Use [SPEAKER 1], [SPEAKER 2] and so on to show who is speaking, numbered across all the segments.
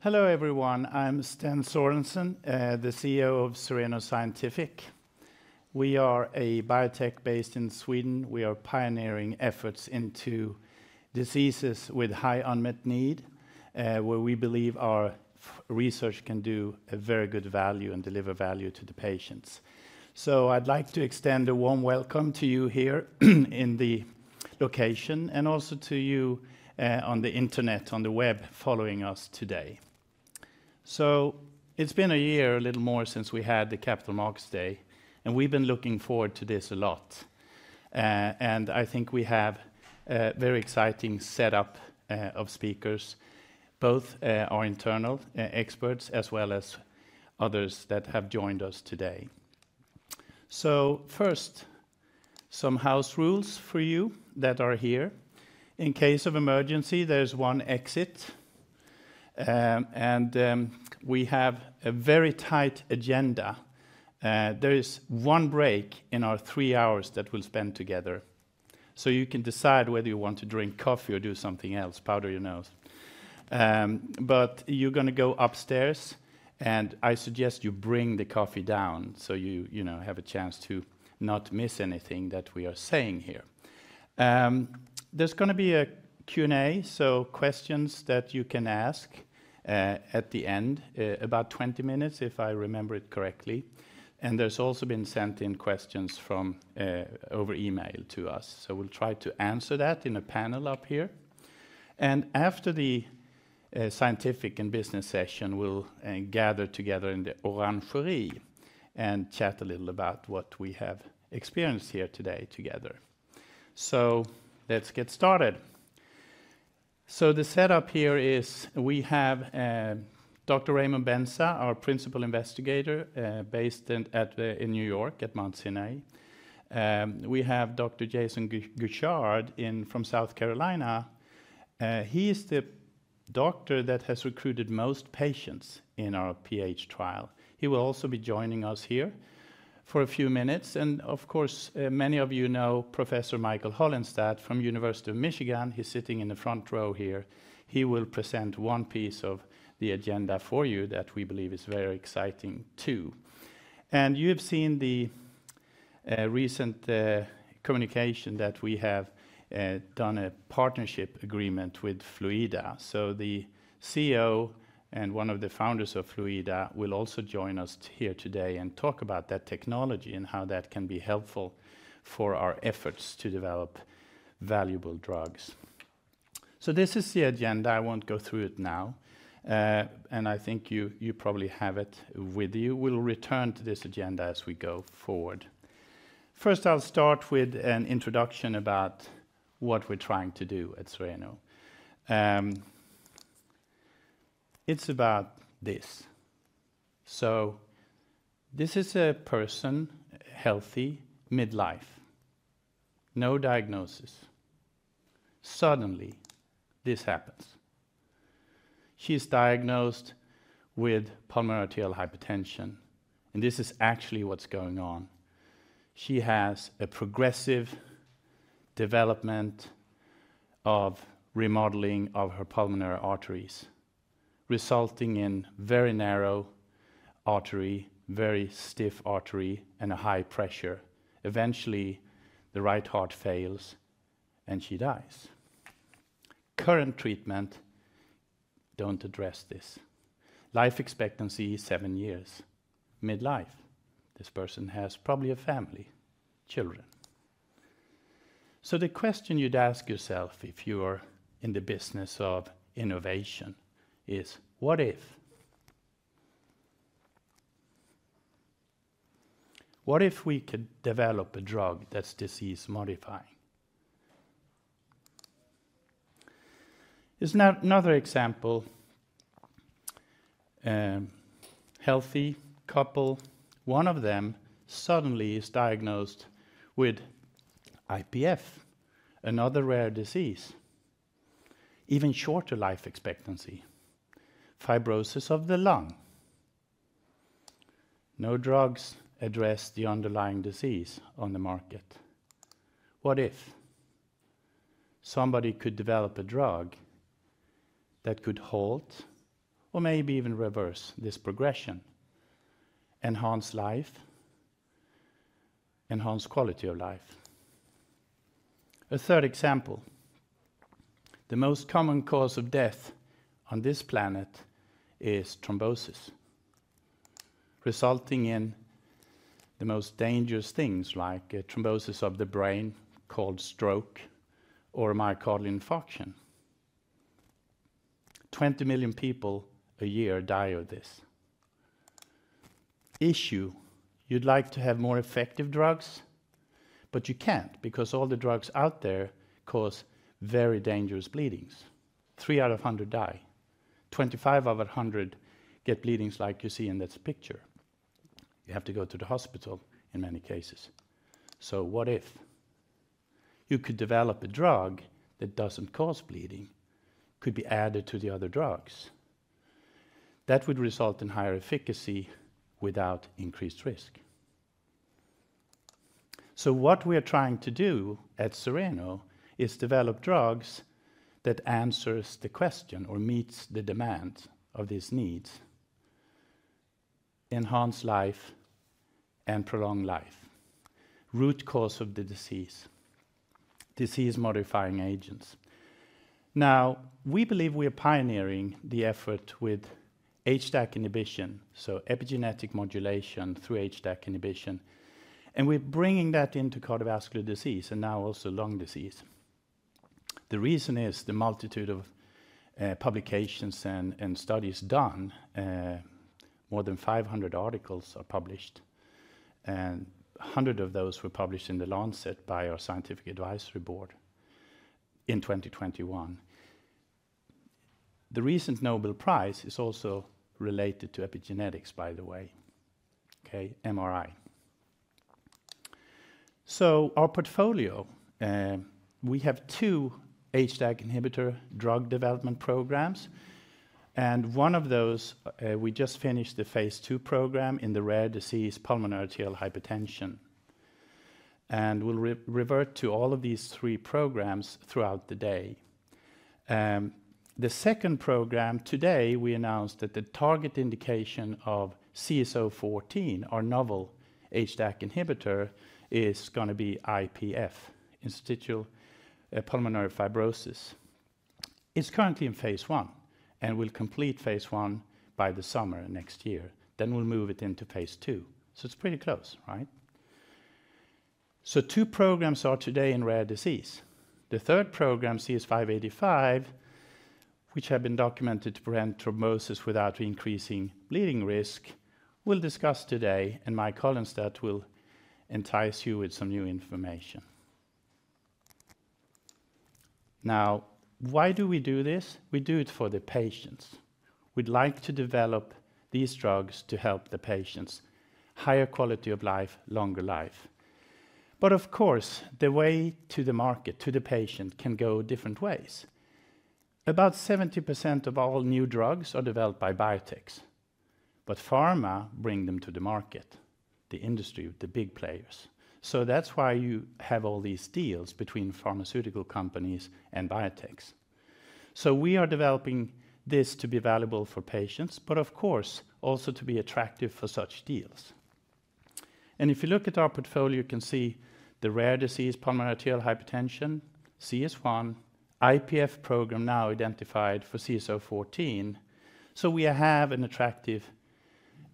[SPEAKER 1] Hello, everyone. I'm Sten Sörensen, the CEO of Cereno Scientific. We are a biotech based in Sweden. We are pioneering efforts into diseases with high unmet need, where we believe our research can do a very good value and deliver value to the patients. So I'd like to extend a warm welcome to you here, in the location, and also to you, on the internet, on the web, following us today. So it's been a year, a little more, since we had the Capital Markets Day, and we've been looking forward to this a lot. And I think we have a very exciting setup, of speakers, both, our internal experts, as well as others that have joined us today. So first, some house rules for you that are here. In case of emergency, there's one exit. We have a very tight agenda. There is one break in our three hours that we'll spend together. You can decide whether you want to drink coffee or do something else, powder your nose. But you're gonna go upstairs, and I suggest you bring the coffee down, so you know, have a chance to not miss anything that we are saying here. There's gonna be a Q&A, so questions that you can ask at the end, about 20 minutes, if I remember it correctly. There's also been sent in questions from over email to us. We'll try to answer that in a panel up here. After the scientific and business session, we'll gather together in the Orangeriet and chat a little about what we have experienced here today together. Let's get started. So the setup here is, we have Dr. Raymond Benza, our Principal Investigator, based in, at, in New York, at Mount Sinai. We have Dr. Jason Guichard in from South Carolina. He is the doctor that has recruited most patients in our PH trial. He will also be joining us here for a few minutes, and of course, many of you know Professor Michael Holinstat from University of Michigan. He's sitting in the front row here. He will present one piece of the agenda for you that we believe is very exciting, too. And you've seen the recent communication that we have done a partnership agreement with FLUIDDA. So the CEO and one of the founders of FLUIDDA will also join us here today and talk about that technology and how that can be helpful for our efforts to develop valuable drugs. So this is the agenda. I won't go through it now, and I think you probably have it with you. We'll return to this agenda as we go forward. First, I'll start with an introduction about what we're trying to do at Cereno. It's about this. So this is a person, healthy, midlife, no diagnosis. Suddenly, this happens. She's diagnosed with pulmonary arterial hypertension, and this is actually what's going on. She has a progressive development of remodeling of her pulmonary arteries, resulting in very narrow artery, very stiff artery, and a high pressure. Eventually, the right heart fails, and she dies. Current treatment don't address this. Life expectancy is seven years. Midlife, this person has probably a family, children. So the question you'd ask yourself if you are in the business of innovation is: what if? What if we could develop a drug that's disease-modifying? Here's another example. Healthy couple, one of them suddenly is diagnosed with IPF, another rare disease, even shorter life expectancy, fibrosis of the lung. No drugs address the underlying disease on the market. What if somebody could develop a drug that could halt or maybe even reverse this progression, enhance life, enhance quality of life? A third example, the most common cause of death on this planet is thrombosis, resulting in the most dangerous things like a thrombosis of the brain, called stroke or myocardial infarction. 20 million people a year die of this. Issue, you'd like to have more effective drugs, but you can't because all the drugs out there cause very dangerous bleedings. Three out of 100 die. 25 out of 100 get bleedings like you see in this picture. You have to go to the hospital in many cases. So what if you could develop a drug that doesn't cause bleeding, could be added to the other drugs? That would result in higher efficacy without increased risk. So what we are trying to do at Cereno is develop drugs that answers the question or meets the demand of these needs, enhance life and prolong life, root cause of the disease, disease-modifying agents. Now, we believe we are pioneering the effort with HDAC inhibition, so epigenetic modulation through HDAC inhibition, and we're bringing that into cardiovascular disease and now also lung disease. The reason is the multitude of publications and studies done, more than 500 articles are published, and a hundred of those were published in the Lancet by our scientific advisory board in 2021. The recent Nobel Prize is also related to epigenetics, by the way, okay? So our portfolio, we have two HDAC inhibitor drug development programs, and one of those, we just finished the phase II program in the rare disease, pulmonary arterial hypertension. And we'll revert to all of these three programs throughout the day. The second program, today, we announced that the target indication of CS014, our novel HDAC inhibitor, is gonna be IPF, idiopathic pulmonary fibrosis. It's currently in phase I, and we'll complete phase I by the summer next year, then we'll move it into phase II. So it's pretty close, right? So two programs are today in rare disease. The third program, CS585, which have been documented to prevent thrombosis without increasing bleeding risk, we'll discuss today, and Mike Holinstat will entice you with some new information. Now, why do we do this? We do it for the patients. We'd like to develop these drugs to help the patients. Higher quality of life, longer life. But of course, the way to the market, to the patient, can go different ways. About 70% of all new drugs are developed by biotechs, but pharma bring them to the market, the industry, the big players. So that's why you have all these deals between pharmaceutical companies and biotechs. So we are developing this to be valuable for patients, but of course, also to be attractive for such deals. If you look at our portfolio, you can see the rare disease, pulmonary arterial hypertension, CS1, IPF program now identified for CS014. We have an attractive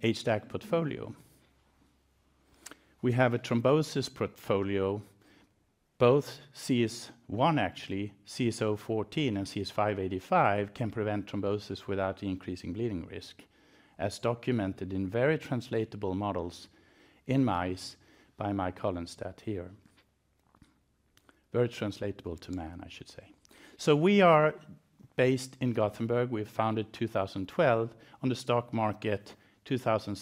[SPEAKER 1] HDAC portfolio. We have a thrombosis portfolio, both CS1, actually, CS014 and CS585, can prevent thrombosis without increasing bleeding risk, as documented in very translatable models in mice by Mike Holinstat here. Very translatable to man, I should say. We are based in Gothenburg. We were founded two thousand and twelve, on the stock market two thousand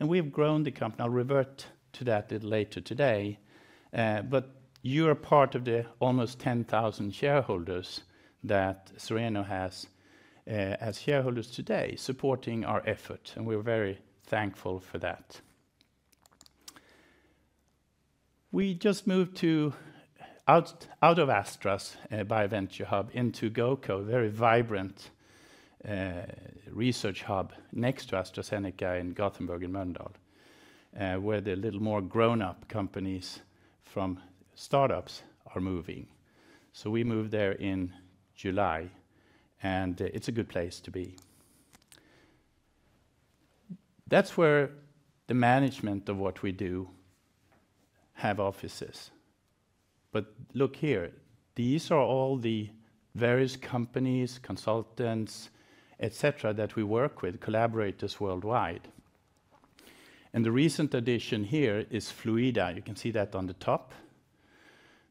[SPEAKER 1] and sixteen, and we have grown the company. I'll revert to that a little later today. But you are part of the almost 10,000 shareholders that Cereno has, as shareholders today, supporting our effort, and we're very thankful for that. We just moved out of Astra's BioVentureHub into GoCo, a very vibrant research hub next to AstraZeneca in Gothenburg, in Mölndal, where the little more grown-up companies from startups are moving. So we moved there in July, and it's a good place to be. That's where the management of what we do have offices. But look here, these are all the various companies, consultants, etc., that we work with, collaborators worldwide. And the recent addition here is FLUIDDA. You can see that on the top,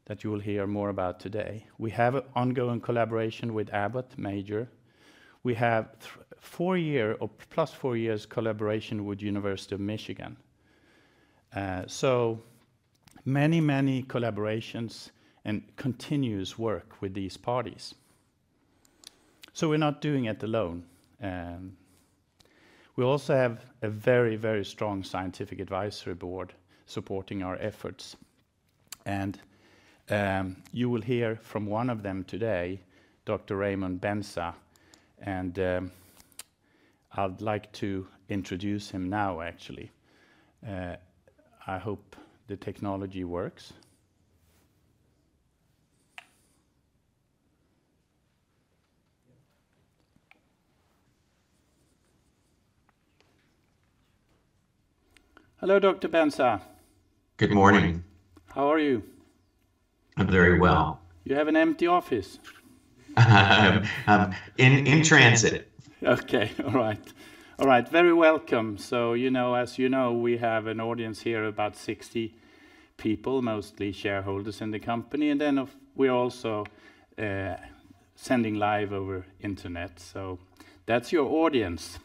[SPEAKER 1] that you will hear more about today. We have an ongoing collaboration with Abbott, major. We have three- or four-year or plus four years collaboration with University of Michigan. So many, many collaborations and continuous work with these parties. So we're not doing it alone. We also have a very, very strong scientific advisory board supporting our efforts, and you will hear from one of them today, Dr. Raymond Benza, and I'd like to introduce him now, actually. I hope the technology works. Hello, Dr. Benza.
[SPEAKER 2] Good morning.
[SPEAKER 1] How are you?
[SPEAKER 2] I'm very well.
[SPEAKER 1] You have an empty office?
[SPEAKER 2] I'm in transit.
[SPEAKER 1] Okay. All right. All right, very welcome. So, you know, as you know, we have an audience here, about 60 people, mostly shareholders in the company, and then we're also sending live over the internet. So that's your audience.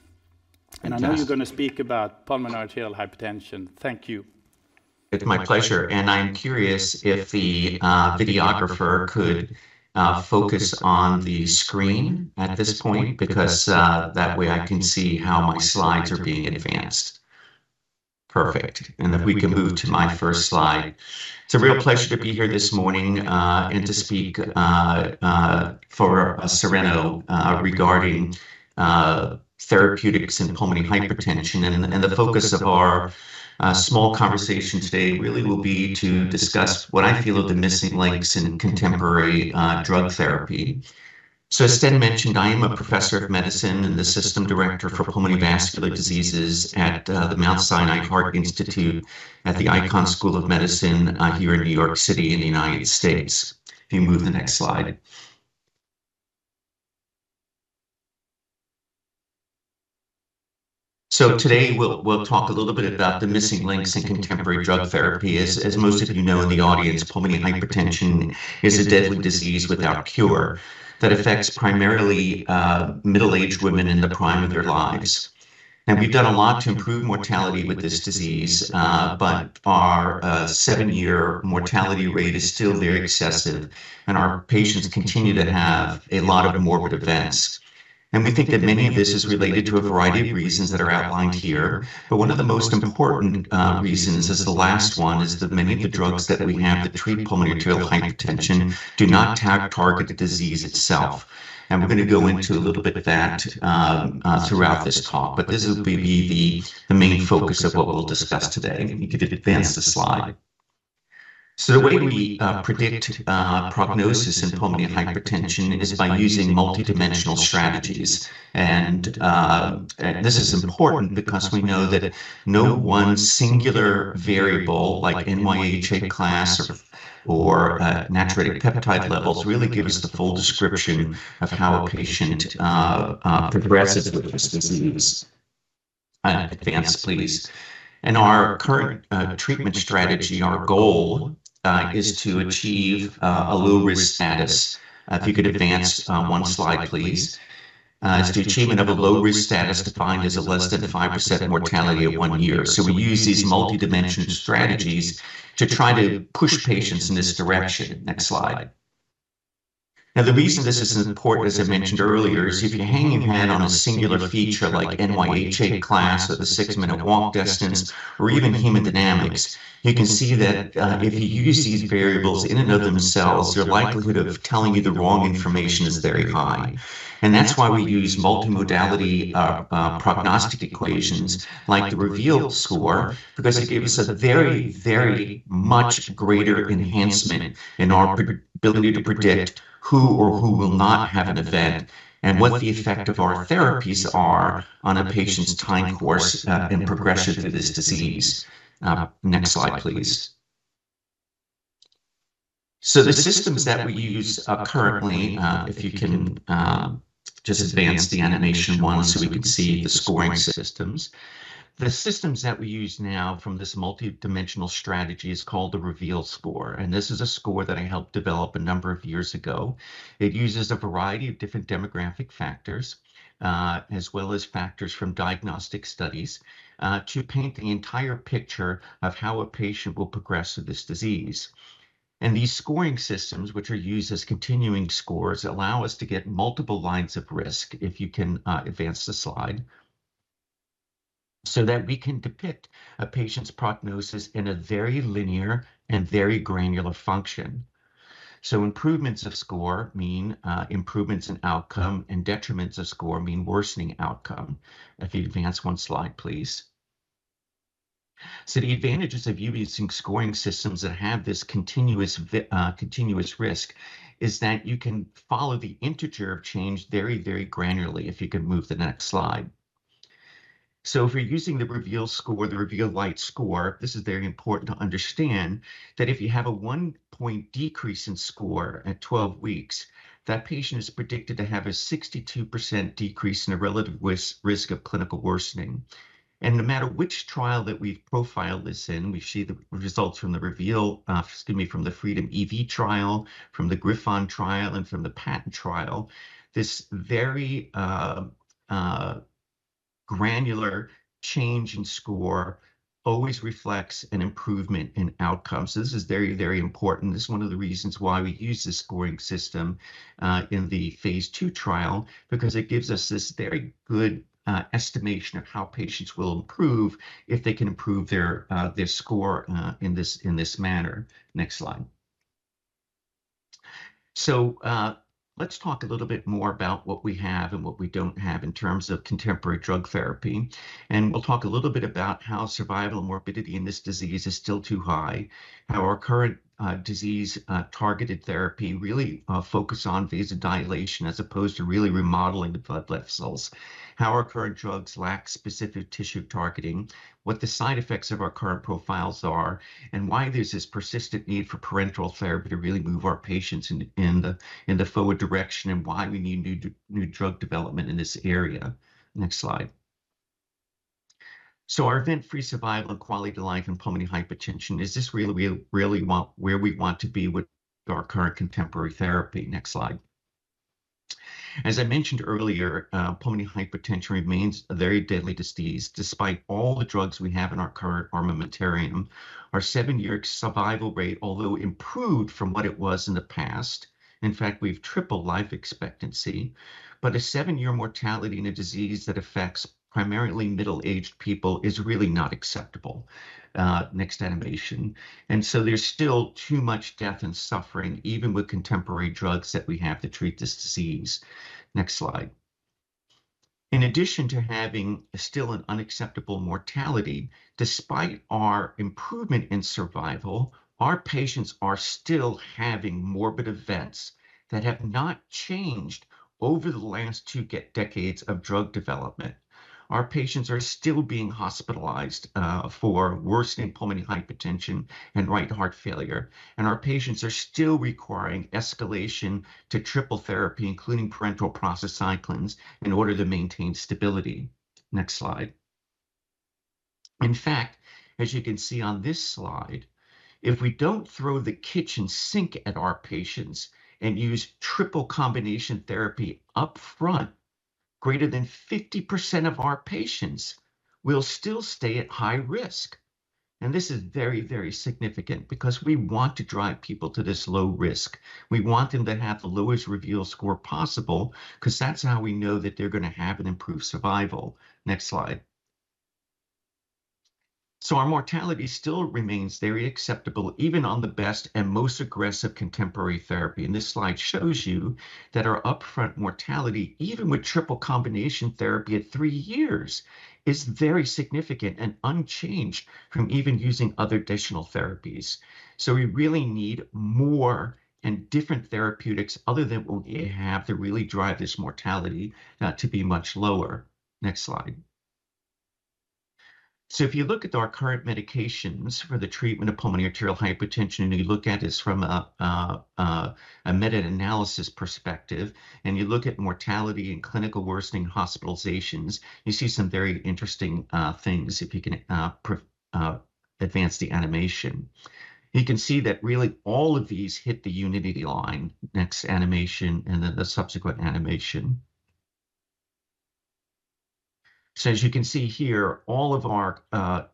[SPEAKER 2] Fantastic.
[SPEAKER 1] I know you're gonna speak about Pulmonary Arterial Hypertension. Thank you.
[SPEAKER 2] It's my pleasure. And I'm curious if the videographer could focus on the screen at this point, because that way I can see how my slides are being advanced.... Perfect, and if we can move to my first slide. It's a real pleasure to be here this morning, and to speak for Cereno regarding therapeutics in pulmonary hypertension. And the focus of our small conversation today really will be to discuss what I feel are the missing links in contemporary drug therapy. So as Sten mentioned, I am a professor of medicine and the System Director for Pulmonary Vascular Diseases at the Mount Sinai Heart Institute at the Icahn School of Medicine here in New York City, in the United States. If you move the next slide. So today, we'll talk a little bit about the missing links in contemporary drug therapy. As most of you know in the audience, pulmonary hypertension is a deadly disease without cure that affects primarily middle-aged women in the prime of their lives. Now, we've done a lot to improve mortality with this disease, but our seven-year mortality rate is still very excessive, and our patients continue to have a lot of morbid events. And we think that many of this is related to a variety of reasons that are outlined here. But one of the most important reasons is the last one, that many of the drugs that we have to treat pulmonary arterial hypertension do not target the disease itself. And we're going to go into a little bit of that throughout this talk, but this will be the main focus of what we'll discuss today. You can advance the slide. So the way we predict prognosis in pulmonary hypertension is by using multidimensional strategies. And this is important because we know that no one singular variable, like NYHA class or natriuretic peptide levels, really give us the full description of how a patient progresses with this disease. Advance, please. And our current treatment strategy, our goal is to achieve a low-risk status. If you could advance one slide, please. Is the achievement of a low-risk status, defined as less than 5% mortality at one year. So we use these multidimensional strategies to try to push patients in this direction. Next slide. Now, the reason this is important, as I mentioned earlier, is if you hang your hat on a singular feature like NYHA class or the six-minute walk distance or even hemodynamics, you can see that if you use these variables in and of themselves, their likelihood of telling you the wrong information is very high. And that's why we use multimodality prognostic equations like the REVEAL score, because it gives us a very much greater enhancement in our predictability to predict who or who will not have an event and what the effect of our therapies are on a patient's time course and progression through this disease. Next slide, please. So the systems that we use currently, if you can just advance the animation one, so we can see the scoring systems. The systems that we use now from this multidimensional strategy is called the REVEAL Score, and this is a score that I helped develop a number of years ago. It uses a variety of different demographic factors, as well as factors from diagnostic studies, to paint the entire picture of how a patient will progress with this disease. And these scoring systems, which are used as continuing scores, allow us to get multiple lines of risk, if you can, advance the slide, so that we can depict a patient's prognosis in a very linear and very granular function. So improvements of score mean, improvements in outcome, and detriments of score mean worsening outcome. If you advance one slide, please. So the advantages of using scoring systems that have this continuous risk is that you can follow the integer of change very, very granularly. If you could move the next slide. So if you're using the REVEAL score, the REVEAL Lite score, this is very important to understand that if you have a one-point decrease in score at 12 weeks, that patient is predicted to have a 62% decrease in the relative risk of clinical worsening. And no matter which trial that we've profiled this in, we see the results from the REVEAL, excuse me, from the FREEDOM EV trial, from the GRIPHON trial, and from the PATENT trial. This very, granular change in score always reflects an improvement in outcome. So this is very, very important. This is one of the reasons why we use this scoring system in the phase II trial, because it gives us this very good estimation of how patients will improve if they can improve their score in this manner. Next slide. So, let's talk a little bit more about what we have and what we don't have in terms of contemporary drug therapy. And we'll talk a little bit about how survival and morbidity in this disease is still too high. How our current disease targeted therapy really focus on vasodilation as opposed to really remodeling the blood vessels. How our current drugs lack specific tissue targeting, what the side effects of our current profiles are, and why there's this persistent need for parenteral therapy to really move our patients in the forward direction, and why we need new drug development in this area. Next slide. So our event-free survival and quality of life in pulmonary hypertension, is this really where we want to be with our current contemporary therapy? Next slide. As I mentioned earlier, pulmonary hypertension remains a very deadly disease, despite all the drugs we have in our current armamentarium. Our seven-year survival rate, although improved from what it was in the past, in fact, we've tripled life expectancy, but a seven-year mortality in a disease that affects primarily middle-aged people is really not acceptable. Next animation. And so there's still too much death and suffering, even with contemporary drugs that we have to treat this disease. Next slide. In addition to having still an unacceptable mortality, despite our improvement in survival, our patients are still having morbid events that have not changed over the last two decades of drug development. Our patients are still being hospitalized for worsening pulmonary hypertension and right heart failure, and our patients are still requiring escalation to triple therapy, including parenteral prostacyclins, in order to maintain stability. Next slide. In fact, as you can see on this slide, if we don't throw the kitchen sink at our patients and use triple combination therapy upfront, greater than 50% of our patients will still stay at high risk, and this is very, very significant because we want to drive people to this low risk. We want them to have the lowest REVEAL score possible 'cause that's how we know that they're gonna have an improved survival. Next slide. So our mortality still remains very acceptable, even on the best and most aggressive contemporary therapy, and this slide shows you that our upfront mortality, even with triple combination therapy at three years, is very significant and unchanged from even using other additional therapies. So we really need more and different therapeutics other than what we have to really drive this mortality to be much lower. Next slide. So if you look at our current medications for the treatment of pulmonary arterial hypertension, and you look at this from a meta-analysis perspective, and you look at mortality and clinical worsening hospitalizations, you see some very interesting things, if you can advance the animation. You can see that really all of these hit the unity line. Next animation, and then the subsequent animation. So as you can see here, all of our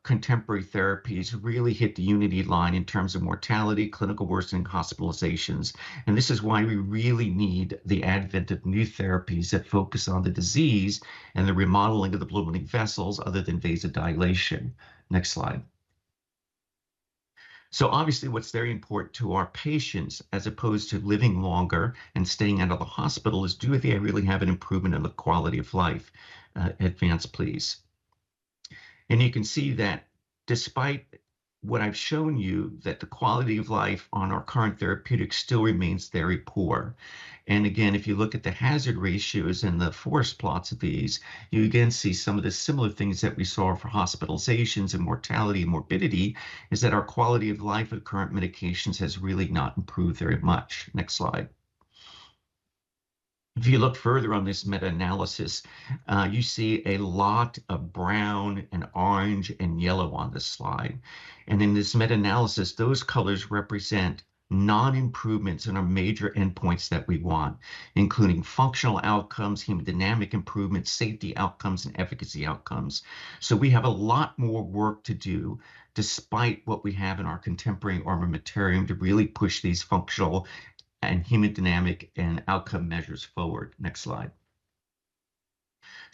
[SPEAKER 2] contemporary therapies really hit the unity line in terms of mortality, clinical worsening, hospitalizations, and this is why we really need the advent of new therapies that focus on the disease and the remodeling of the pulmonary vessels other than vasodilation. Next slide. So obviously, what's very important to our patients, as opposed to living longer and staying out of the hospital, is, do they really have an improvement in the quality of life? Advance, please. And you can see that despite what I've shown you, that the quality of life on our current therapeutics still remains very poor. Again, if you look at the hazard ratios and the forest plots of these, you again see some of the similar things that we saw for hospitalizations and mortality and morbidity: that our quality of life with current medications has really not improved very much. Next slide. If you look further on this meta-analysis, you see a lot of brown and orange and yellow on this slide. In this meta-analysis, those colors represent non-improvements in our major endpoints that we want, including functional outcomes, hemodynamic improvements, safety outcomes, and efficacy outcomes. We have a lot more work to do, despite what we have in our contemporary armamentarium, to really push these functional and hemodynamic and outcome measures forward. Next slide.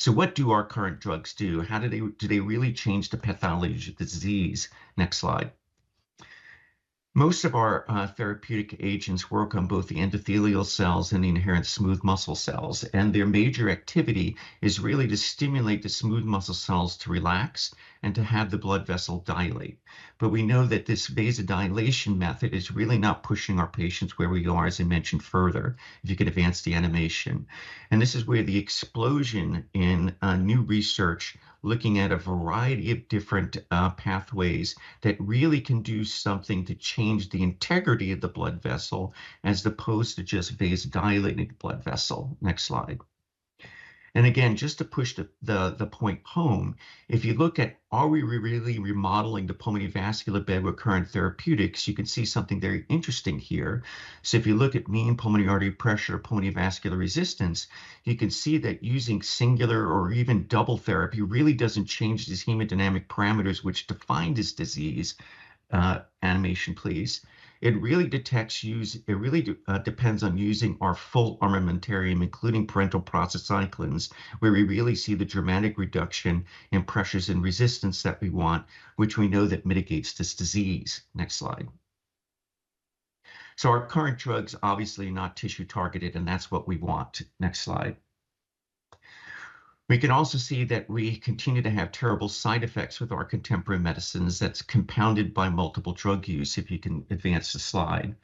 [SPEAKER 2] What do our current drugs do? How do they... Do they really change the pathology of the disease? Next slide. Most of our therapeutic agents work on both the endothelial cells and the inherent smooth muscle cells, and their major activity is really to stimulate the smooth muscle cells to relax and to have the blood vessel dilate, but we know that this vasodilation method is really not pushing our patients where we are, as I mentioned further, if you could advance the animation, and this is where the explosion in new research, looking at a variety of different pathways that really can do something to change the integrity of the blood vessel as opposed to just vasodilating the blood vessel. Next slide, and again, just to push the point home, if you look at are we really remodeling the pulmonary vascular bed with current therapeutics, you can see something very interesting here. So if you look at mean pulmonary artery pressure, pulmonary vascular resistance, you can see that using singular or even double therapy really doesn't change these hemodynamic parameters, which define this disease. Animation, please. It really depends on using our full armamentarium, including parenteral prostacyclins, where we really see the dramatic reduction in pressures and resistance that we want, which we know that mitigates this disease. Next slide. So our current drugs obviously are not tissue-targeted, and that's what we want. Next slide. We can also see that we continue to have terrible side effects with our contemporary medicines that's compounded by multiple drug use, if you can advance the slide.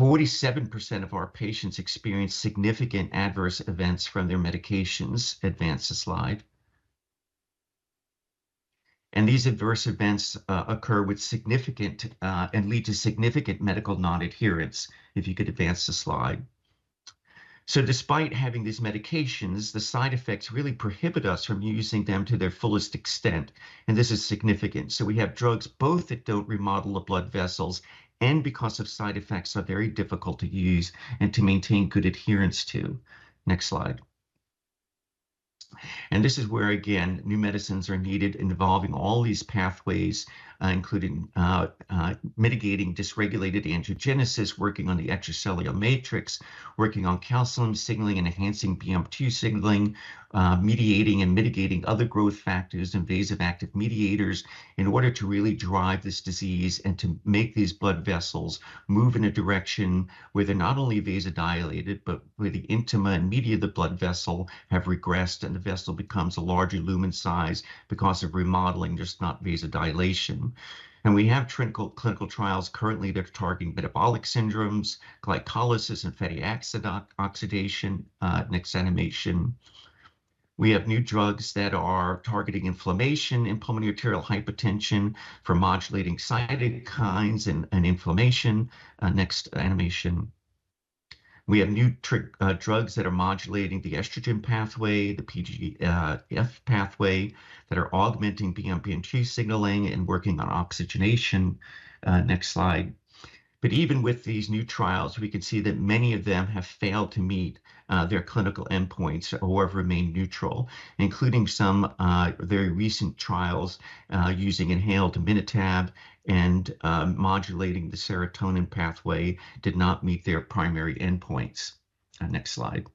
[SPEAKER 2] 47% of our patients experience significant adverse events from their medications. Advance the slide. And these adverse events occur with significant, and lead to significant medical non-adherence. If you could advance the slide. So despite having these medications, the side effects really prohibit us from using them to their fullest extent, and this is significant. So we have drugs both that don't remodel the blood vessels and because of side effects, are very difficult to use and to maintain good adherence to. Next slide. And this is where, again, new medicines are needed involving all these pathways, including mitigating dysregulated angiogenesis, working on the extracellular matrix, working on calcineurin signaling and enhancing BMP2 signaling, mediating and mitigating other growth factors, vasoactive mediators, in order to really drive this disease and to make these blood vessels move in a direction where they're not only vasodilated, but where the intima and media of the blood vessel have regressed and the vessel becomes a larger lumen size because of remodeling, not just vasodilation. We have clinical trials currently that are targeting metabolic syndromes, glycolysis and fatty acid oxidation, next animation. We have new drugs that are targeting inflammation in pulmonary arterial hypertension for modulating cytokines and inflammation. Next animation. We have new drugs that are modulating the estrogen pathway, the PGDF pathway, that are augmenting BMPR2 signaling and working on oxygenation. Next slide. Even with these new trials, we can see that many of them have failed to meet their clinical endpoints or have remained neutral, including some very recent trials using inhaled imatinib and modulating the serotonin pathway did not meet their primary endpoints. Next slide.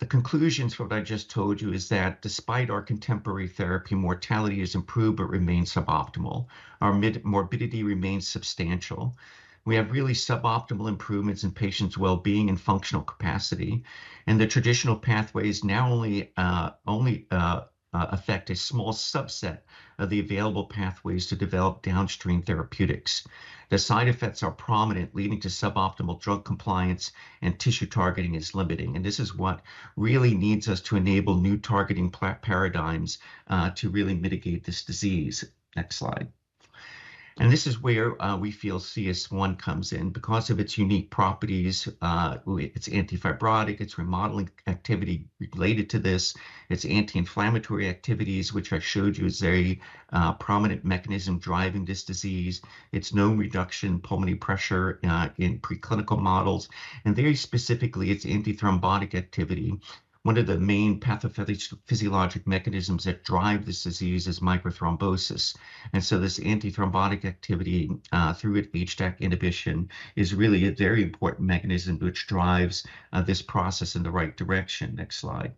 [SPEAKER 2] The conclusions from what I just told you is that despite our contemporary therapy, mortality has improved but remains suboptimal. Our morbidity remains substantial. We have really suboptimal improvements in patients' well-being and functional capacity, and the traditional pathways now only affect a small subset of the available pathways to develop downstream therapeutics. The side effects are prominent, leading to suboptimal drug compliance, and tissue targeting is limiting. And this is what really needs us to enable new targeting paradigms to really mitigate this disease. Next slide. And this is where we feel CS1 comes in. Because of its unique properties, it's antifibrotic, its remodeling activity related to this, its anti-inflammatory activities, which I showed you is a prominent mechanism driving this disease, its known reduction in pulmonary pressure in preclinical models, and very specifically, its antithrombotic activity. One of the main pathophysiologic mechanisms that drive this disease is microthrombosis. So this antithrombotic activity through HDAC inhibition is really a very important mechanism which drives this process in the right direction. Next slide.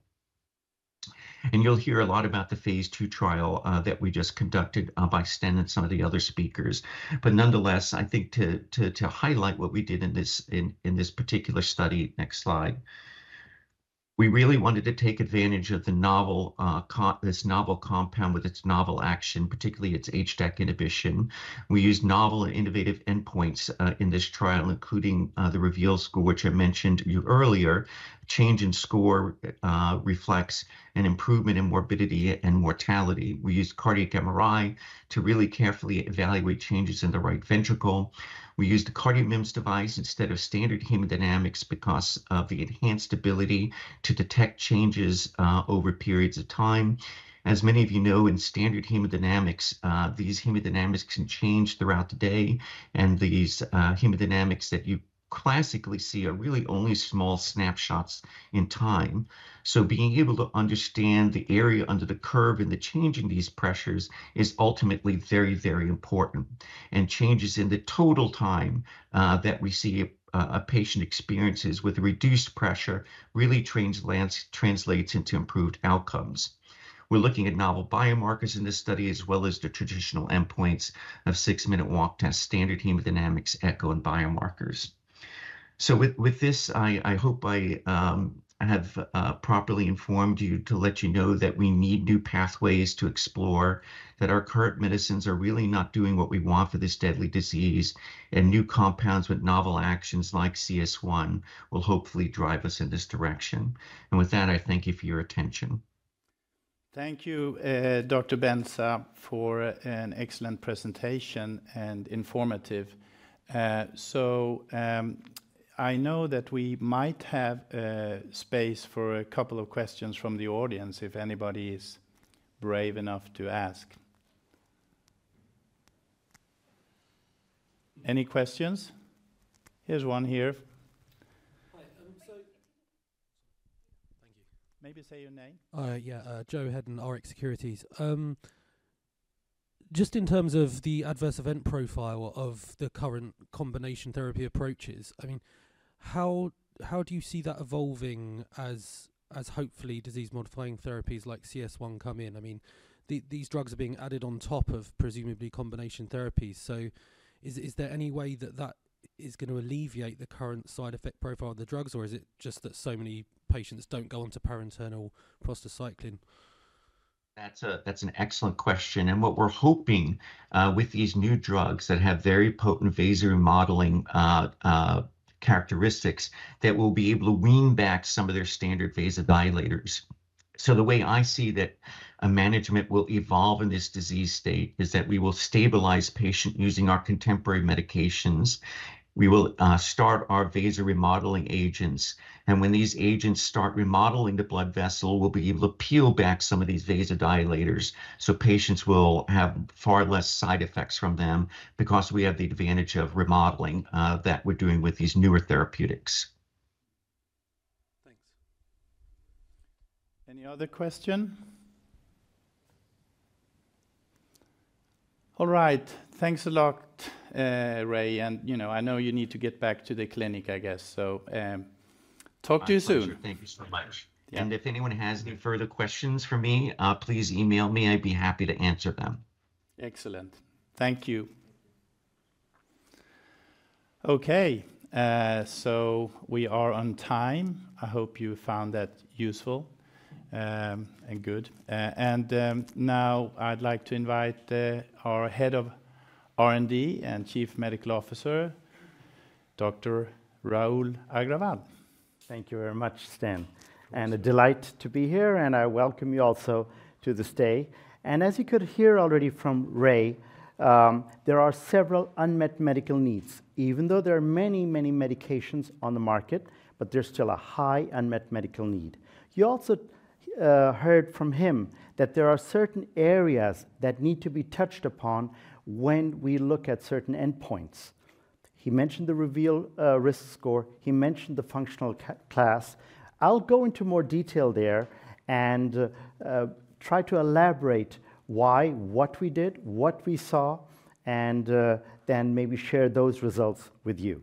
[SPEAKER 2] You'll hear a lot about the phase II trial that we just conducted by Sten and some of the other speakers. Nonetheless, I think to highlight what we did in this particular study. Next slide. We really wanted to take advantage of this novel compound with its novel action, particularly its HDAC inhibition. We used novel innovative endpoints in this trial, including the REVEAL score, which I mentioned to you earlier. Change in score reflects an improvement in morbidity and mortality. We used cardiac MRI to really carefully evaluate changes in the right ventricle. We used a CardioMEMS device instead of standard hemodynamics because of the enhanced ability to detect changes, over periods of time. As many of you know, in standard hemodynamics, these hemodynamics can change throughout the day, and these, hemodynamics that you classically see are really only small snapshots in time. So being able to understand the area under the curve and the change in these pressures is ultimately very, very important, and changes in the total time, that we see a patient experiences with reduced pressure really translates into improved outcomes. We're looking at novel biomarkers in this study, as well as the traditional endpoints of six-minute walk test, standard hemodynamics, echo, and biomarkers. So with this, I hope I have properly informed you to let you know that we need new pathways to explore, that our current medicines are really not doing what we want for this deadly disease, and new compounds with novel actions like CS1 will hopefully drive us in this direction. And with that, I thank you for your attention.
[SPEAKER 1] Thank you, Dr. Benza, for an excellent presentation and informative. So, I know that we might have space for a couple of questions from the audience, if anybody is brave enough to ask. Any questions? Here's one here.
[SPEAKER 3] Hi. Thank you.
[SPEAKER 1] Maybe say your name.
[SPEAKER 3] Joe Hedden, Rx Securities. Just in terms of the adverse event profile of the current combination therapy approaches, I mean, how do you see that evolving as hopefully disease-modifying therapies like CS1 come in? I mean, these drugs are being added on top of presumably combination therapies. So is there any way that is gonna alleviate the current side effect profile of the drugs, or is it just that so many patients don't go on to parenteral prostacyclin?
[SPEAKER 2] That's an excellent question, and what we're hoping with these new drugs that have very potent reverse remodeling characteristics, that we'll be able to wean back some of their standard vasodilators. So the way I see that management will evolve in this disease state is that we will stabilize patient using our contemporary medications. We will start our reverse remodeling agents, and when these agents start remodeling the blood vessel, we'll be able to peel back some of these vasodilators, so patients will have far less side effects from them because we have the advantage of remodeling that we're doing with these newer therapeutics.
[SPEAKER 1] Any other question? All right. Thanks a lot, Ray, and, you know, I know you need to get back to the clinic, I guess. So, talk to you soon.
[SPEAKER 2] My pleasure. Thank you so much.
[SPEAKER 1] Yeah.
[SPEAKER 2] And if anyone has any further questions for me, please email me. I'd be happy to answer them.
[SPEAKER 1] Excellent. Thank you. Okay, so we are on time. I hope you found that useful, and good. And, now I'd like to invite our Head of R&D and Chief Medical Officer, Dr. Rahul Agrawal.
[SPEAKER 4] Thank you very much, Sten.
[SPEAKER 1] Welcome.
[SPEAKER 4] It's a delight to be here, and I welcome you also to this day. As you could hear already from Ray, there are several unmet medical needs. Even though there are many, many medications on the market, but there's still a high unmet medical need. You also heard from him that there are certain areas that need to be touched upon when we look at certain endpoints. He mentioned the REVEAL risk score. He mentioned the functional class. I'll go into more detail there and try to elaborate why, what we did, what we saw, and then maybe share those results with you.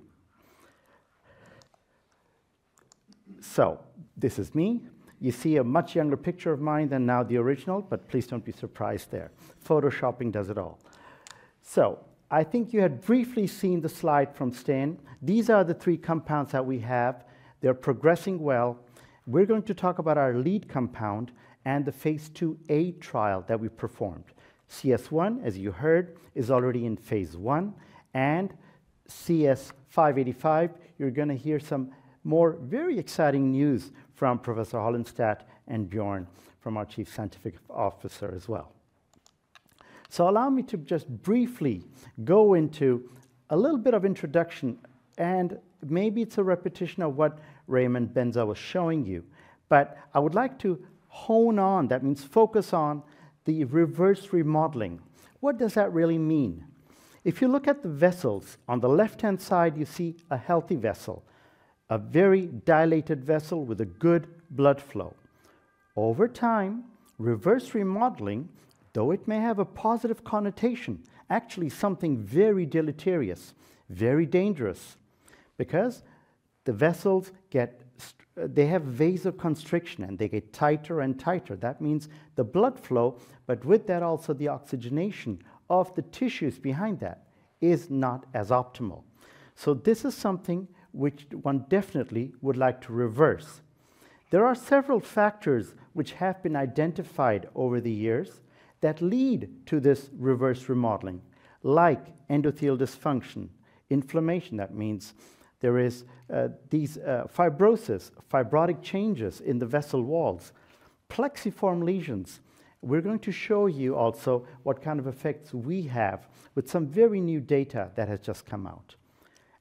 [SPEAKER 4] This is me. You see a much younger picture of mine than now, the original, but please don't be surprised there. Photoshopping does it all. I think you had briefly seen the slide from Sten. These are the three compounds that we have. They're progressing well. We're going to talk about our lead compound and the phase IIa trial that we performed. CS1, as you heard, is already in phase I, and CS585, you're gonna hear some more very exciting news from Professor Holinstat and Björn, from our Chief Scientific Officer, as well. So allow me to just briefly go into a little bit of introduction, and maybe it's a repetition of what Raymond Benza was showing you, but I would like to hone on, that means focus on, the reverse remodeling. What does that really mean? If you look at the vessels, on the left-hand side, you see a healthy vessel, a very dilated vessel with a good blood flow. Over time, reverse remodeling, though it may have a positive connotation, actually something very deleterious, very dangerous, because the vessels get, they have vasoconstriction, and they get tighter and tighter. That means the blood flow, but with that also the oxygenation of the tissues behind that, is not as optimal. So this is something which one definitely would like to reverse. There are several factors which have been identified over the years that lead to this reverse remodeling, like endothelial dysfunction, inflammation, that means there is, these, fibrosis, fibrotic changes in the vessel walls, plexiform lesions. We're going to show you also what kind of effects we have with some very new data that has just come out.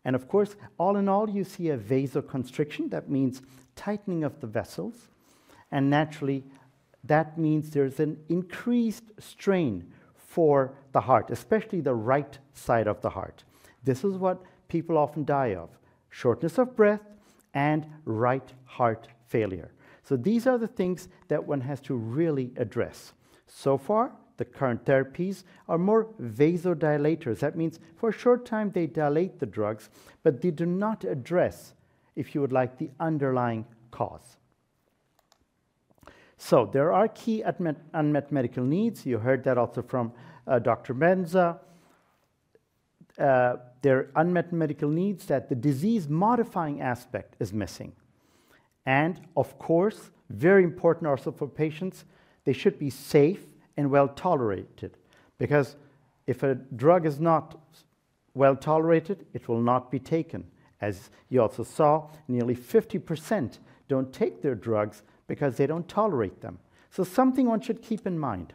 [SPEAKER 4] And of course, all in all, you see a vasoconstriction. That means tightening of the vessels, and naturally, that means there's an increased strain for the heart, especially the right side of the heart. This is what people often die of, shortness of breath and right heart failure. So these are the things that one has to really address. So far, the current therapies are more vasodilators. That means for a short time, they dilate the drugs, but they do not address, if you would like, the underlying cause. So there are key unmet medical needs. You heard that also from Dr. Benza. There are unmet medical needs, that the disease-modifying aspect is missing. And of course, very important also for patients, they should be safe and well-tolerated, because if a drug is not well tolerated, it will not be taken. As you also saw, nearly 50% don't take their drugs because they don't tolerate them, so something one should keep in mind,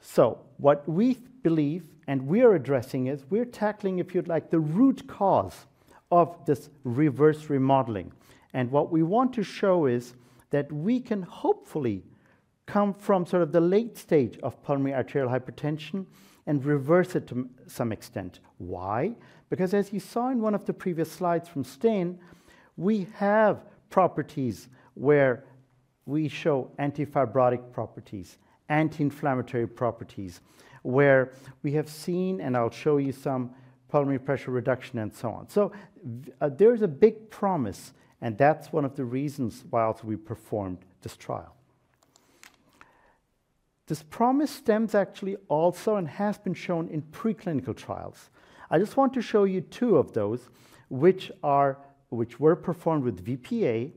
[SPEAKER 4] so what we believe and we are addressing is, we're tackling, if you'd like, the root cause of this reverse remodeling and what we want to show is that we can hopefully come from sort of the late stage of pulmonary arterial hypertension and reverse it to some extent. Why? Because as you saw in one of the previous slides from Sten, we have properties where we show antifibrotic properties, anti-inflammatory properties, where we have seen, and I'll show you some, pulmonary pressure reduction, and so on, so there is a big promise, and that's one of the reasons why also we performed this trial. This promise stems actually also and has been shown in preclinical trials. I just want to show you two of those, which were performed with VPA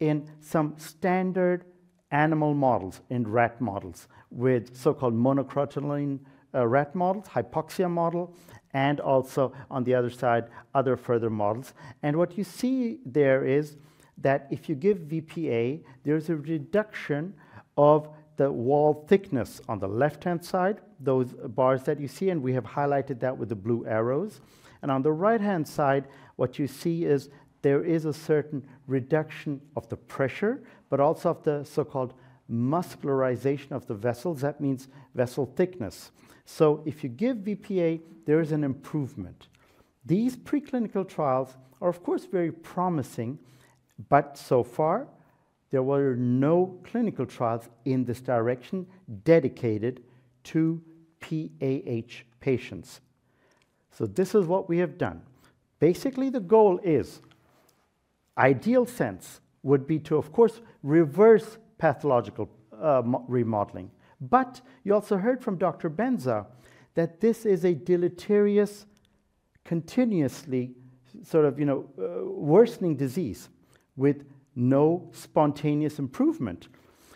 [SPEAKER 4] in some standard animal models, in rat models, with so-called monocrotaline rat models, hypoxia model, and also on the other side, other further models. And what you see there is that if you give VPA, there is a reduction of the wall thickness on the left-hand side, those bars that you see, and we have highlighted that with the blue arrows. And on the right-hand side, what you see is there is a certain reduction of the pressure, but also of the so-called muscularization of the vessels. That means vessel thickness. So if you give VPA, there is an improvement. These preclinical trials are, of course, very promising, but so far, there were no clinical trials in this direction dedicated to PAH patients. So this is what we have done. Basically, the goal is, ideal sense would be to, of course, reverse pathological remodeling. But you also heard from Dr. Benza that this is a deleterious, continuously sort of, you know, worsening disease with no spontaneous improvement.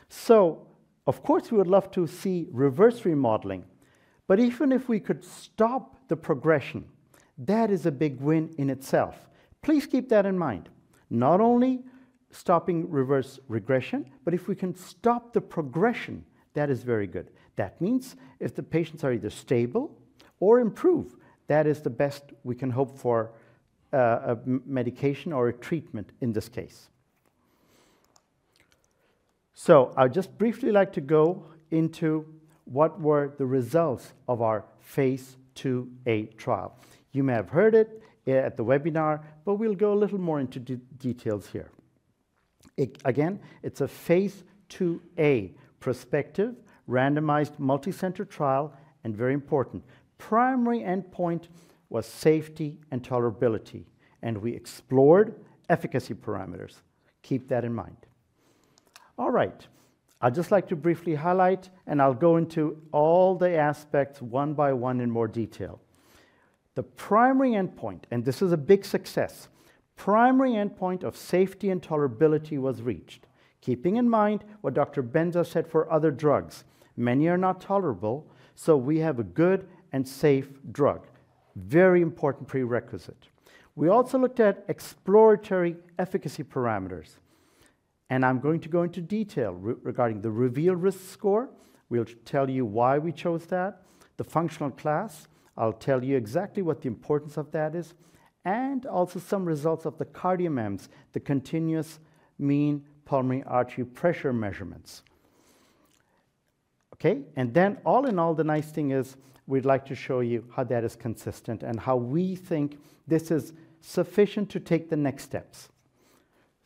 [SPEAKER 4] So of course, we would love to see reverse remodeling, but even if we could stop the progression, that is a big win in itself. Please keep that in mind. Not only stopping reverse remodeling, but if we can stop the progression, that is very good. That means if the patients are either stable or improve, that is the best we can hope for, a medication or a treatment in this case. So I would just briefly like to go into what were the results of our phase IIa trial. You may have heard it at the webinar, but we'll go a little more into details here. Again, it's a phase IIa prospective, randomized, multicenter trial, and very important, primary endpoint was safety and tolerability, and we explored efficacy parameters. Keep that in mind. All right. I'd just like to briefly highlight, and I'll go into all the aspects one by one in more detail. The primary endpoint, and this is a big success, primary endpoint of safety and tolerability was reached. Keeping in mind what Dr. Benza said for other drugs, many are not tolerable, so we have a good and safe drug. Very important prerequisite. We also looked at exploratory efficacy parameters, and I'm going to go into detail regarding the REVEAL Risk Score. We'll tell you why we chose that. The functional class, I'll tell you exactly what the importance of that is, and also some results of the CardioMEMS, the continuous mean pulmonary artery pressure measurements. Okay? Then all in all, the nice thing is, we'd like to show you how that is consistent and how we think this is sufficient to take the next steps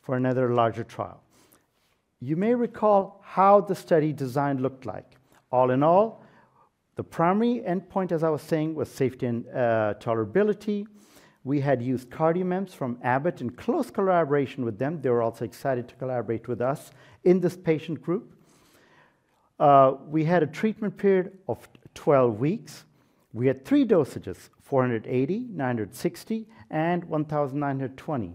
[SPEAKER 4] for another larger trial. You may recall how the study design looked like. All in all, the primary endpoint, as I was saying, was safety and tolerability. We had used CardioMEMS from Abbott in close collaboration with them. They were also excited to collaborate with us in this patient group. We had a treatment period of 12 weeks. We had three dosages, 480, 960, and 1,920.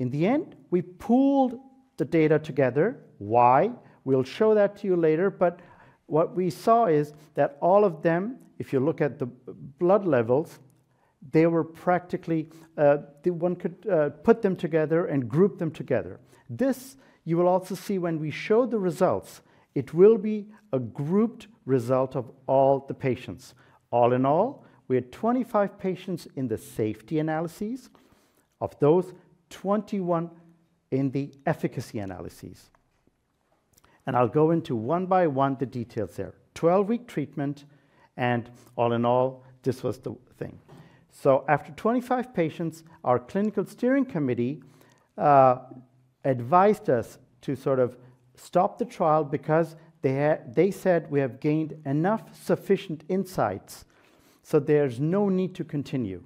[SPEAKER 4] In the end, we pooled the data together. Why? We'll show that to you later, but what we saw is that all of them, if you look at the blood levels, they were practically, one could, put them together and group them together. This you will also see when we show the results, it will be a grouped result of all the patients. All in all, we had 25 patients in the safety analyses. Of those, 21 in the efficacy analyses, and I'll go into one by one the details there. 12-week treatment, and all in all, this was the thing. So after 25 patients, our clinical steering committee advised us to sort of stop the trial because they had, they said we have gained enough sufficient insights, so there's no need to continue.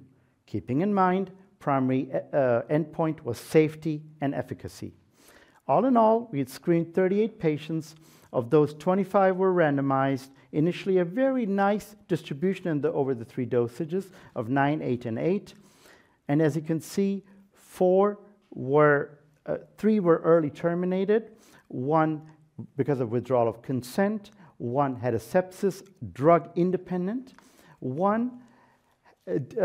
[SPEAKER 4] Keeping in mind, primary endpoint was safety and efficacy. All in all, we had screened 38 patients. Of those, 25 were randomized. Initially, a very nice distribution over the three dosages of 9, 8, and 8. As you can see, four were, three were early terminated, one because of withdrawal of consent, one had sepsis, drug-independent, one sort of had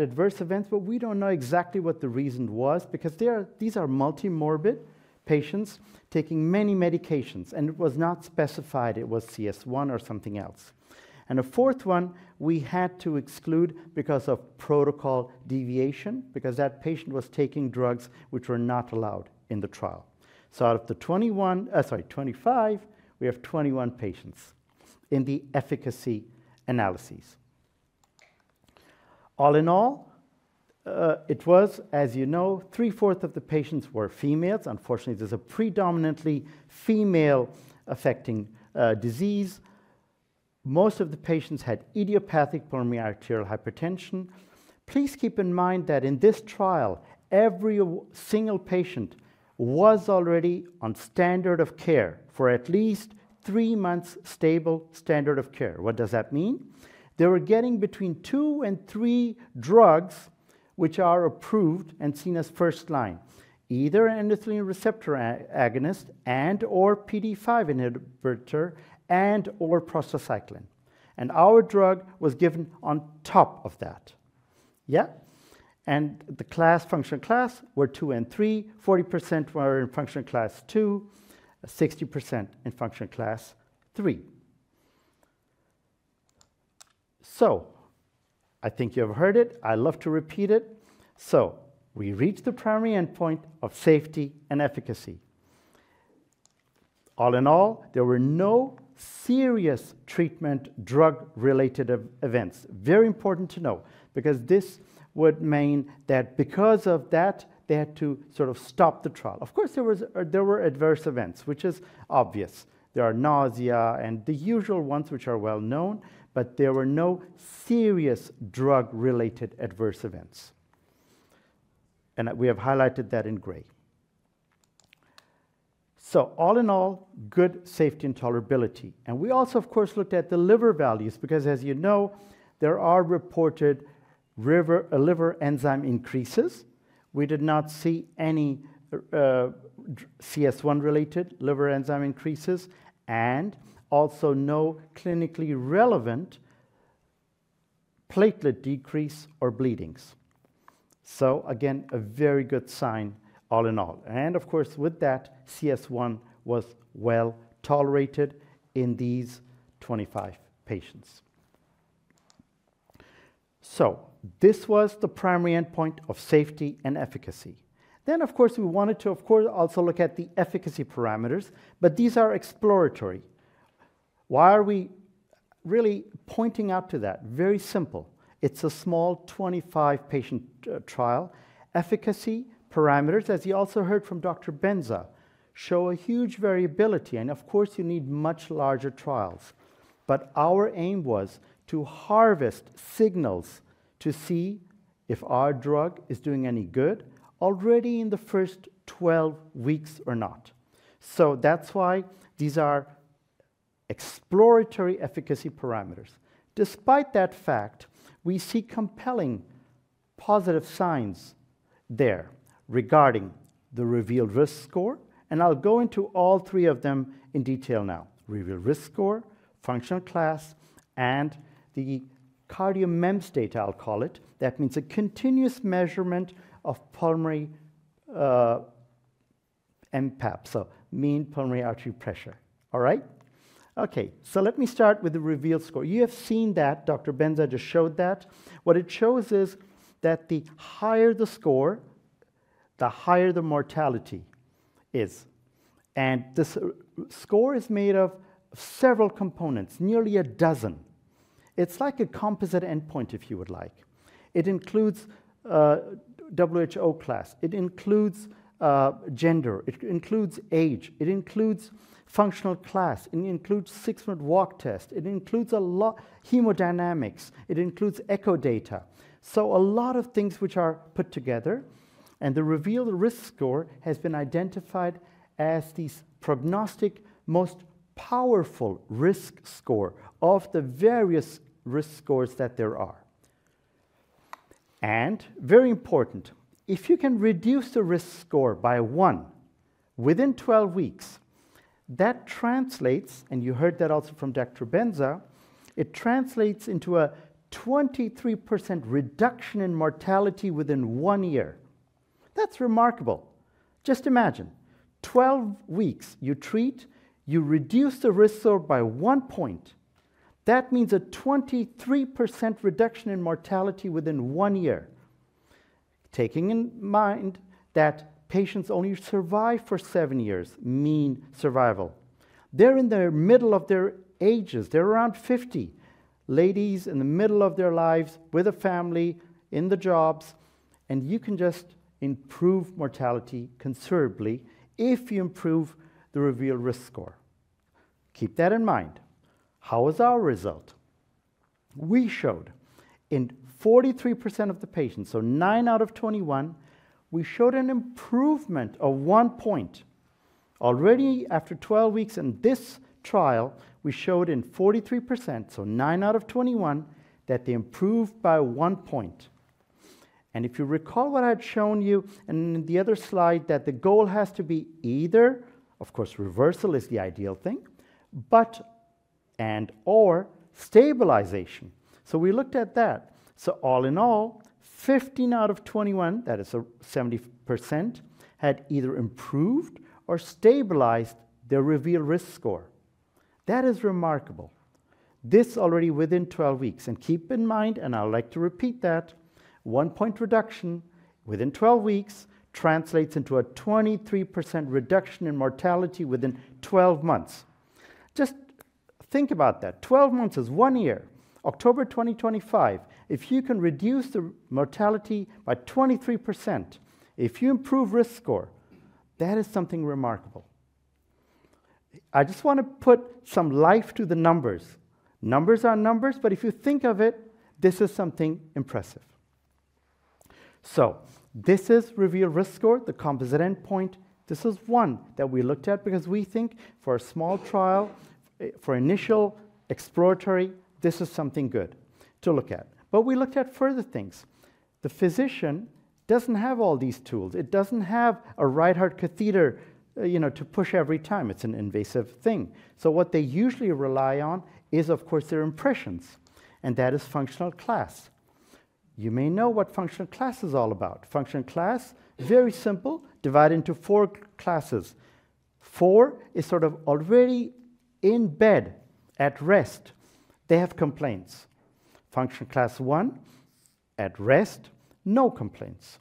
[SPEAKER 4] adverse events, but we don't know exactly what the reason was because they are multimorbid patients taking many medications, and it was not specified it was CS1 or something else. A fourth one we had to exclude because of protocol deviation, because that patient was taking drugs which were not allowed in the trial. So out of the 25, we have 21 patients in the efficacy analyses. All in all, it was, as you know, three-fourth of the patients were females. Unfortunately, there's a predominantly female-affecting disease. Most of the patients had idiopathic pulmonary arterial hypertension. Please keep in mind that in this trial, every single patient was already on standard of care for at least three months, stable standard of care. What does that mean? They were getting between two and three drugs, which are approved and seen as first line, either endothelin receptor antagonist and/or PDE5 inhibitor, and/or prostacyclin. And our drug was given on top of that. Yeah? And the class, functional class, were II and III. 40% were in functional class II, 60% in functional class III. So I think you have heard it. I love to repeat it. So we reached the primary endpoint of safety and efficacy. All in all, there were no serious treatment drug-related events. Very important to know, because this would mean that because of that, they had to sort of stop the trial. Of course, there were adverse events, which is obvious. There are nausea and the usual ones, which are well known, but there were no serious drug-related adverse events, and we have highlighted that in gray. So all in all, good safety and tolerability. And we also, of course, looked at the liver values, because as you know, there are reported liver enzyme increases. We did not see any CS1-related liver enzyme increases, and also no clinically relevant platelet decrease or bleedings. So again, a very good sign all in all. And of course, with that, CS1 was well tolerated in these 25 patients. So this was the primary endpoint of safety and efficacy. Then, of course, we wanted to, of course, also look at the efficacy parameters, but these are exploratory. Why are we really pointing out to that? Very simple. It's a small 25-patient trial. Efficacy parameters, as you also heard from Dr. Benza, show a huge variability, and of course, you need much larger trials, but our aim was to harvest signals to see if our drug is doing any good already in the first 12 weeks or not, so that's why these are exploratory efficacy parameters. Despite that fact, we see compelling positive signs there regarding the REVEAL Risk Score, and I'll go into all three of them in detail now. REVEAL Risk Score, functional class, and the CardioMEMS data, I'll call it. That means a continuous measurement of pulmonary mPAP, so mean pulmonary artery pressure. All right? Okay, so let me start with the REVEAL score. You have seen that, Dr. Benza just showed that. What it shows is that the higher the score, the higher the mortality is, and this score is made of several components, nearly a dozen. It's like a composite endpoint, if you would like. It includes WHO class, it includes gender, it includes age, it includes functional class, it includes six-minute walk test, it includes a lot of hemodynamics, it includes echo data. So a lot of things which are put together, and the REVEAL Risk Score has been identified as these prognostic, most powerful risk score of the various risk scores that there are. And very important, if you can reduce the risk score by one within twelve weeks, that translates, and you heard that also from Dr. Benza, it translates into a 23% reduction in mortality within one year. That's remarkable. Just imagine, twelve weeks you treat, you reduce the risk score by one point. That means a 23% reduction in mortality within one year. Taking in mind that patients only survive for seven years, mean survival. They're in the middle of their ages. They're around 50. Ladies in the middle of their lives with a family, in the jobs, and you can just improve mortality considerably if you improve the REVEAL Risk Score. Keep that in mind. How was our result? We showed in 43% of the patients, so nine out of 21, we showed an improvement of one point. Already after 12 weeks in this trial, we showed in 43%, so nine out of 21, that they improved by one point, and if you recall what I've shown you in the other slide, that the goal has to be either, of course, reversal is the ideal thing, but and/or stabilization, so we looked at that. All in all, 15 out of 21, that is 70%, had either improved or stabilized their REVEAL Risk Score. That is remarkable. This already within 12 weeks. Keep in mind, and I would like to repeat that, one point reduction within 12 weeks translates into a 23% reduction in mortality within 12 months. Just think about that. Twelve months is one year, October 2025. If you can reduce the mortality by 23%, if you improve risk score, that is something remarkable. I just want to put some life to the numbers. Numbers are numbers, but if you think of it, this is something impressive. This is REVEAL Risk Score, the composite endpoint. This is one that we looked at because we think for a small trial, for initial exploratory, this is something good to look at. But we looked at further things. The physician doesn't have all these tools. It doesn't have a right heart catheter, you know, to push every time. It's an invasive thing. So what they usually rely on is, of course, their impressions, and that is functional class. You may know what functional class is all about. Function class, very simple, divided into four classes. Four is sort of already in bed at rest. They have complaints. Function Class I, at rest, no complaints.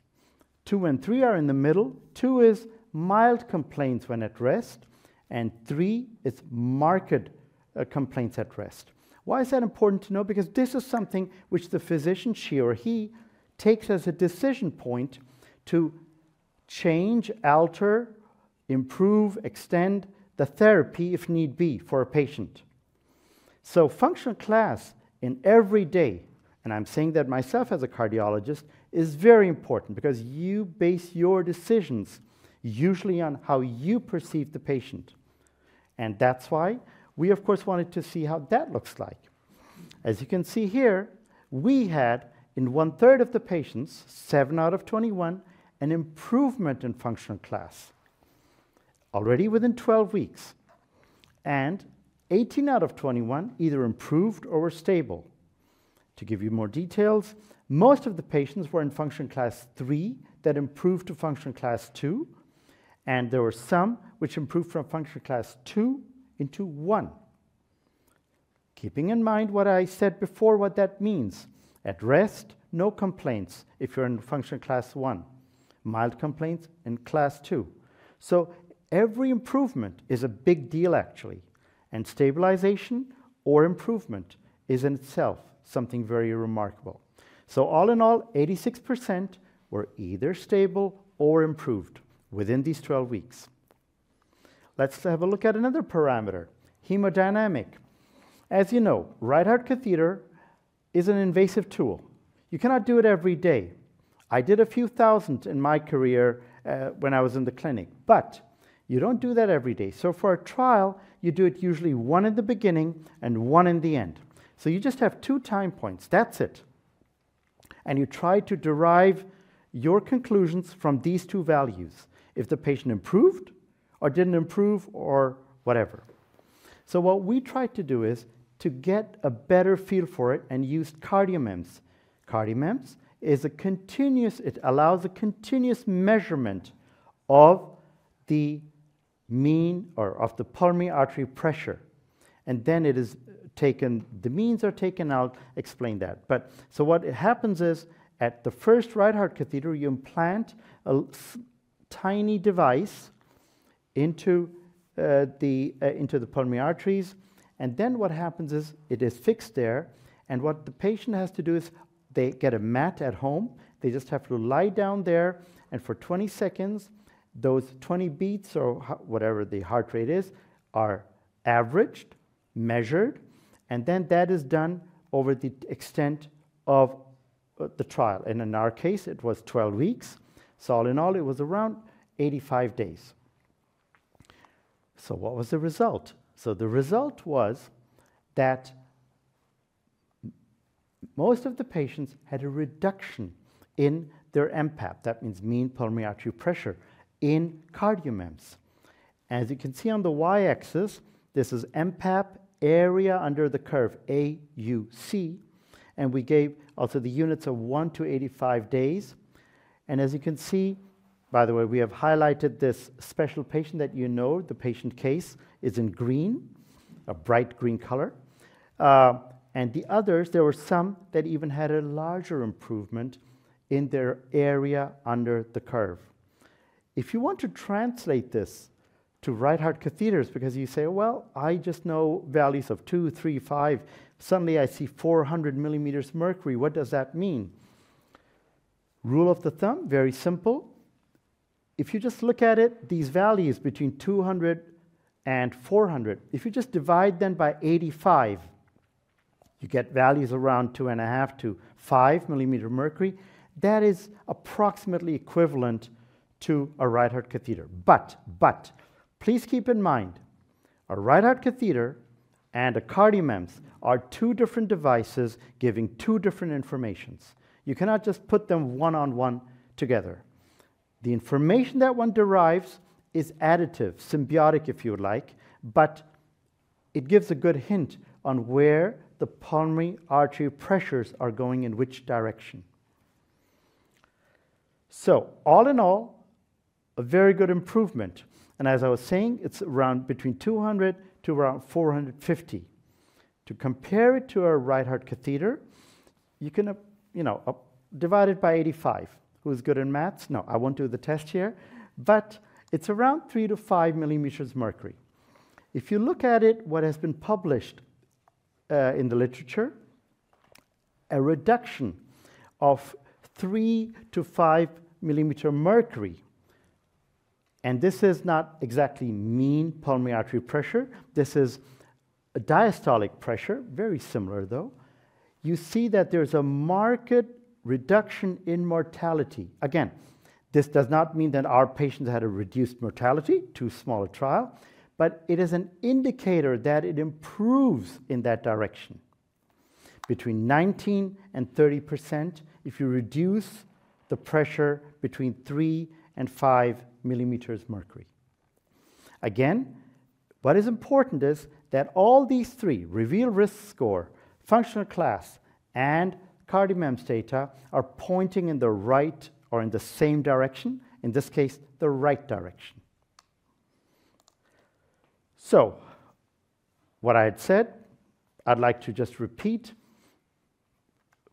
[SPEAKER 4] Two and three are in the middle. Two is mild complaints when at rest, and three is marked complaints at rest. Why is that important to know? Because this is something which the physician, she or he, takes as a decision point to change, alter, improve, extend the therapy if need be, for a patient. Function class in everyday, and I'm saying that myself as a cardiologist, is very important because you base your decisions usually on how you perceive the patient, and that's why we, of course, wanted to see how that looks like. As you can see here, we had in one-third of the patients, 7 out of 21, an improvement in function class already within 12 weeks, and 18 out of 21 either improved or were stable. To give you more details, most of the patients were in Function Class III, that improved to Function Class II, and there were some which improved from Function Class II into I. Keeping in mind what I said before, what that means, at rest, no complaints if you're in Function Class I. Mild complaints in Class II. Every improvement is a big deal, actually, and stabilization or improvement is in itself something very remarkable. So all in all, 86% were either stable or improved within these 12 weeks. Let's have a look at another parameter, hemodynamic. As you know, right heart catheter is an invasive tool. You cannot do it every day. I did a few thousand in my career, when I was in the clinic, but you don't do that every day. So for a trial, you do it usually one in the beginning and one in the end. So you just have two time points. That's it. And you try to derive your conclusions from these two values, if the patient improved or didn't improve or whatever. So what we tried to do is to get a better feel for it and used CardioMEMS. CardioMEMS is a continuous, it allows a continuous measurement of the mean pulmonary arterial pressure, and then it is taken, the means are taken out. Explain that. But, so what happens is, at the first right heart catheter, you implant a tiny device into the pulmonary arteries, and then what happens is it is fixed there, and what the patient has to do is they get a mat at home. They just have to lie down there, and for 20 seconds, those 20 beats or whatever the heart rate is, are averaged, measured, and then that is done over the extent of the trial. And in our case, it was twelve weeks. So all in all, it was around 85 days. So what was the result? The result was that most of the patients had a reduction in their mPAP, that means mean pulmonary artery pressure, in CardioMEMS. As you can see on the y-axis, this is mPAP area under the curve, AUC, and we gave also the units of one to 85 days. And as you can see, by the way, we have highlighted this special patient that you know, the patient case is in green, a bright green color. And the others, there were some that even had a larger improvement in their area under the curve. If you want to translate this to right heart catheters, because you say, "Well, I just know values of two, three, five. Suddenly, I see 400 mmHg. What does that mean?" Rule of thumb, very simple. If you just look at it, these values between two hundred and four hundred, if you just divide them by 85, you get values around 2.5-5 mmHg. That is approximately equivalent to a right heart catheter. But please keep in mind, a right heart catheter and a CardioMEMS are two different devices giving two different informations. You cannot just put them one-on-one together. The information that one derives is additive, symbiotic, if you like, but it gives a good hint on where the pulmonary artery pressures are going in which direction. So all in all, a very good improvement, and as I was saying, it's around between two hundred to around four hundred and fifty. To compare it to a right heart catheter, you can, you know, divide it by 85. Who's good at math? No, I won't do the test here, but it's around 3-5 mmHg. If you look at it, what has been published in the literature, a reduction of 3-5 mmHg, and this is not exactly mean pulmonary artery pressure. This is a diastolic pressure, very similar, though. You see that there's a marked reduction in mortality. Again, this does not mean that our patients had a reduced mortality, too small a trial, but it is an indicator that it improves in that direction between 19% and 30% if you reduce the pressure between 3 and 5 mmHg. Again, what is important is that all these three, REVEAL Risk Score, functional class, and CardioMEMS data, are pointing in the right or in the same direction, in this case, the right direction. What I had said, I'd like to just repeat.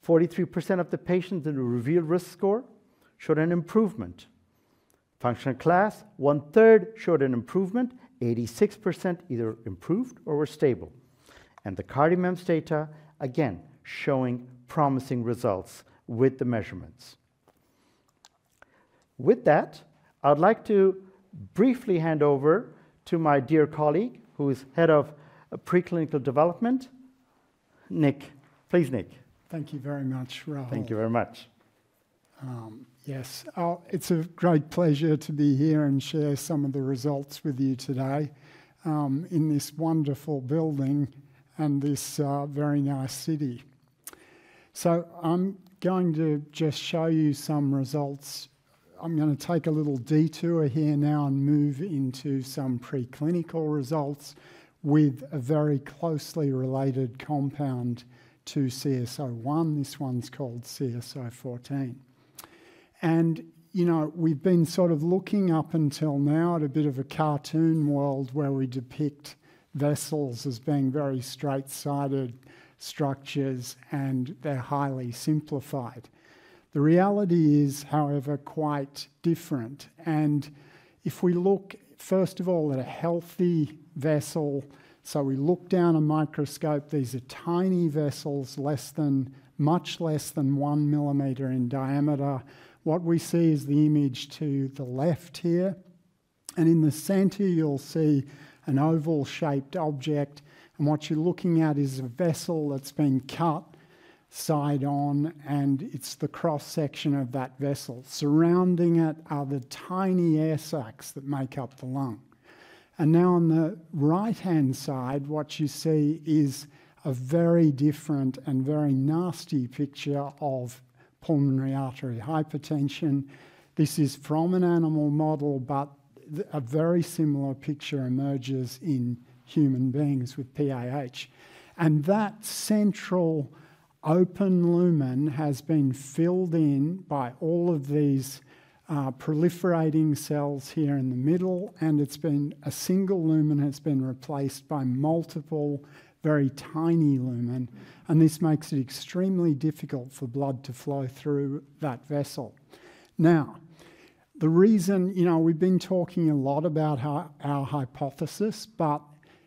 [SPEAKER 4] 43% of the patients in the REVEAL Risk Score showed an improvement. Functional class, one-third showed an improvement, 86% either improved or were stable, and the CardioMEMS data, again, showing promising results with the measurements. With that, I'd like to briefly hand over to my dear colleague, who is Head of Preclinical Development, Nick. Please, Nick.
[SPEAKER 5] Thank you very much, Rahul.
[SPEAKER 4] Thank you very much.
[SPEAKER 5] Yes. It's a great pleasure to be here and share some of the results with you today, in this wonderful building and this, very nice city, so I'm going to just show you some results. I'm gonna take a little detour here now and move into some preclinical results with a very closely related compound to CS014. This one's called CS014, and, you know, we've been sort of looking up until now at a bit of a cartoon world, where we depict vessels as being very straight-sided structures, and they're highly simplified. The reality is, however, quite different, and if we look, first of all, at a healthy vessel, so we look down a microscope, these are tiny vessels, much less than 1 mm in diameter. What we see is the image to the left here, and in the center, you'll see an oval-shaped object, and what you're looking at is a vessel that's been cut side on, and it's the cross-section of that vessel. Surrounding it are the tiny air sacs that make up the lung. Now, on the right-hand side, what you see is a very different and very nasty picture of pulmonary arterial hypertension. This is from an animal model, but a very similar picture emerges in human beings with PAH. That central open lumen has been filled in by all of these proliferating cells here in the middle, and it's been. A single lumen has been replaced by multiple, very tiny lumen, and this makes it extremely difficult for blood to flow through that vessel. Now, the reason, you know, we've been talking a lot about our hypothesis, but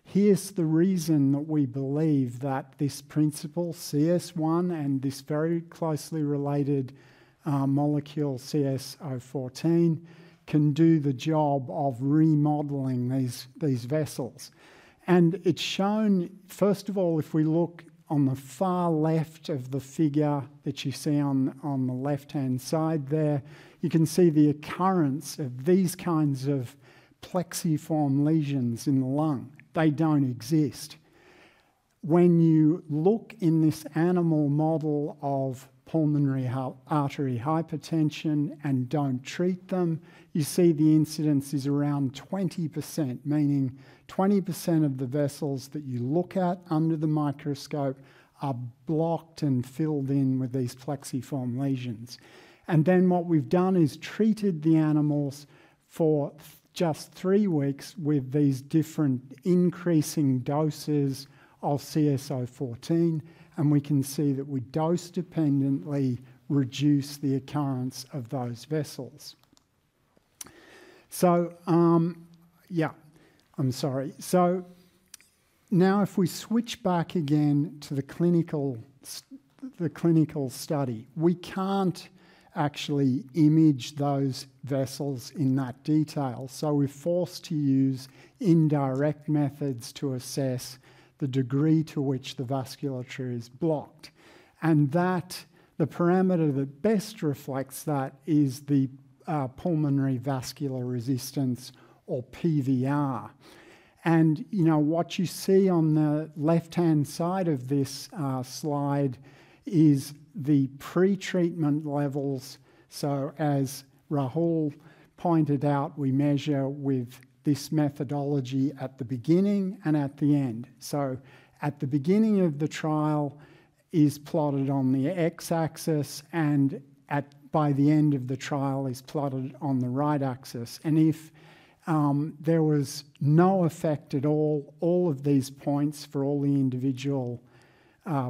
[SPEAKER 5] here's the reason that we believe that this principle, CS1, and this very closely related molecule, CS014, can do the job of remodeling these vessels. And it's shown, first of all, if we look on the far left of the figure that you see on the left-hand side there, you can see the occurrence of these kinds of plexiform lesions in the lung. They don't exist. When you look in this animal model of pulmonary artery hypertension and don't treat them, you see the incidence is around 20%, meaning 20% of the vessels that you look at under the microscope are blocked and filled in with these plexiform lesions. And then, what we've done is treated the animals for just three weeks with these different increasing doses of CS014, and we can see that we dose-dependently reduce the occurrence of those vessels. So now, if we switch back again to the clinical study, we can't actually image those vessels in that detail, so we're forced to use indirect methods to assess the degree to which the vasculature is blocked. And that, the parameter that best reflects that is the pulmonary vascular resistance, or PVR. And, you know, what you see on the left-hand side of this slide is the pre-treatment levels. So as Rahul pointed out, we measure with this methodology at the beginning and at the end. So at the beginning of the trial is plotted on the x-axis, and by the end of the trial is plotted on the right axis. And if there was no effect at all, all of these points for all the individual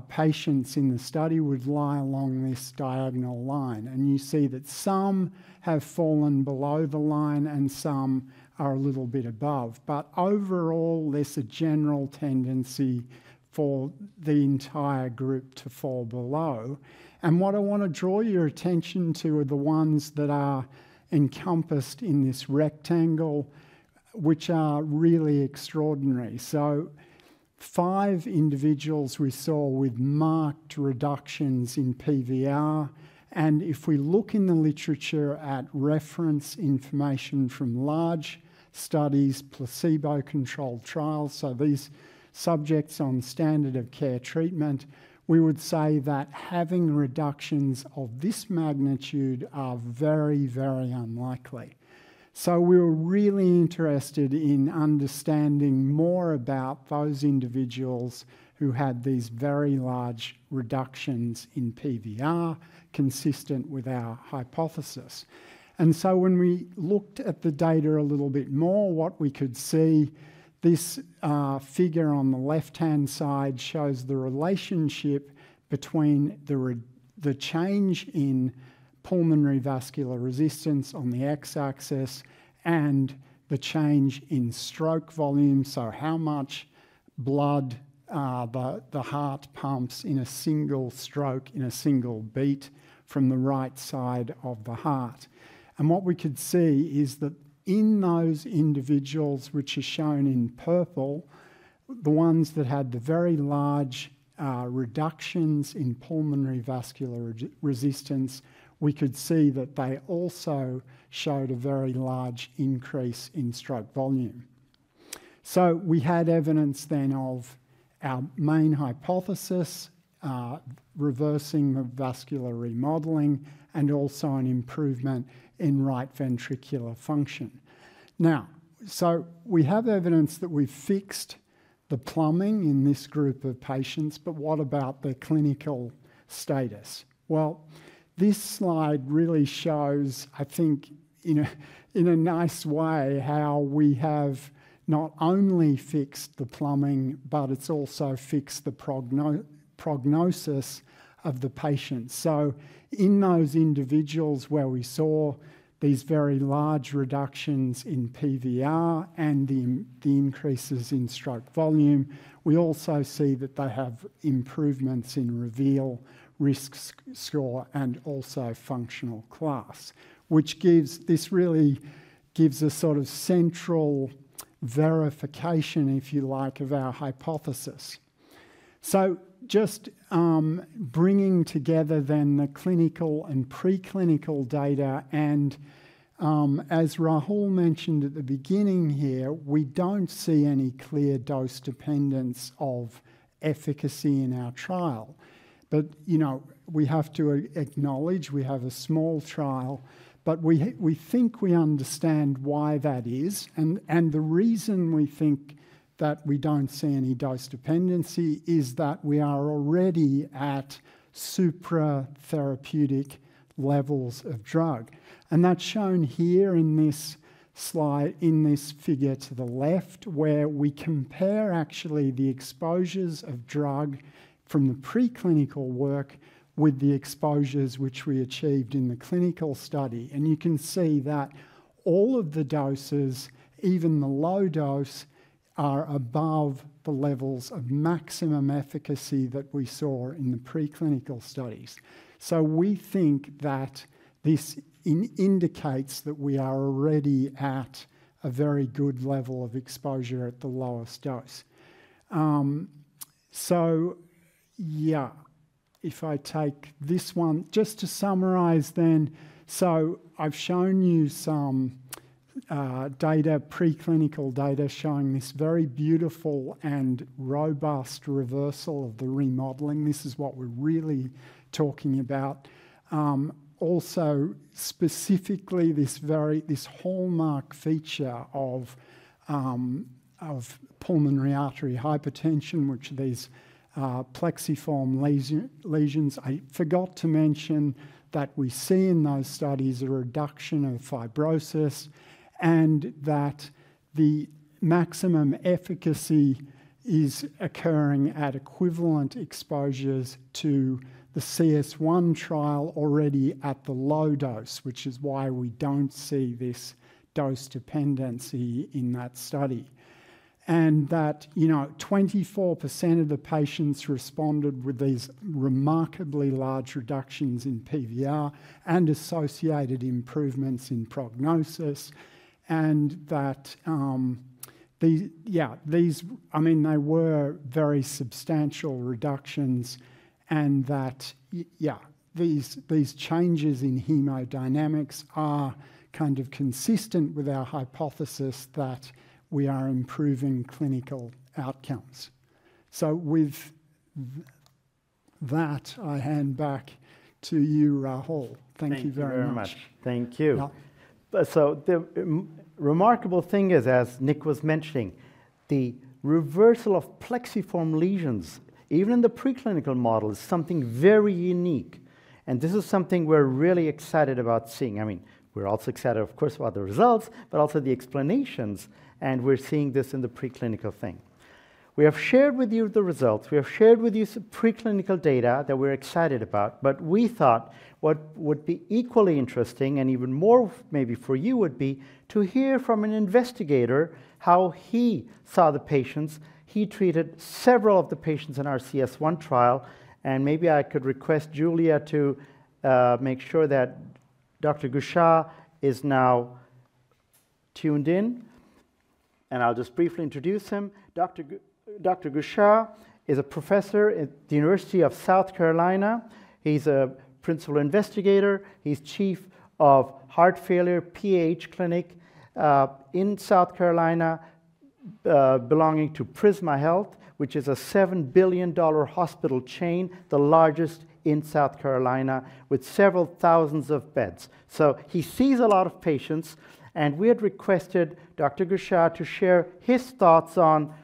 [SPEAKER 5] patients in the study would lie along this diagonal line, and you see that some have fallen below the line and some are a little bit above. But overall, there's a general tendency for the entire group to fall below. And what I wanna draw your attention to are the ones that are encompassed in this rectangle, which are really extraordinary. So five individuals we saw with marked reductions in PVR, and if we look in the literature at reference information from large studies, placebo-controlled trials, so these subjects on standard of care treatment, we would say that having reductions of this magnitude are very, very unlikely. So we're really interested in understanding more about those individuals who had these very large reductions in PVR, consistent with our hypothesis. And so when we looked at the data a little bit more, what we could see, this figure on the left-hand side shows the relationship between the change in pulmonary vascular resistance on the x-axis and the change in stroke volume, so how much blood the heart pumps in a single stroke, in a single beat from the right side of the heart. What we could see is that in those individuals, which are shown in purple, the ones that had the very large reductions in pulmonary vascular resistance, we could see that they also showed a very large increase in stroke volume. So we had evidence then of our main hypothesis, reversing the vascular remodeling, and also an improvement in right ventricular function. Now, so we have evidence that we've fixed the plumbing in this group of patients, but what about the clinical status? This slide really shows, I think, in a nice way, how we have not only fixed the plumbing, but it's also fixed the prognosis of the patient. So in those individuals where we saw these very large reductions in PVR and in the increases in stroke volume, we also see that they have improvements in REVEAL Risk Score and also functional class. Which gives this really gives a sort of central verification, if you like, of our hypothesis. So just bringing together then the clinical and preclinical data, and as Rahul mentioned at the beginning here, we don't see any clear dose dependence of efficacy in our trial. But you know we have to acknowledge we have a small trial, but we think we understand why that is. And the reason we think that we don't see any dose dependency is that we are already at supratherapeutic levels of drug. That's shown here in this slide, in this figure to the left, where we compare actually the exposures of drug from the preclinical work with the exposures which we achieved in the clinical study. You can see that all of the doses, even the low dose, are above the levels of maximum efficacy that we saw in the preclinical studies. We think that this indicates that we are already at a very good level of exposure at the lowest dose. Yeah, if I take this one, just to summarize then. I've shown you some data, preclinical data, showing this very beautiful and robust reversal of the remodeling. This is what we're really talking about. Also, specifically, this very hallmark feature of pulmonary arterial hypertension, which are these plexiform lesions. I forgot to mention that we see in those studies a reduction of fibrosis, and that the maximum efficacy is occurring at equivalent exposures to the CS1 trial already at the low dose, which is why we don't see this dose dependency in that study. And that, you know, 24% of the patients responded with these remarkably large reductions in PVR and associated improvements in prognosis, and that, these, I mean, they were very substantial reductions and that, these changes in hemodynamics are kind of consistent with our hypothesis that we are improving clinical outcomes. So with that, I hand back to you, Rahul. Thank you very much.
[SPEAKER 4] Thank you very much. Thank you.
[SPEAKER 5] Yeah.
[SPEAKER 4] So the remarkable thing is, as Nick was mentioning, the reversal of plexiform lesions, even in the preclinical model, is something very unique, and this is something we're really excited about seeing. I mean, we're also excited, of course, about the results, but also the explanations, and we're seeing this in the preclinical thing. We have shared with you the results, we have shared with you some preclinical data that we're excited about, but we thought what would be equally interesting, and even more maybe for you, would be to hear from an investigator how he saw the patients. He treated several of the patients in our CS1 trial, and maybe I could request Julia to make sure that Dr. Guichard is now tuned in, and I'll just briefly introduce him. Dr. Guichard is a professor at the University of South Carolina. He's a Principal Investigator. He's Chief of Heart Failure PH Clinic in South Carolina, belonging to Prisma Health, which is a $7 billion hospital chain, the largest in South Carolina, with several thousands of beds. So he sees a lot of patients, and we had requested Dr. Guichard to share his thoughts on,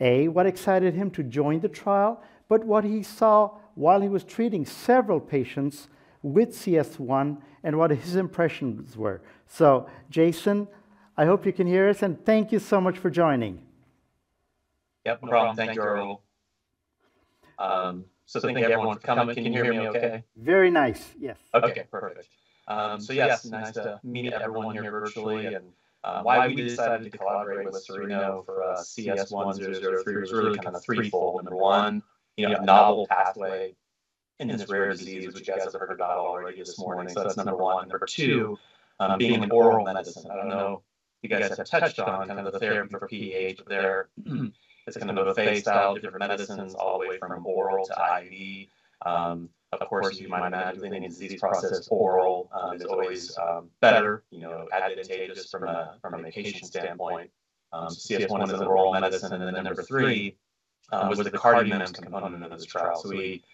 [SPEAKER 4] A, what excited him to join the trial, but what he saw while he was treating several patients with CS1 and what his impressions were. So, Jason, I hope you can hear us, and thank you so much for joining.
[SPEAKER 6] Yep. No problem. Thank you, Rahul.... so thank you everyone for coming. Can you hear me okay?
[SPEAKER 4] Very nice. Yes.
[SPEAKER 6] Okay, perfect. So yes, nice to meet everyone here virtually. And, why we decided to collaborate with Cereno for, CS1-003 was really kind of threefold. Number one, you have a novel pathway in this rare disease, which you guys have heard about already this morning. So that's number one. Number two, being an oral medicine, I don't know if you guys have touched on kind of the therapy for PAH there. It's kind of a phased out different medicines all the way from oral to IV. Of course, you might imagine in any disease process, oral, is always, better, you know, advantageous from a, from a patient standpoint. CS1 is an oral medicine. And then number three, was the CardioMEMS component of this trial. So we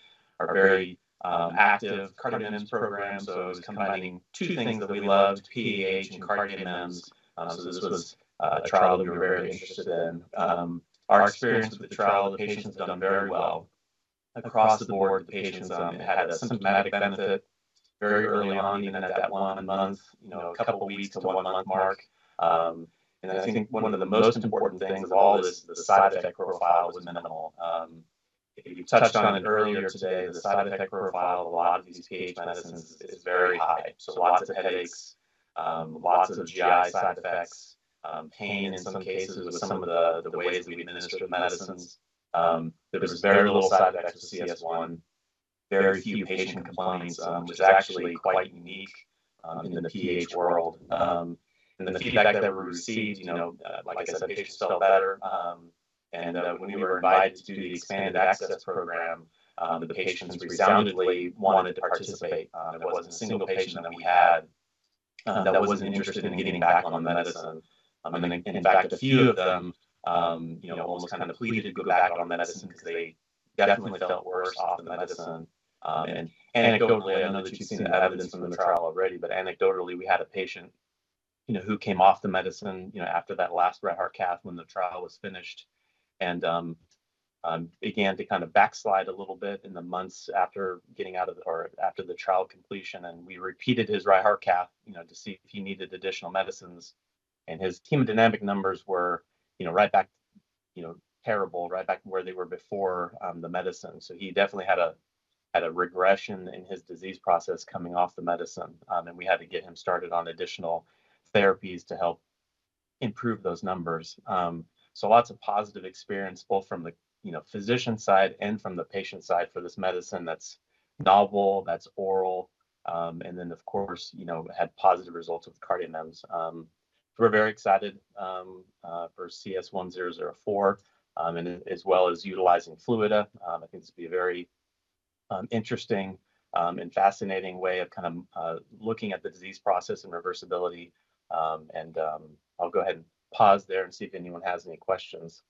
[SPEAKER 6] are very, active CardioMEMS program. So it was combining two things that we loved, PAH and CardioMEMS. So this was a trial we were very interested in. Our experience with the trial, the patient's done very well. Across the board, the patients had a symptomatic benefit very early on, even at that one month, you know, a couple weeks to one-month mark. And I think one of the most important things of all is the side effect profile was minimal. You touched on it earlier today, the side effect profile of a lot of these PAH medicines is very high. So lots of headaches, lots of GI side effects, pain in some cases with some of the, the ways we administer the medicines. There was very little side effects to CS1, very few patient complaints, which is actually quite unique, in the PAH world. And the feedback that we received, you know, like I said, patients felt better. And when we were invited to do the expanded access program, the patients resoundingly wanted to participate. There wasn't a single patient that we had, that wasn't interested in getting back on the medicine. I mean, in fact, a few of them, you know, almost kind of pleaded to go back on medicine because they definitely felt worse off the medicine. And anecdotally, I know that you've seen the evidence from the trial already, but anecdotally, we had a patient, you know, who came off the medicine, you know, after that last right heart cath when the trial was finished, and began to kind of backslide a little bit in the months after getting out of the-- or after the trial completion. We repeated his right heart cath, you know, to see if he needed additional medicines, and his hemodynamic numbers were, you know, right back, you know, terrible, right back to where they were before the medicine. So he definitely had a regression in his disease process coming off the medicine. And we had to get him started on additional therapies to help improve those numbers. So lots of positive experience, both from the, you know, physician side and from the patient side for this medicine that's novel, that's oral, and then, of course, you know, had positive results with CardioMEMS. So we're very excited for CS1, and as well as utilizing FLUIDDA. I think this will be a very interesting and fascinating way of kind of looking at the disease process and reversibility. I'll go ahead and pause there and see if anyone has any questions.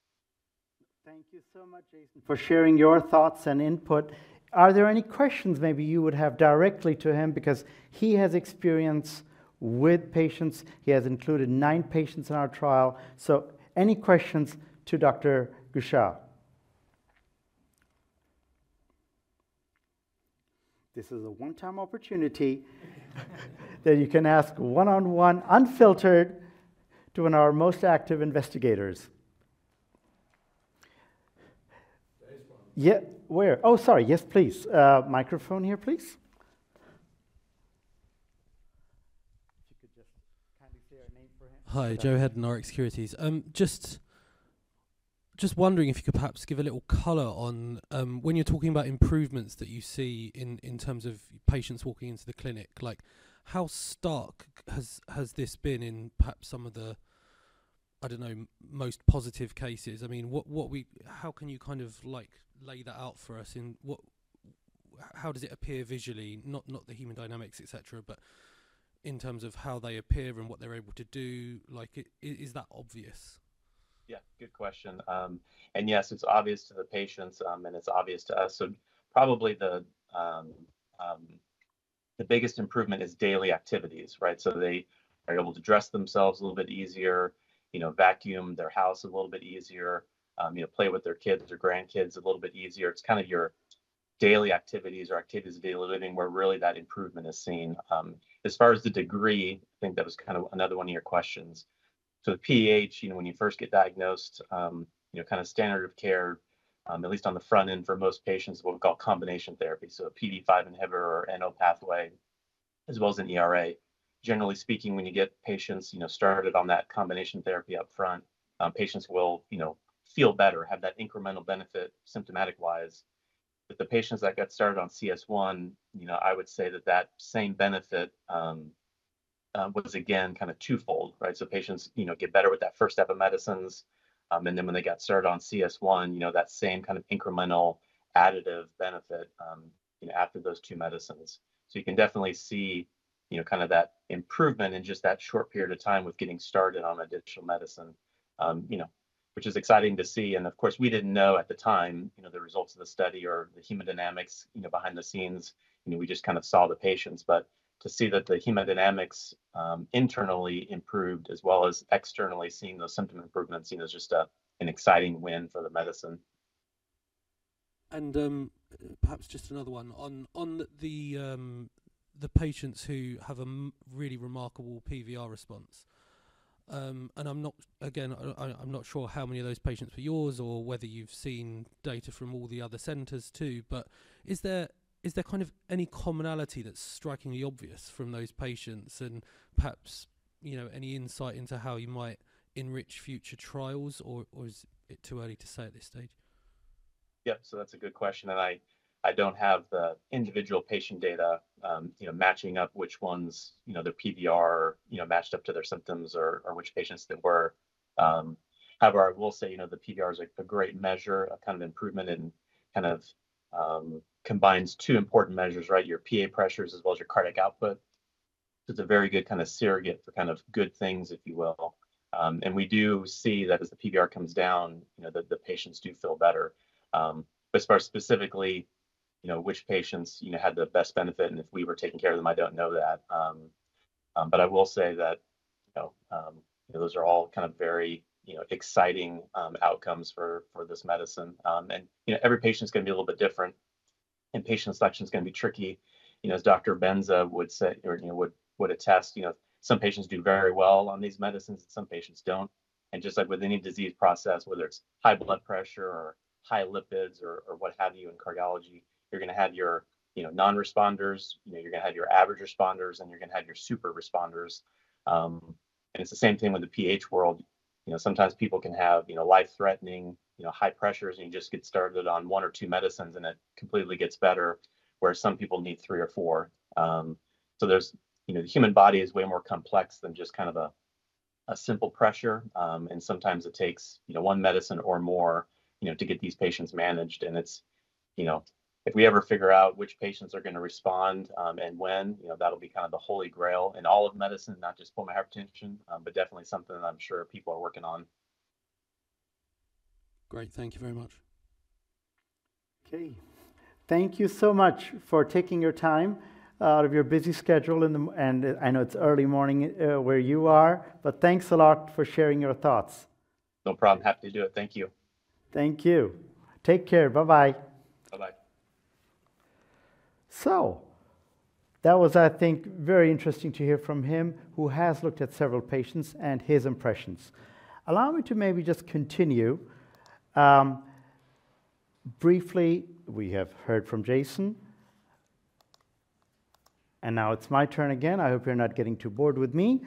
[SPEAKER 4] Thank you so much, Jason, for sharing your thoughts and input. Are there any questions maybe you would have directly to him? Because he has experience with patients. He has included nine patients in our trial. Any questions to Dr. Guichard? This is a one-time opportunity that you can ask one-on-one, unfiltered to one of our most active investigators.
[SPEAKER 3] There's one.
[SPEAKER 4] Yeah. Where? Oh, sorry. Yes, please. Microphone here, please. If you could just kindly say your name for him.
[SPEAKER 3] Hi, Joe Hedden, Rx Securities. Just wondering if you could perhaps give a little color on, when you're talking about improvements that you see in terms of patients walking into the clinic, like, how stark has this been in perhaps some of the, I don't know, most positive cases? I mean, what-- how can you kind of like, lay that out for us in what... How does it appear visually? Not the human dynamics, et cetera, but in terms of how they appear and what they're able to do, like, is that obvious?
[SPEAKER 6] Yeah, good question. And yes, it's obvious to the patients, and it's obvious to us. So probably the biggest improvement is daily activities, right? So they are able to dress themselves a little bit easier, you know, vacuum their house a little bit easier, you know, play with their kids or grandkids a little bit easier. It's kind of your daily activities or activities of daily living, where really that improvement is seen. As far as the degree, I think that was kind of another one of your questions. So the PAH, you know, when you first get diagnosed, you know, kind of standard of care, at least on the front end for most patients, what we call combination therapy, so a PDE5 inhibitor or NO pathway, as well as an ERA. Generally speaking, when you get patients, you know, started on that combination therapy up front, patients will, you know, feel better, have that incremental benefit, symptomatic-wise. But the patients that get started on CS1, you know, I would say that that same benefit was again, kind of twofold, right? So patients, you know, get better with that first step of medicines. And then when they get started on CS1, you know, that same kind of incremental additive benefit, you know, after those two medicines. So you can definitely see, you know, kind of that improvement in just that short period of time with getting started on additional medicine, you know, which is exciting to see. And of course, we didn't know at the time, you know, the results of the study or the hemodynamics, you know, behind the scenes. You know, we just kind of saw the patients. But to see that the hemodynamics internally improved, as well as externally seeing those symptom improvements, seen as just an exciting win for the medicine.
[SPEAKER 3] Perhaps just another one. On the patients who have a really remarkable PVR response, and I'm not, again, I'm not sure how many of those patients were yours or whether you've seen data from all the other centers, too. But is there kind of any commonality that's strikingly obvious from those patients and perhaps, you know, any insight into how you might enrich future trials, or is it too early to say at this stage?
[SPEAKER 6] Yeah, so that's a good question, and I don't have the individual patient data, you know, matching up which ones, you know, their PVR, you know, matched up to their symptoms or, or which patients they were. However, I will say, you know, the PVR is a great measure of kind of improvement and kind of, combines two important measures, right? Your PA pressures as well as your cardiac output. So it's a very good kind of surrogate for kind of good things, if you will. And we do see that as the PVR comes down, you know, the patients do feel better. But as far as specifically, you know, which patients, you know, had the best benefit and if we were taking care of them, I don't know that. But I will say that, you know, those are all kind of very, you know, exciting outcomes for this medicine. And, you know, every patient's gonna be a little bit different, and patient selection is gonna be tricky. You know, as Dr. Benza would say, or, you know, would attest, you know, some patients do very well on these medicines, and some patients don't. And just like with any disease process, whether it's high blood pressure or high lipids or what have you in cardiology, you're gonna have your, you know, non-responders, you know, you're gonna have your average responders, and you're gonna have your super responders. And it's the same thing with the PH world. You know, sometimes people can have, you know, life-threatening, you know, high pressures, and you just get started on one or two medicines, and it completely gets better, whereas some people need three or four, so there's you know, the human body is way more complex than just kind of a simple pressure, and sometimes it takes, you know, one medicine or more, you know, to get these patients managed, and it's, you know. If we ever figure out which patients are gonna respond, and when, you know, that'll be kind of the holy grail in all of medicine, not just pulmonary hypertension, but definitely something I'm sure people are working on.
[SPEAKER 3] Great. Thank you very much.
[SPEAKER 4] Okay. Thank you so much for taking your time out of your busy schedule and I know it's early morning where you are, but thanks a lot for sharing your thoughts.
[SPEAKER 6] No problem. Happy to do it. Thank you.
[SPEAKER 4] Thank you. Take care. Bye-bye.
[SPEAKER 6] Bye-bye.
[SPEAKER 4] So that was, I think, very interesting to hear from him, who has looked at several patients and his impressions. Allow me to maybe just continue. Briefly, we have heard from Jason, and now it's my turn again. I hope you're not getting too bored with me,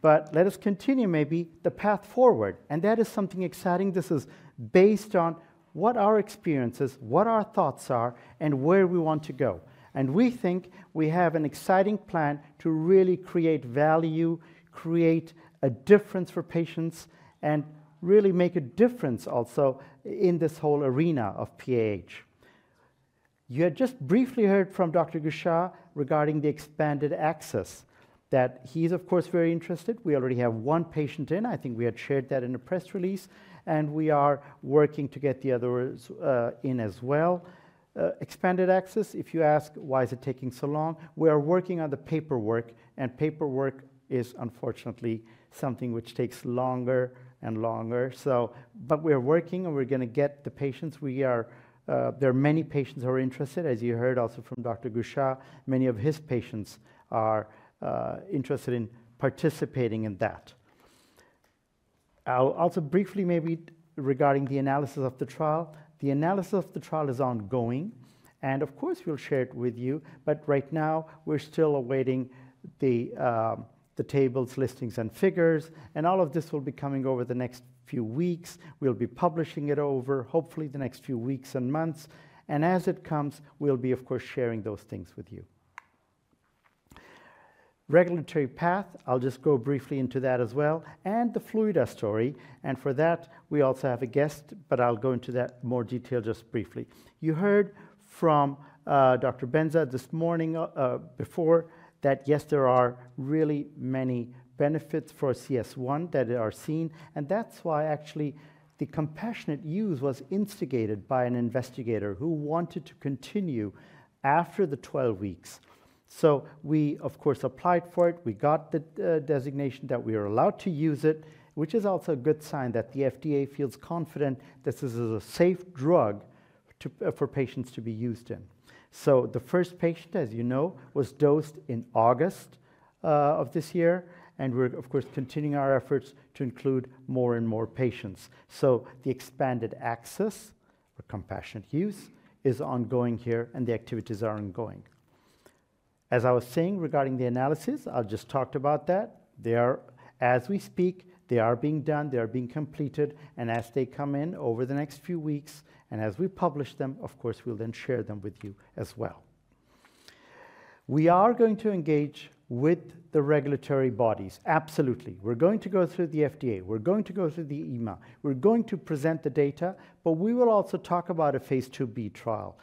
[SPEAKER 4] but let us continue maybe the path forward, and that is something exciting. This is based on what our experiences, what our thoughts are, and where we want to go. We think we have an exciting plan to really create value, create a difference for patients, and really make a difference also in this whole arena of PH. You had just briefly heard from Dr. Guichard regarding the expanded access, that he's of course very interested. We already have one patient in. I think we had shared that in a press release, and we are working to get the others in as well. Expanded access, if you ask, why is it taking so long? We are working on the paperwork, and paperwork is unfortunately something which takes longer and longer, so... We're working, and we're gonna get the patients. We are, there are many patients who are interested, as you heard also from Dr. Guichard. Many of his patients are interested in participating in that. I'll also briefly maybe regarding the analysis of the trial. The analysis of the trial is ongoing, and of course, we'll share it with you, but right now, we're still awaiting the tables, listings, and figures, and all of this will be coming over the next few weeks. We'll be publishing it over, hopefully, the next few weeks and months, and as it comes, we'll be, of course, sharing those things with you. Regulatory path, I'll just go briefly into that as well, and the FLUIDDA story, and for that, we also have a guest, but I'll go into that more detail just briefly. You heard from Dr. Benza this morning, before, that yes, there are really many benefits for CS1 that are seen, and that's why actually the compassionate use was instigated by an investigator who wanted to continue after the 12 weeks. So we, of course, applied for it. We got the designation that we are allowed to use it, which is also a good sign that the FDA feels confident that this is a safe drug to for patients to be used in. So the first patient, as you know, was dosed in August of this year, and we're of course continuing our efforts to include more and more patients. The expanded access for compassionate use is ongoing here, and the activities are ongoing. As I was saying, regarding the analysis, I've just talked about that. They are, as we speak, they are being done, they are being completed, and as they come in over the next few weeks, and as we publish them, of course, we'll then share them with you as well. We are going to engage with the regulatory bodies. Absolutely. We're going to go through the FDA, we're going to go through the EMA, we're going to present the data, but we will also talk about a phase IIb trial,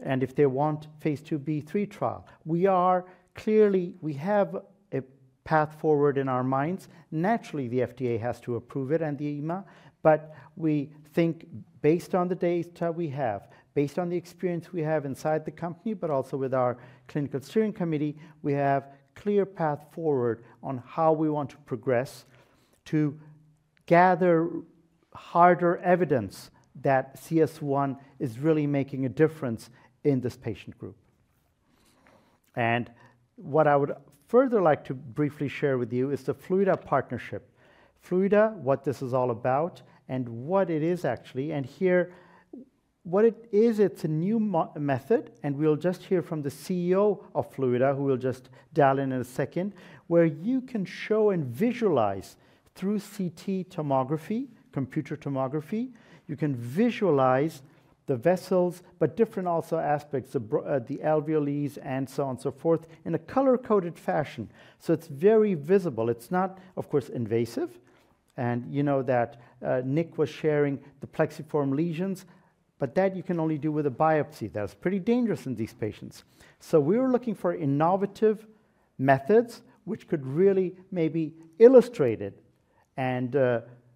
[SPEAKER 4] and if they want phase IIb/III trial. We have a path forward in our minds. Naturally, the FDA has to approve it and the EMA, but we think based on the data we have, based on the experience we have inside the company, but also with our clinical steering committee, we have clear path forward on how we want to progress to gather harder evidence that CS1 is really making a difference in this patient group. And what I would further like to briefly share with you is the FLUIDDA partnership. FLUIDDA, what this is all about, and what it is actually, and here, what it is, it's a new method, and we'll just hear from the CEO of FLUIDDA, who will just dial in, in a second, where you can show and visualize through CT tomography, computed tomography, you can visualize the vessels, but different also aspects of the alveoli and so on and so forth, in a color-coded fashion. So it's very visible. It's not, of course, invasive, and you know that, Nick was sharing the plexiform lesions, but that you can only do with a biopsy. That is pretty dangerous in these patients. So we were looking for innovative methods which could really maybe illustrate it and,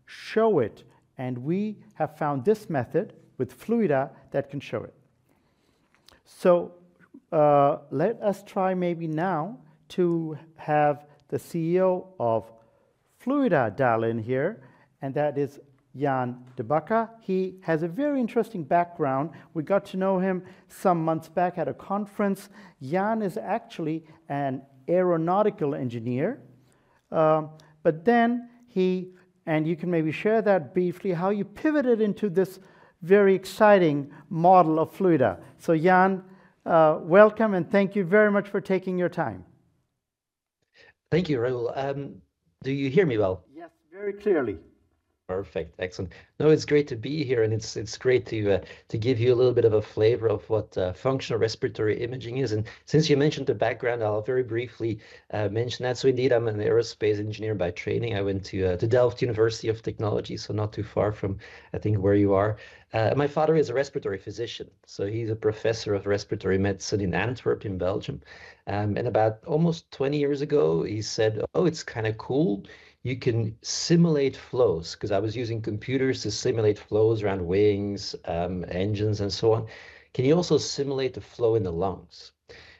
[SPEAKER 4] show it, and we have found this method with FLUIDDA that can show it. Let us try maybe now to have the CEO of FLUIDDA dial in here, and that is Jan De Backer. He has a very interesting background. We got to know him some months back at a conference. Jan is actually an aeronautical engineer, but then he and you can maybe share that briefly, how you pivoted into this very exciting world of FLUIDDA. So, Jan, welcome, and thank you very much for taking your time.
[SPEAKER 7] Thank you, Rahul. Do you hear me well?
[SPEAKER 4] Yes, very clearly.
[SPEAKER 7] Perfect. Excellent. No, it's great to be here, and it's, it's great to, to give you a little bit of a flavor of what, functional respiratory imaging is, and since you mentioned the background, I'll very briefly, mention that. So indeed, I'm an Aerospace Engineer by training. I went to, to Delft University of Technology, so not too far from, I think, where you are. My father is a respiratory physician, so he's a professor of Respiratory Medicine in Antwerp, in Belgium, and about almost 20 years ago, he said, "Oh, it's kind of cool, you can simulate flows," 'cause I was using computers to simulate flows around wings, engines, and so on. Can you also simulate the flow in the lungs?"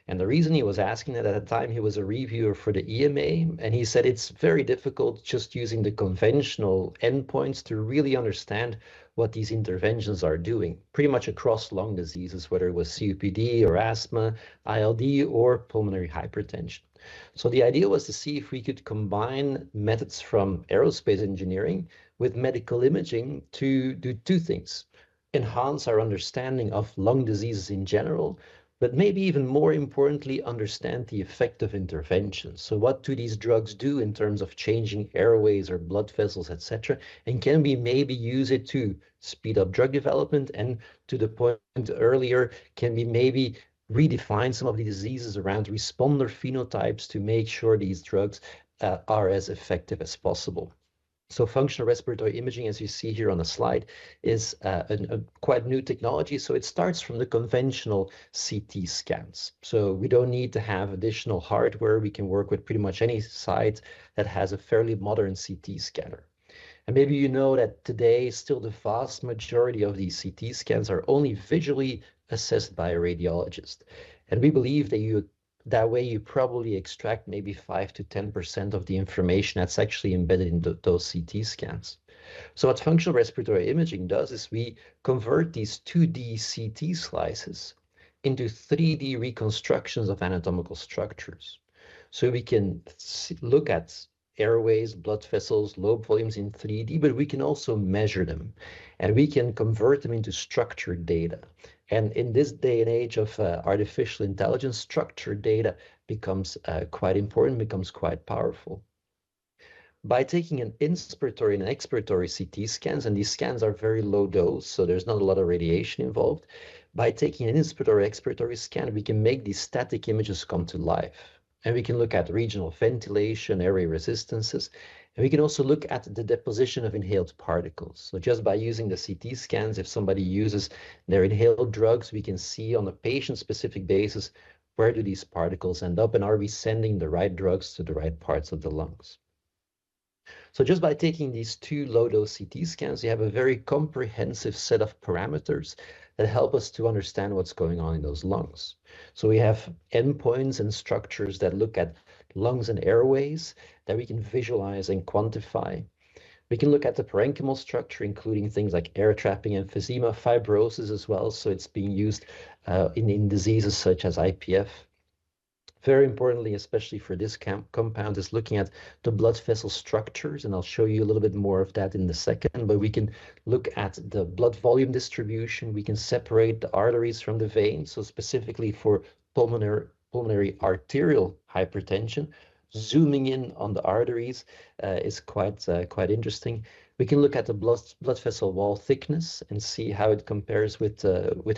[SPEAKER 7] The reason he was asking that at the time, he was a reviewer for the EMA, and he said, "It's very difficult just using the conventional endpoints to really understand what these interventions are doing." Pretty much across lung diseases, whether it was COPD or asthma, ILD, or pulmonary hypertension. The idea was to see if we could combine methods from aerospace engineering with medical imaging to do two things: enhance our understanding of lung diseases in general, but maybe even more importantly, understand the effect of interventions. What do these drugs do in terms of changing airways or blood vessels, etc.? And can we maybe use it to speed up drug development, and to the point earlier, can we maybe redefine some of the diseases around responder phenotypes to make sure these drugs are as effective as possible? Functional respiratory imaging, as you see here on the slide, is a quite new technology, so it starts from the conventional CT scans. So we don't need to have additional hardware. We can work with pretty much any site that has a fairly modern CT scanner. And maybe you know that today, still, the vast majority of these CT scans are only visually assessed by a radiologist, and we believe that that way, you probably extract maybe five to 10% of the information that's actually embedded in those CT scans. What functional respiratory imaging does is we convert these 2D CT slices into 3D reconstructions of anatomical structures. We can look at airways, blood vessels, lung volumes in 3D, but we can also measure them, and we can convert them into structured data. In this day and age of artificial intelligence, structured data becomes quite important, becomes quite powerful. By taking an inspiratory and expiratory CT scans, and these scans are very low dose, so there's not a lot of radiation involved. By taking an inspiratory/expiratory scan, we can make these static images come to life, and we can look at regional ventilation, airway resistances, and we can also look at the deposition of inhaled particles. So just by using the CT scans, if somebody uses their inhaled drugs, we can see on a patient-specific basis, where do these particles end up, and are we sending the right drugs to the right parts of the lungs? So just by taking these two low-dose CT scans, you have a very comprehensive set of parameters that help us to understand what's going on in those lungs. So we have endpoints and structures that look at lungs and airways that we can visualize and quantify. We can look at the parenchymal structure, including things like air trapping, emphysema, fibrosis as well, so it's being used in diseases such as IPF. Very importantly, especially for this compound, is looking at the blood vessel structures, and I'll show you a little bit more of that in a second, but we can look at the blood volume distribution. We can separate the arteries from the veins, so specifically for pulmonary arterial hypertension. Zooming in on the arteries is quite interesting. We can look at the blood vessel wall thickness and see how it compares with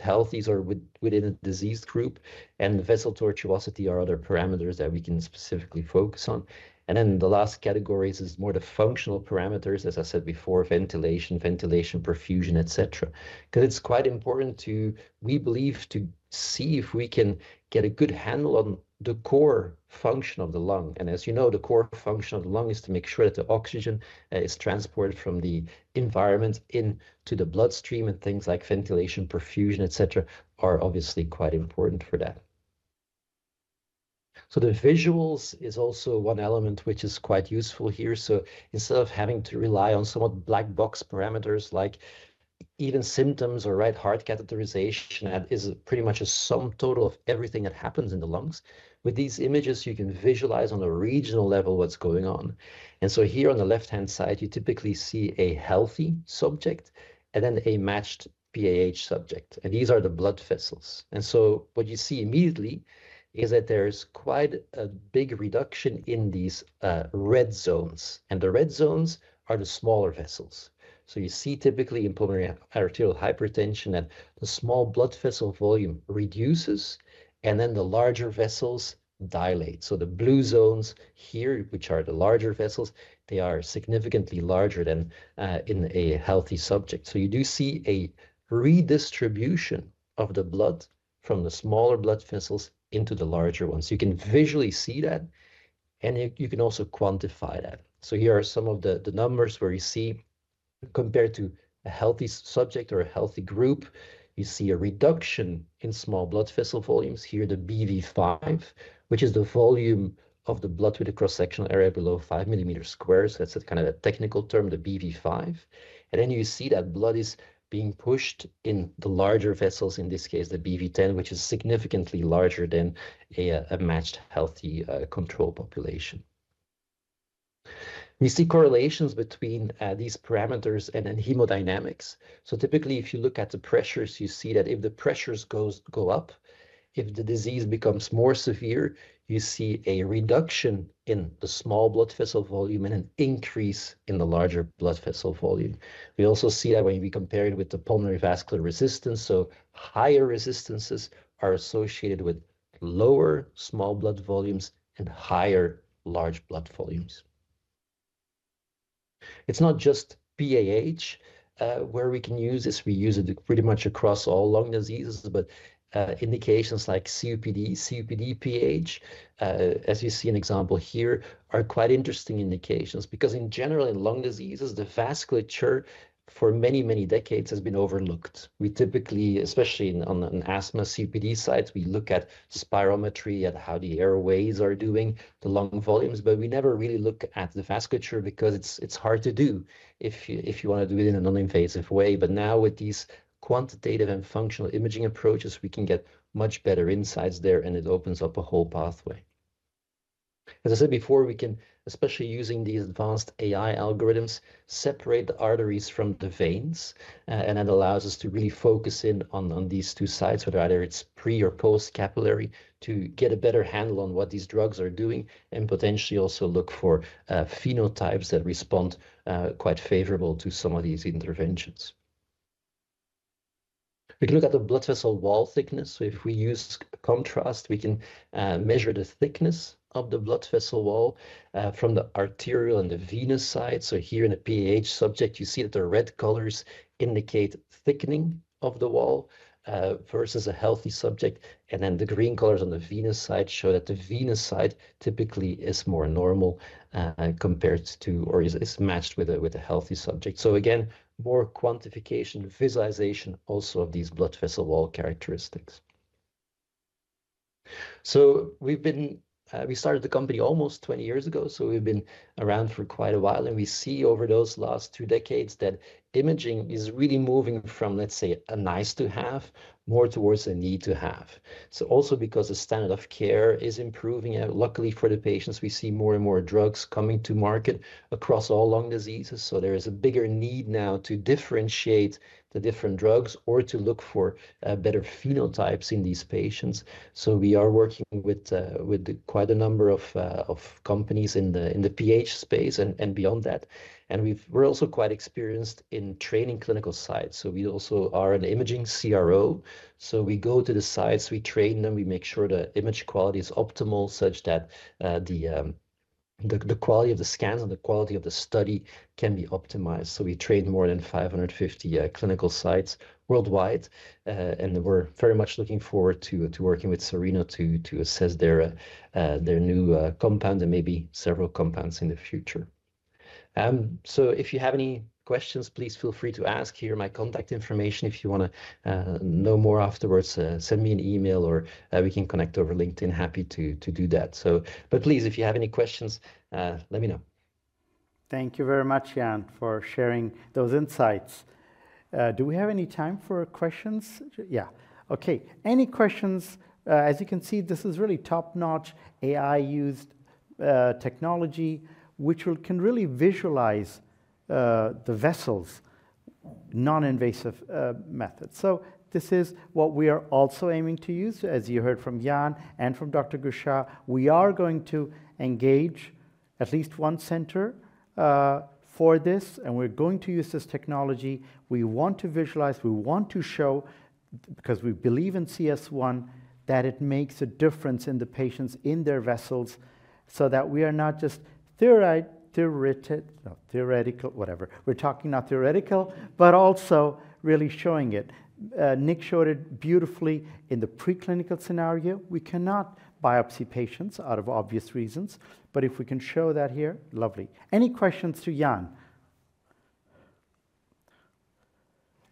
[SPEAKER 7] healthies or within a disease group, and vessel tortuosity are other parameters that we can specifically focus on. And then the last categories is more the functional parameters, as I said before, ventilation perfusion, et cetera. 'Cause it's quite important to, we believe, to see if we can get a good handle on the core function of the lung, and as you know, the core function of the lung is to make sure that the oxygen is transported from the environment into the bloodstream, and things like ventilation, perfusion, et cetera, are obviously quite important for that. So the visuals is also one element which is quite useful here. So instead of having to rely on somewhat black box parameters, like even symptoms or right heart catheterization, that is pretty much a sum total of everything that happens in the lungs. With these images, you can visualize on a regional level what's going on. And so here on the left-hand side, you typically see a healthy subject and then a matched PAH subject, and these are the blood vessels. And so what you see immediately is that there's quite a big reduction in these red zones, and the red zones are the smaller vessels. So you see typically in pulmonary arterial hypertension that the small blood vessel volume reduces, and then the larger vessels dilate. So the blue zones here, which are the larger vessels, they are significantly larger than in a healthy subject. So you do see a redistribution of the blood from the smaller blood vessels into the larger ones. You can visually see that, and you can also quantify that. Here are some of the numbers where you see, compared to a healthy subject or a healthy group, you see a reduction in small blood vessel volumes. Here, the BV5, which is the volume of the blood with a cross-sectional area below 5 mm². That's a kind of technical term, the BV5. And then you see that blood is being pushed in the larger vessels, in this case, the BV10, which is significantly larger than a matched healthy control population. We see correlations between these parameters and hemodynamics. Typically, if you look at the pressures, you see that if the pressures go up, if the disease becomes more severe, you see a reduction in the small blood vessel volume and an increase in the larger blood vessel volume. We also see that when we compare it with the pulmonary vascular resistance, so higher resistances are associated with lower small blood volumes and higher large blood volumes. It's not just PAH where we can use this. We use it pretty much across all lung diseases, but indications like COPD, COPD-PH, as you see an example here, are quite interesting indications because in general, in lung diseases, the vasculature for many, many decades has been overlooked. We typically, especially in, on an asthma COPD sites, we look at spirometry and how the airways are doing, the lung volumes, but we never really look at the vasculature because it's hard to do if you wanna do it in a non-invasive way. But now with these quantitative and functional imaging approaches, we can get much better insights there, and it opens up a whole pathway. As I said before, we can, especially using these advanced AI algorithms, separate the arteries from the veins, and that allows us to really focus in on these two sides, whether it's pre or post-capillary, to get a better handle on what these drugs are doing and potentially also look for phenotypes that respond quite favorable to some of these interventions. We can look at the blood vessel wall thickness. So if we use contrast, we can measure the thickness of the blood vessel wall from the arterial and the venous side. So here in a PAH subject, you see that the red colors indicate thickening of the wall versus a healthy subject. And then the green colors on the venous side show that the venous side typically is more normal compared to or is matched with a healthy subject. So again, more quantification, visualization also of these blood vessel wall characteristics. So we started the company almost 20 years ago, so we've been around for quite a while, and we see over those last two decades that imaging is really moving from, let's say, a nice to have, more towards a need to have. So also because the standard of care is improving, and luckily for the patients, we see more and more drugs coming to market across all lung diseases. So there is a bigger need now to differentiate the different drugs or to look for better phenotypes in these patients. So we are working with quite a number of companies in the PH space and beyond that. And we're also quite experienced in training clinical sites. So we also are an imaging CRO. So we go to the sites, we train them, we make sure the image quality is optimal, such that the quality of the scans and the quality of the study can be optimized. So we train more than 550 clinical sites worldwide. And we're very much looking forward to working with Cereno to assess their new compound and maybe several compounds in the future. So if you have any questions, please feel free to ask. Here are my contact information if you wanna know more afterwards, send me an email or we can connect over LinkedIn. Happy to do that, so. But please, if you have any questions, let me know.
[SPEAKER 4] Thank you very much, Jan, for sharing those insights. Do we have any time for questions? Yeah. Okay, any questions? As you can see, this is really top-notch AI-used technology, which will can really visualize the vessels' non-invasive methods. So this is what we are also aiming to use, as you heard from Jan and from Dr. Guichard. We are going to engage at least one center for this, and we're going to use this technology. We want to visualize, we want to show, because we believe in CS1, that it makes a difference in the patients, in their vessels, so that we are not just theoretical, whatever. We're talking not theoretical, but also really showing it. Nick showed it beautifully in the preclinical scenario. We cannot biopsy patients out of obvious reasons, but if we can show that here, lovely. Any questions to Jan?...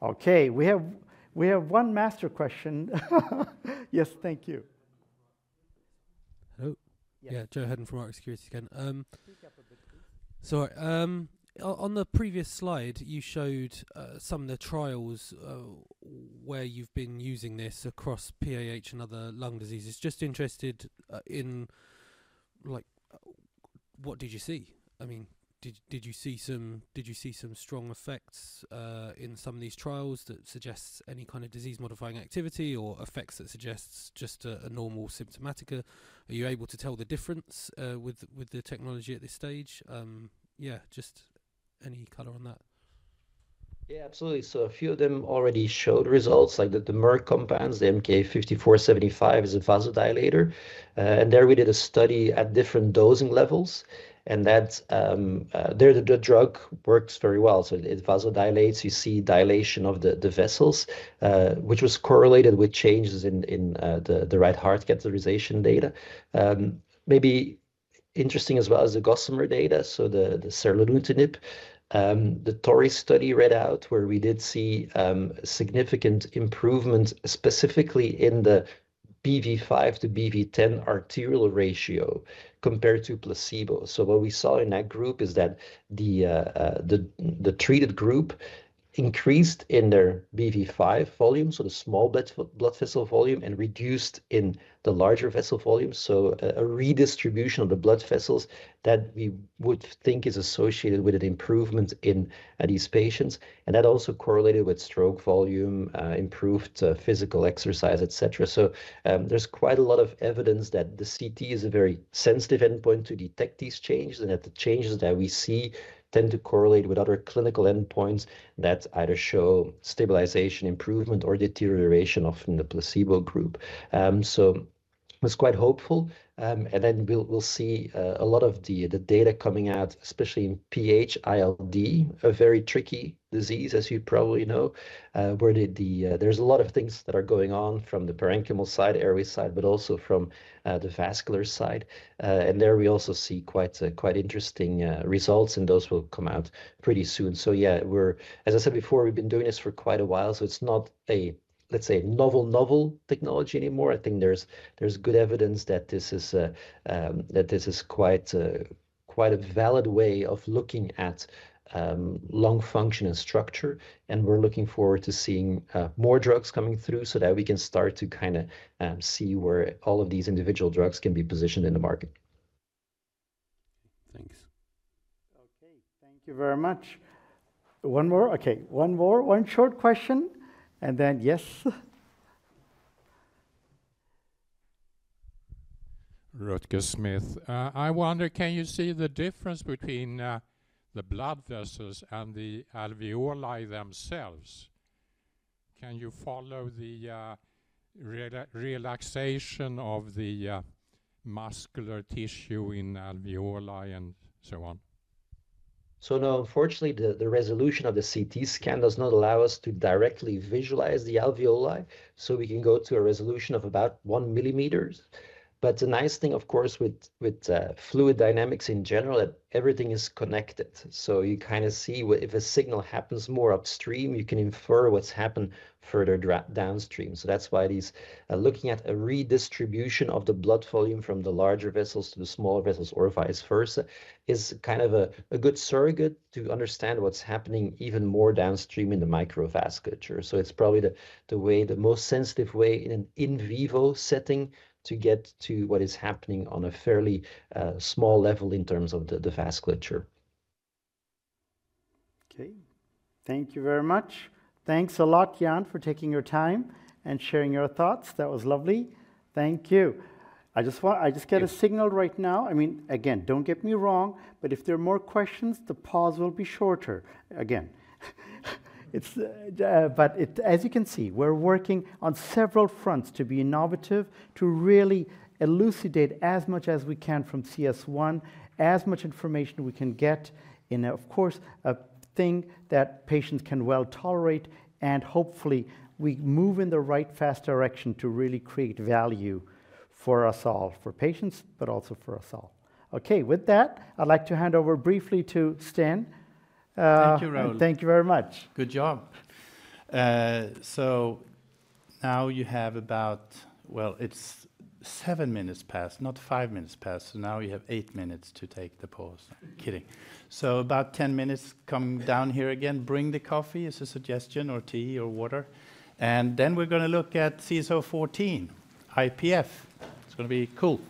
[SPEAKER 4] Okay, we have, we have one master question. Yes, thank you.
[SPEAKER 3] Hello?
[SPEAKER 4] Yes.
[SPEAKER 3] Yeah, Joe Hedden from Rx Securities again.
[SPEAKER 4] Speak up a bit, please.
[SPEAKER 3] Sorry. On the previous slide, you showed some of the trials where you've been using this across PAH and other lung diseases. Just interested in, like, what did you see? I mean, did you see some strong effects in some of these trials that suggests any kind of disease-modifying activity or effects that suggests just a normal symptomatic. Are you able to tell the difference with the technology at this stage? Yeah, just any color on that.
[SPEAKER 7] Yeah, absolutely. So a few of them already showed results, like the Merck compounds, the MK-5475, is a vasodilator. And there we did a study at different dosing levels, and that the drug works very well. So it vasodilates, you see dilation of the vessels, which was correlated with changes in the right heart catheterization data. Maybe interesting as well is the Gossamer data, so the seralutinib. The TORREY study readout where we did see significant improvement, specifically in the BV5 to BV10 arterial ratio compared to placebo. So what we saw in that group is that the treated group increased in their BV5 volume, so the small blood vessel volume, and reduced in the larger vessel volume. A redistribution of the blood vessels that we would think is associated with an improvement in these patients, and that also correlated with stroke volume, improved physical exercise, et cetera. So, there's quite a lot of evidence that the CT is a very sensitive endpoint to detect these changes, and that the changes that we see tend to correlate with other clinical endpoints that either show stabilization, improvement, or deterioration, often the placebo group. So it's quite hopeful. And then we'll see a lot of the data coming out, especially in PH-ILD, a very tricky disease, as you probably know, where there's a lot of things that are going on from the parenchymal side, airway side, but also from the vascular side. And there we also see quite interesting results, and those will come out pretty soon. So yeah, we're, as I said before, we've been doing this for quite a while, so it's not a, let's say, novel technology anymore. I think there's good evidence that this is quite a valid way of looking at lung function and structure. And we're looking forward to seeing more drugs coming through so that we can start to kinda see where all of these individual drugs can be positioned in the market.
[SPEAKER 3] Thanks.
[SPEAKER 4] Okay. Thank you very much. One more? Okay, one more, one short question, and then... Yes? I wonder, can you see the difference between the blood vessels and the alveoli themselves? Can you follow the relaxation of the muscular tissue in alveoli and so on?
[SPEAKER 7] So no, unfortunately, the resolution of the CT scan does not allow us to directly visualize the alveoli, so we can go to a resolution of about 1 mm. But the nice thing, of course, with fluid dynamics in general, that everything is connected. So you kinda see where if a signal happens more upstream, you can infer what's happened further downstream. So that's why these looking at a redistribution of the blood volume from the larger vessels to the smaller vessels or vice versa, is kind of a good surrogate to understand what's happening even more downstream in the microvasculature. So it's probably the way, the most sensitive way in an in vivo setting to get to what is happening on a fairly small level in terms of the vasculature.
[SPEAKER 4] Okay. Thank you very much. Thanks a lot, Jan, for taking your time and sharing your thoughts. That was lovely. Thank you. I just want-
[SPEAKER 7] Thanks.
[SPEAKER 4] I just get a signal right now. I mean, again, don't get me wrong, but if there are more questions, the pause will be shorter, again. It's. But as you can see, we're working on several fronts to be innovative, to really elucidate as much as we can from CS1, as much information we can get in, of course, a thing that patients can well tolerate. And hopefully, we move in the right, fast direction to really create value for us all, for patients, but also for us all. Okay, with that, I'd like to hand over briefly to Sten.
[SPEAKER 1] Thank you, Rahul.
[SPEAKER 4] Thank you very much.
[SPEAKER 1] Good job. So now you have about. Well, it's seven minutes past, not five minutes past, so now you have eight minutes to take the pause. Kidding. So about ten minutes, come down here again. Bring the coffee, as a suggestion, or tea, or water, and then we're gonna look at CS014, IPF. It's gonna be cool.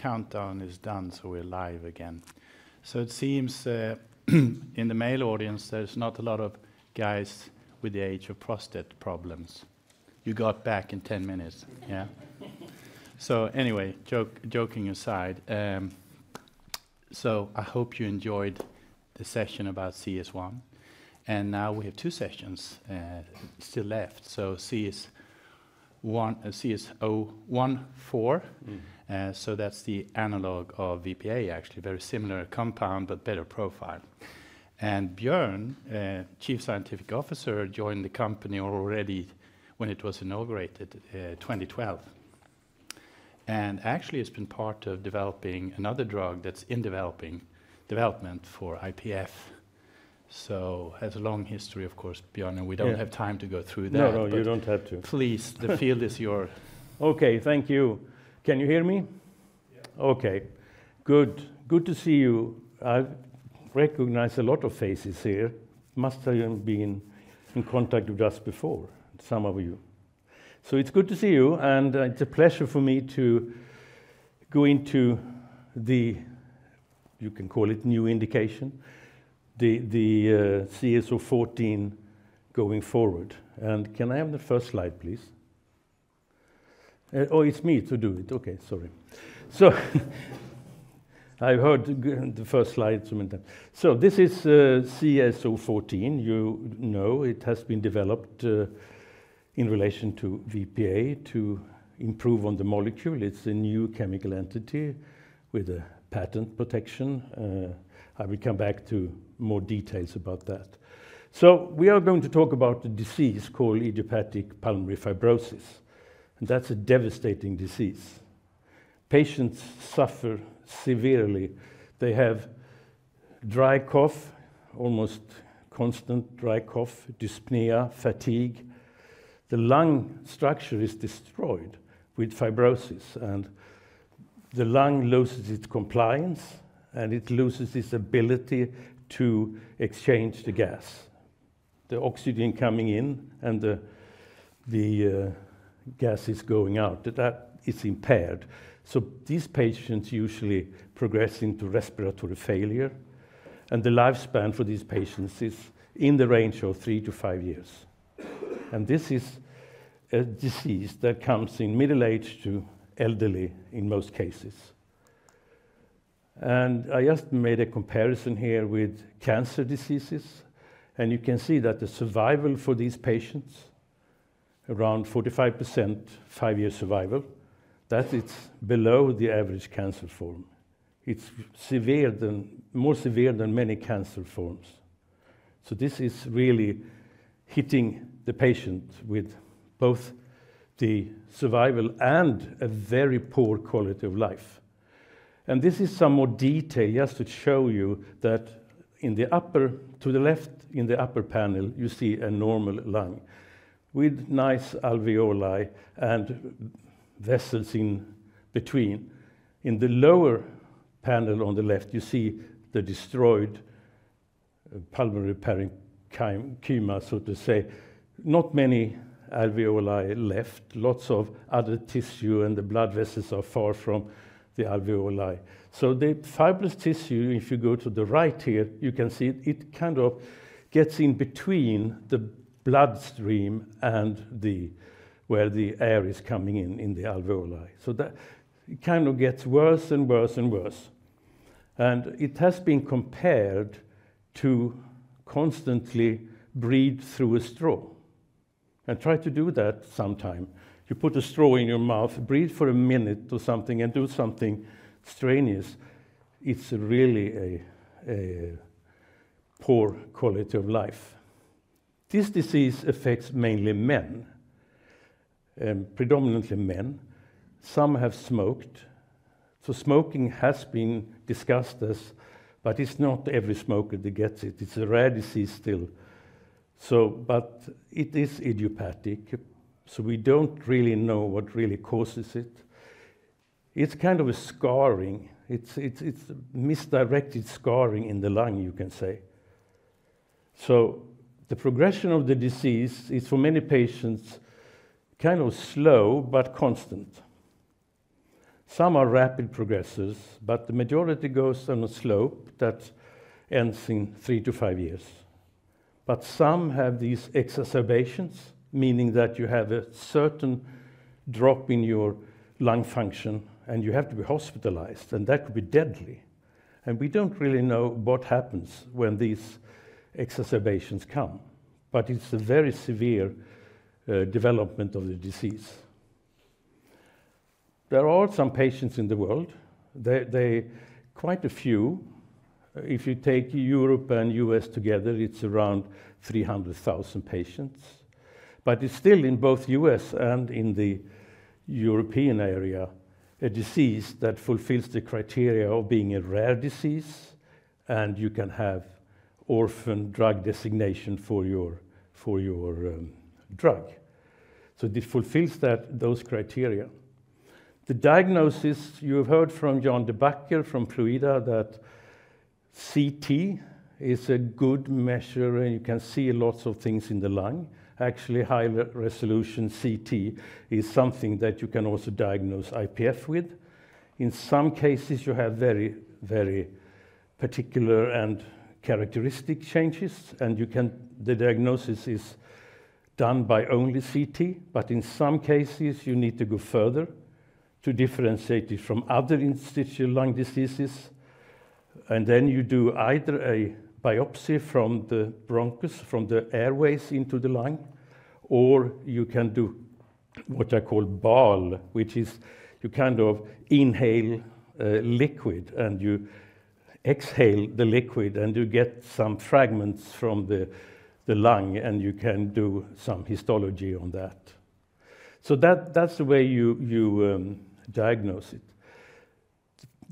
[SPEAKER 1] All right, the countdown is done, so we're live again. So it seems, in the male audience, there's not a lot of guys with the age of prostate problems. You got back in ten minutes. So anyway, joke, joking aside, so I hope you enjoyed the session about CS1, and now we have two sessions still left. So CS1, CS014.
[SPEAKER 8] Mm.
[SPEAKER 1] So that's the analog of VPA, actually. Very similar compound, but better profile. And Björn, Chief Scientific Officer, joined the company already when it was inaugurated, 2012. And actually, he's been part of developing another drug that's in development for IPF. So has a long history, of course, Björn-
[SPEAKER 8] Yeah.
[SPEAKER 1] And we don't have time to go through that.
[SPEAKER 8] No, no, you don't have to.
[SPEAKER 1] Please, the field is yours.
[SPEAKER 8] Okay. Thank you. Can you hear me?
[SPEAKER 1] Yeah.
[SPEAKER 8] Okay, good. Good to see you. I recognize a lot of faces here. Must have been in contact with us before, some of you. So it's good to see you, and it's a pleasure for me to go into the, you can call it new indication, the CS014 going forward. And can I have the first slide, please? Oh, it's me to do it. Okay, sorry. So the first slide sometime. So this is CS014. You know, it has been developed in relation to VPA to improve on the molecule. It's a new chemical entity with a patent protection. I will come back to more details about that. So we are going to talk about a disease called idiopathic pulmonary fibrosis, and that's a devastating disease. Patients suffer severely. They have dry cough, almost constant dry cough, dyspnea, fatigue. The lung structure is destroyed with fibrosis, and the lung loses its compliance, and it loses its ability to exchange the gas. The oxygen coming in and the gases going out, that is impaired. So these patients usually progress into respiratory failure, and the lifespan for these patients is in the range of three to five years. And this is a disease that comes in middle age to elderly in most cases. And I just made a comparison here with cancer diseases, and you can see that the survival for these patients, around 45%, five-year survival, that it's below the average cancer form. It's more severe than many cancer forms. So this is really hitting the patient with both the survival and a very poor quality of life. This is some more detail just to show you that in the upper, to the left, in the upper panel, you see a normal lung with nice alveoli and vessels in between. In the lower panel on the left, you see the destroyed pulmonary parenchyma, so to say. Not many alveoli left, lots of other tissue, and the blood vessels are far from the alveoli. The fibrous tissue, if you go to the right here, you can see it, it kind of gets in between the bloodstream and the, where the air is coming in, in the alveoli. That kind of gets worse and worse and worse. It has been compared to constantly breathe through a straw. Try to do that sometime. You put a straw in your mouth, breathe for a minute or something, and do something strenuous. It's really a poor quality of life. This disease affects mainly men, predominantly men. Some have smoked, so smoking has been discussed as, but it's not every smoker that gets it. It's a rare disease still. But it is idiopathic, so we don't really know what really causes it. It's kind of a scarring. It's misdirected scarring in the lung, you can say, the progression of the disease is, for many patients, kind of slow but constant. Some are rapid progressers, but the majority goes on a slope that ends in three to five years. But some have these exacerbations, meaning that you have a certain drop in your lung function, and you have to be hospitalized, and that could be deadly, and we don't really know what happens when these exacerbations come, but it's a very severe development of the disease. There are some patients in the world, quite a few. If you take Europe and U.S. together, it's around three hundred thousand patients. But it's still, in both U.S. and in the European area, a disease that fulfills the criteria of being a rare disease, and you can have orphan drug designation for your drug. So it fulfills that, those criteria. The diagnosis, you have heard from Jan De Backer from FLUIDDA, that CT is a good measure, and you can see lots of things in the lung. Actually, high-resolution CT is something that you can also diagnose IPF with. In some cases, you have very, very particular and characteristic changes, and you can. The diagnosis is done by only CT, but in some cases, you need to go further to differentiate it from other interstitial lung diseases. And then you do either a biopsy from the bronchus, from the airways into the lung, or you can do what I call BAL, which is you kind of inhale liquid, and you exhale the liquid, and you get some fragments from the lung, and you can do some histology on that. So that's the way you diagnose it.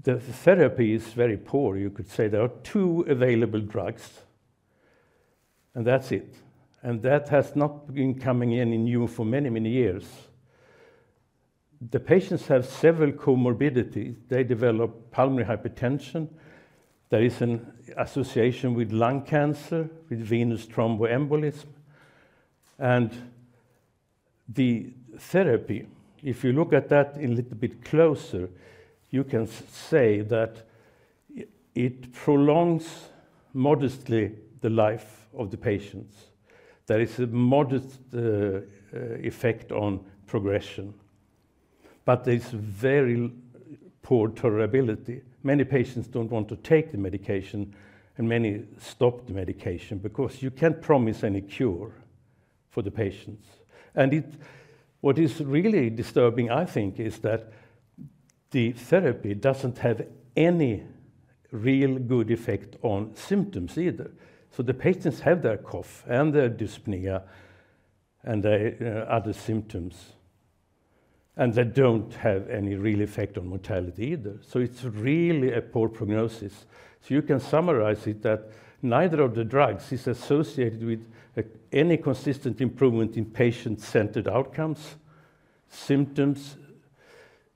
[SPEAKER 8] The therapy is very poor, you could say. There are two available drugs, and that's it, and that has not been coming in new for many, many years. The patients have several comorbidities. They develop pulmonary hypertension. There is an association with lung cancer, with venous thromboembolism. And the therapy, if you look at that a little bit closer, you can say that it prolongs modestly the life of the patients. There is a modest effect on progression, but there's very poor tolerability. Many patients don't want to take the medication, and many stop the medication because you can't promise any cure for the patients, and what is really disturbing, I think, is that the therapy doesn't have any real good effect on symptoms either, so the patients have their cough and their dyspnea and their other symptoms... and they don't have any real effect on mortality either, so it's really a poor prognosis, so you can summarize it that neither of the drugs is associated with any consistent improvement in patient-centered outcomes, symptoms,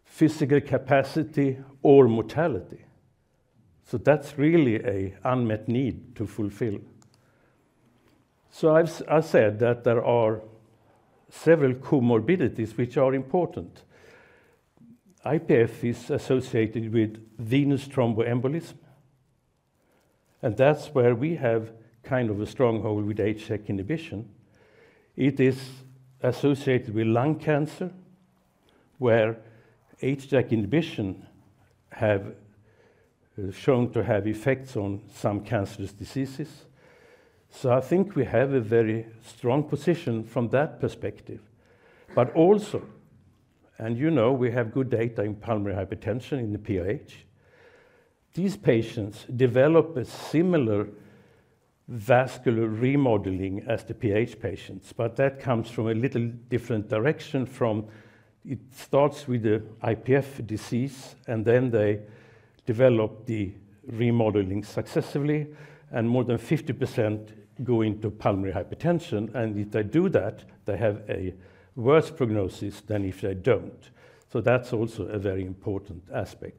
[SPEAKER 8] physical capacity, or mortality, so that's really a unmet need to fulfill, so I've said that there are several comorbidities, which are important. IPF is associated with venous thromboembolism, and that's where we have kind of a stronghold with HDAC inhibition. It is associated with lung cancer, where HDAC inhibition have shown to have effects on some cancerous diseases. So I think we have a very strong position from that perspective. But also, and you know, we have good data in pulmonary hypertension, in the PAH. These patients develop a similar vascular remodeling as the PAH patients, but that comes from a little different direction from. It starts with the IPF disease, and then they develop the remodeling successively, and more than 50% go into pulmonary hypertension. And if they do that, they have a worse prognosis than if they don't. So that's also a very important aspect.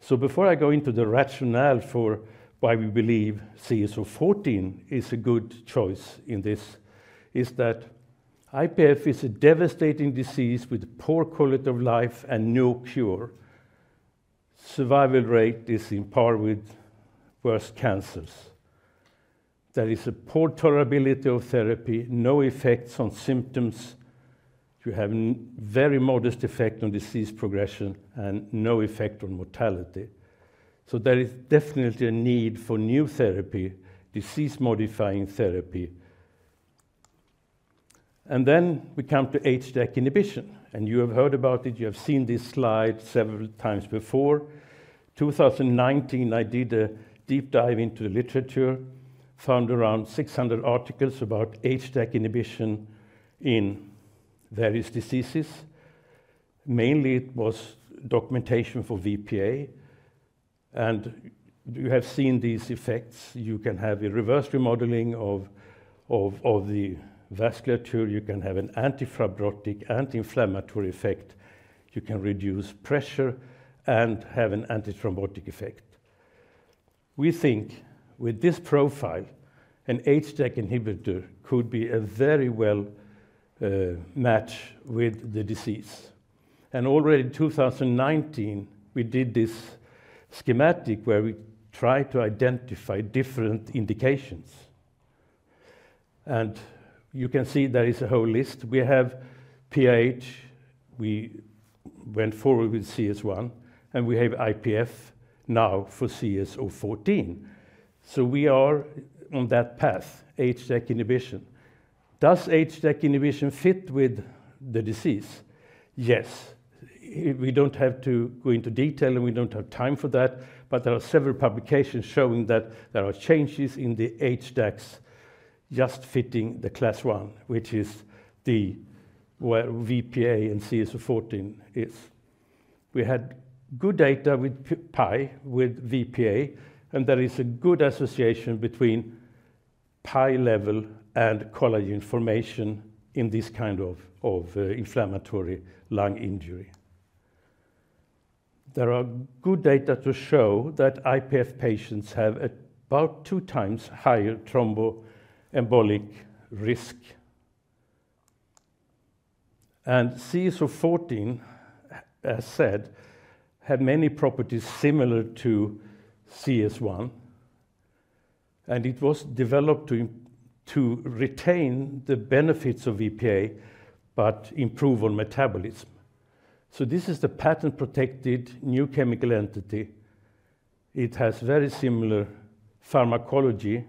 [SPEAKER 8] So before I go into the rationale for why we believe CS014 is a good choice in this, is that IPF is a devastating disease with poor quality of life and no cure. Survival rate is on par with worse cancers. There is a poor tolerability of therapy, no effects on symptoms. You have a very modest effect on disease progression and no effect on mortality. So there is definitely a need for new therapy, disease-modifying therapy. And then we come to HDAC inhibition, and you have heard about it. You have seen this slide several times before. 2019, I did a deep dive into the literature, found around 600 articles about HDAC inhibition in various diseases. Mainly, it was documentation for VPA, and you have seen these effects. You can have a reverse remodeling of the vasculature. You can have an anti-fibrotic, anti-inflammatory effect. You can reduce pressure and have an antithrombotic effect. We think with this profile, an HDAC inhibitor could be a very well match with the disease. Already in two thousand and nineteen, we did this schematic, where we tried to identify different indications. You can see there is a whole list. We have PAH. We went forward with CS1, and we have IPF now for CS014. We are on that path, HDAC inhibition. Does HDAC inhibition fit with the disease? Yes. We don't have to go into detail, and we don't have time for that, but there are several publications showing that there are changes in the HDACs just fitting the Class I, which is where VPA and CS014 is. We had good data with PAI-1, with VPA, and there is a good association between PAI-1 level and collagen formation in this kind of of inflammatory lung injury. There are good data to show that IPF patients have about two times higher thromboembolic risk. And CS014, as said, had many properties similar to CS1, and it was developed to retain the benefits of VPA but improve on metabolism. So this is the patent-protected new chemical entity. It has very similar pharmacology,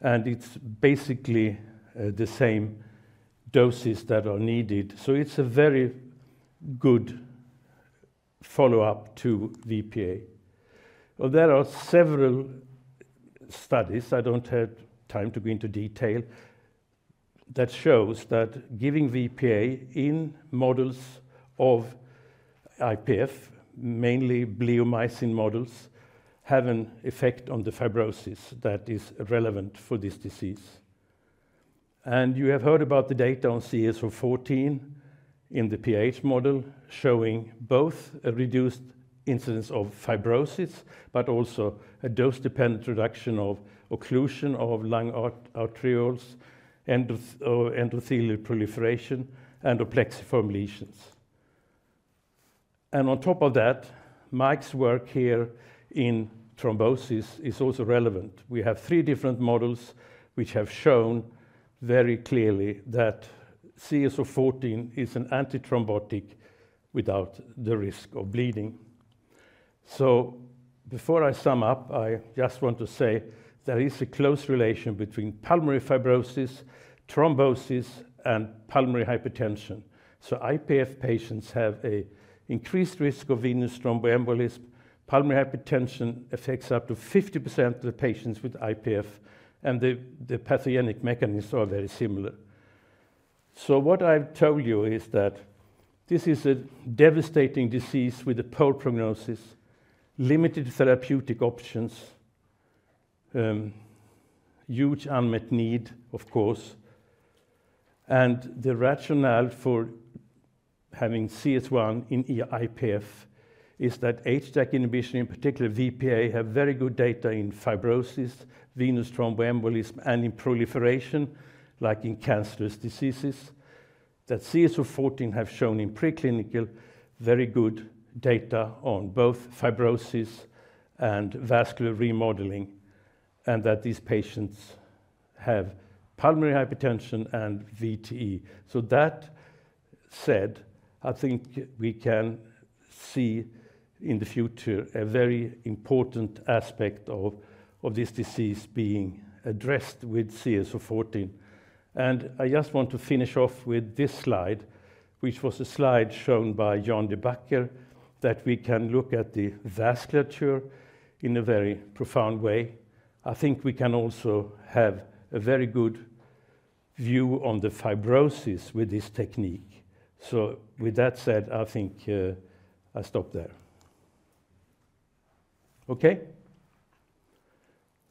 [SPEAKER 8] and it's basically the same doses that are needed. So it's a very good follow-up to VPA. Well, there are several studies, I don't have time to go into detail, that shows that giving VPA in models of IPF, mainly bleomycin models, have an effect on the fibrosis that is relevant for this disease. And you have heard about the data on CS014 in the PAH model, showing both a reduced incidence of fibrosis, but also a dose-dependent reduction of occlusion of lung arterioles, endothelial proliferation, and of plexiform lesions. And on top of that, Mike's work here in thrombosis is also relevant. We have three different models which have shown very clearly that CS014 is an antithrombotic without the risk of bleeding. So before I sum up, I just want to say there is a close relation between pulmonary fibrosis, thrombosis, and pulmonary hypertension. So IPF patients have an increased risk of venous thromboembolism. Pulmonary hypertension affects up to 50% of the patients with IPF, and the pathogenic mechanisms are very similar. So what I've told you is that this is a devastating disease with a poor prognosis, limited therapeutic options, huge unmet need, of course. And the rationale for having CS1 in IPF is that HDAC inhibition, in particular VPA, have very good data in fibrosis, venous thromboembolism, and in proliferation, like in cancerous diseases. That CS014 have shown in preclinical very good data on both fibrosis and vascular remodeling, and that these patients have pulmonary hypertension and VTE. So that said, I think we can see in the future a very important aspect of this disease being addressed with CS014. And I just want to finish off with this slide, which was a slide shown by Jan De Backer, that we can look at the vasculature in a very profound way. I think we can also have a very good view on the fibrosis with this technique. So with that said, I think I stop there. Okay.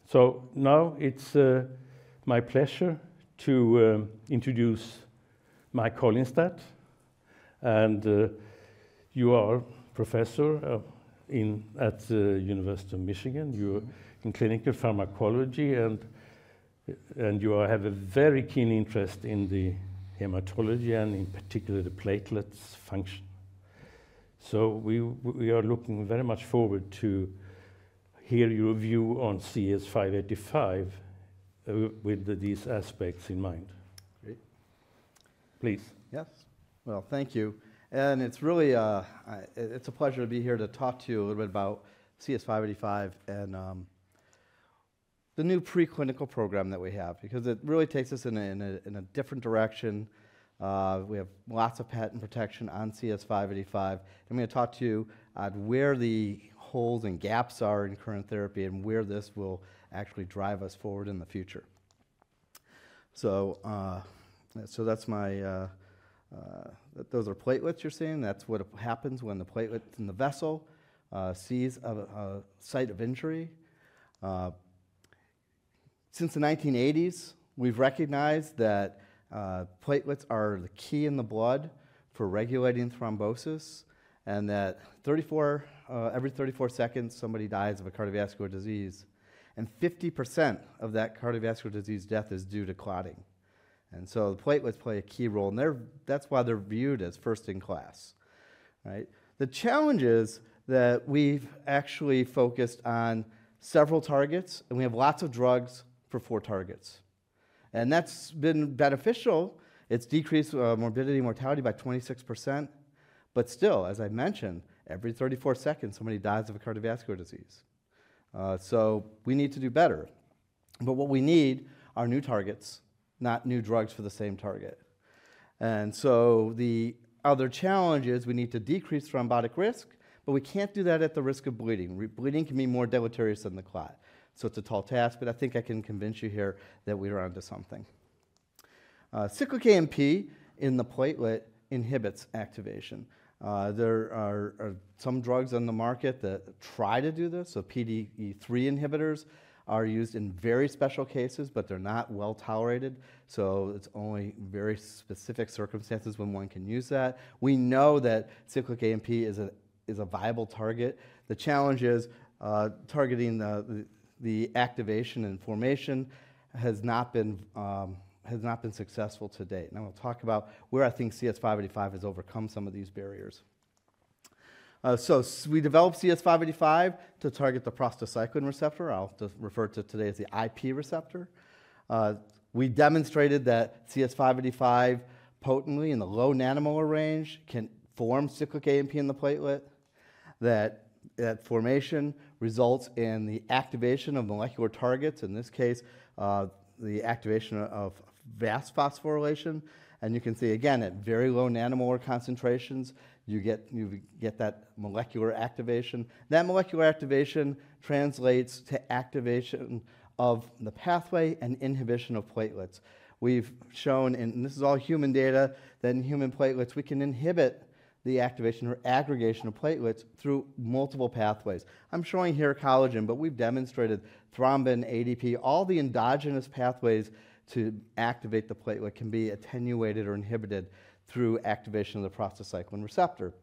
[SPEAKER 8] So now it's my pleasure to introduce Mike Holinstat. And you are professor at the University of Michigan. You're in clinical pharmacology, and you have a very keen interest in the hematology and in particular, the platelets function. So we are looking very much forward to hear your view on CS585, with these aspects in mind.
[SPEAKER 9] Great.
[SPEAKER 8] Please.
[SPEAKER 9] Yes. Well, thank you. And it's really a pleasure to be here to talk to you a little bit about CS585 and the new preclinical program that we have, because it really takes us in a different direction. We have lots of patent protection on CS585. I'm gonna talk to you on where the holes and gaps are in current therapy, and where this will actually drive us forward in the future. Those are platelets you're seeing. That's what happens when the platelets in the vessel sees a site of injury. Since the nineteen eighties, we've recognized that platelets are the key in the blood for regulating thrombosis and that every 34 seconds, somebody dies of a cardiovascular disease, and 50% of that cardiovascular disease death is due to clotting, and so the platelets play a key role, and they're. That's why they're viewed as first in class, right? The challenge is that we've actually focused on several targets, and we have lots of drugs for four targets, and that's been beneficial. It's decreased morbidity and mortality by 26%, but still, as I mentioned, every 34 seconds, somebody dies of a cardiovascular disease, so we need to do better, but what we need are new targets, not new drugs for the same target. The other challenge is, we need to decrease thrombotic risk, but we can't do that at the risk of bleeding. Bleeding can be more deleterious than the clot, so it's a tall task, but I think I can convince you here that we are onto something. Cyclic AMP in the platelet inhibits activation. There are some drugs on the market that try to do this. PDE3 inhibitors are used in very special cases, but they're not well-tolerated, so it's only very specific circumstances when one can use that. We know that cyclic AMP is a viable target. The challenge is targeting the activation and formation has not been successful to date. I will talk about where I think CS585 has overcome some of these barriers. So we developed CS585 to target the prostacyclin receptor. I'll just refer to today as the IP receptor. We demonstrated that CS585, potently in the low nanomolar range, can form cyclic AMP in the platelet, that formation results in the activation of molecular targets, in this case, the activation of VASP phosphorylation. And you can see again, at very low nanomolar concentrations, you get that molecular activation. That molecular activation translates to activation of the pathway and inhibition of platelets. We've shown, and this is all human data, that in human platelets, we can inhibit the activation or aggregation of platelets through multiple pathways. I'm showing here collagen, but we've demonstrated thrombin, ADP. All the endogenous pathways to activate the platelet can be attenuated or inhibited through activation of the prostacyclin receptor.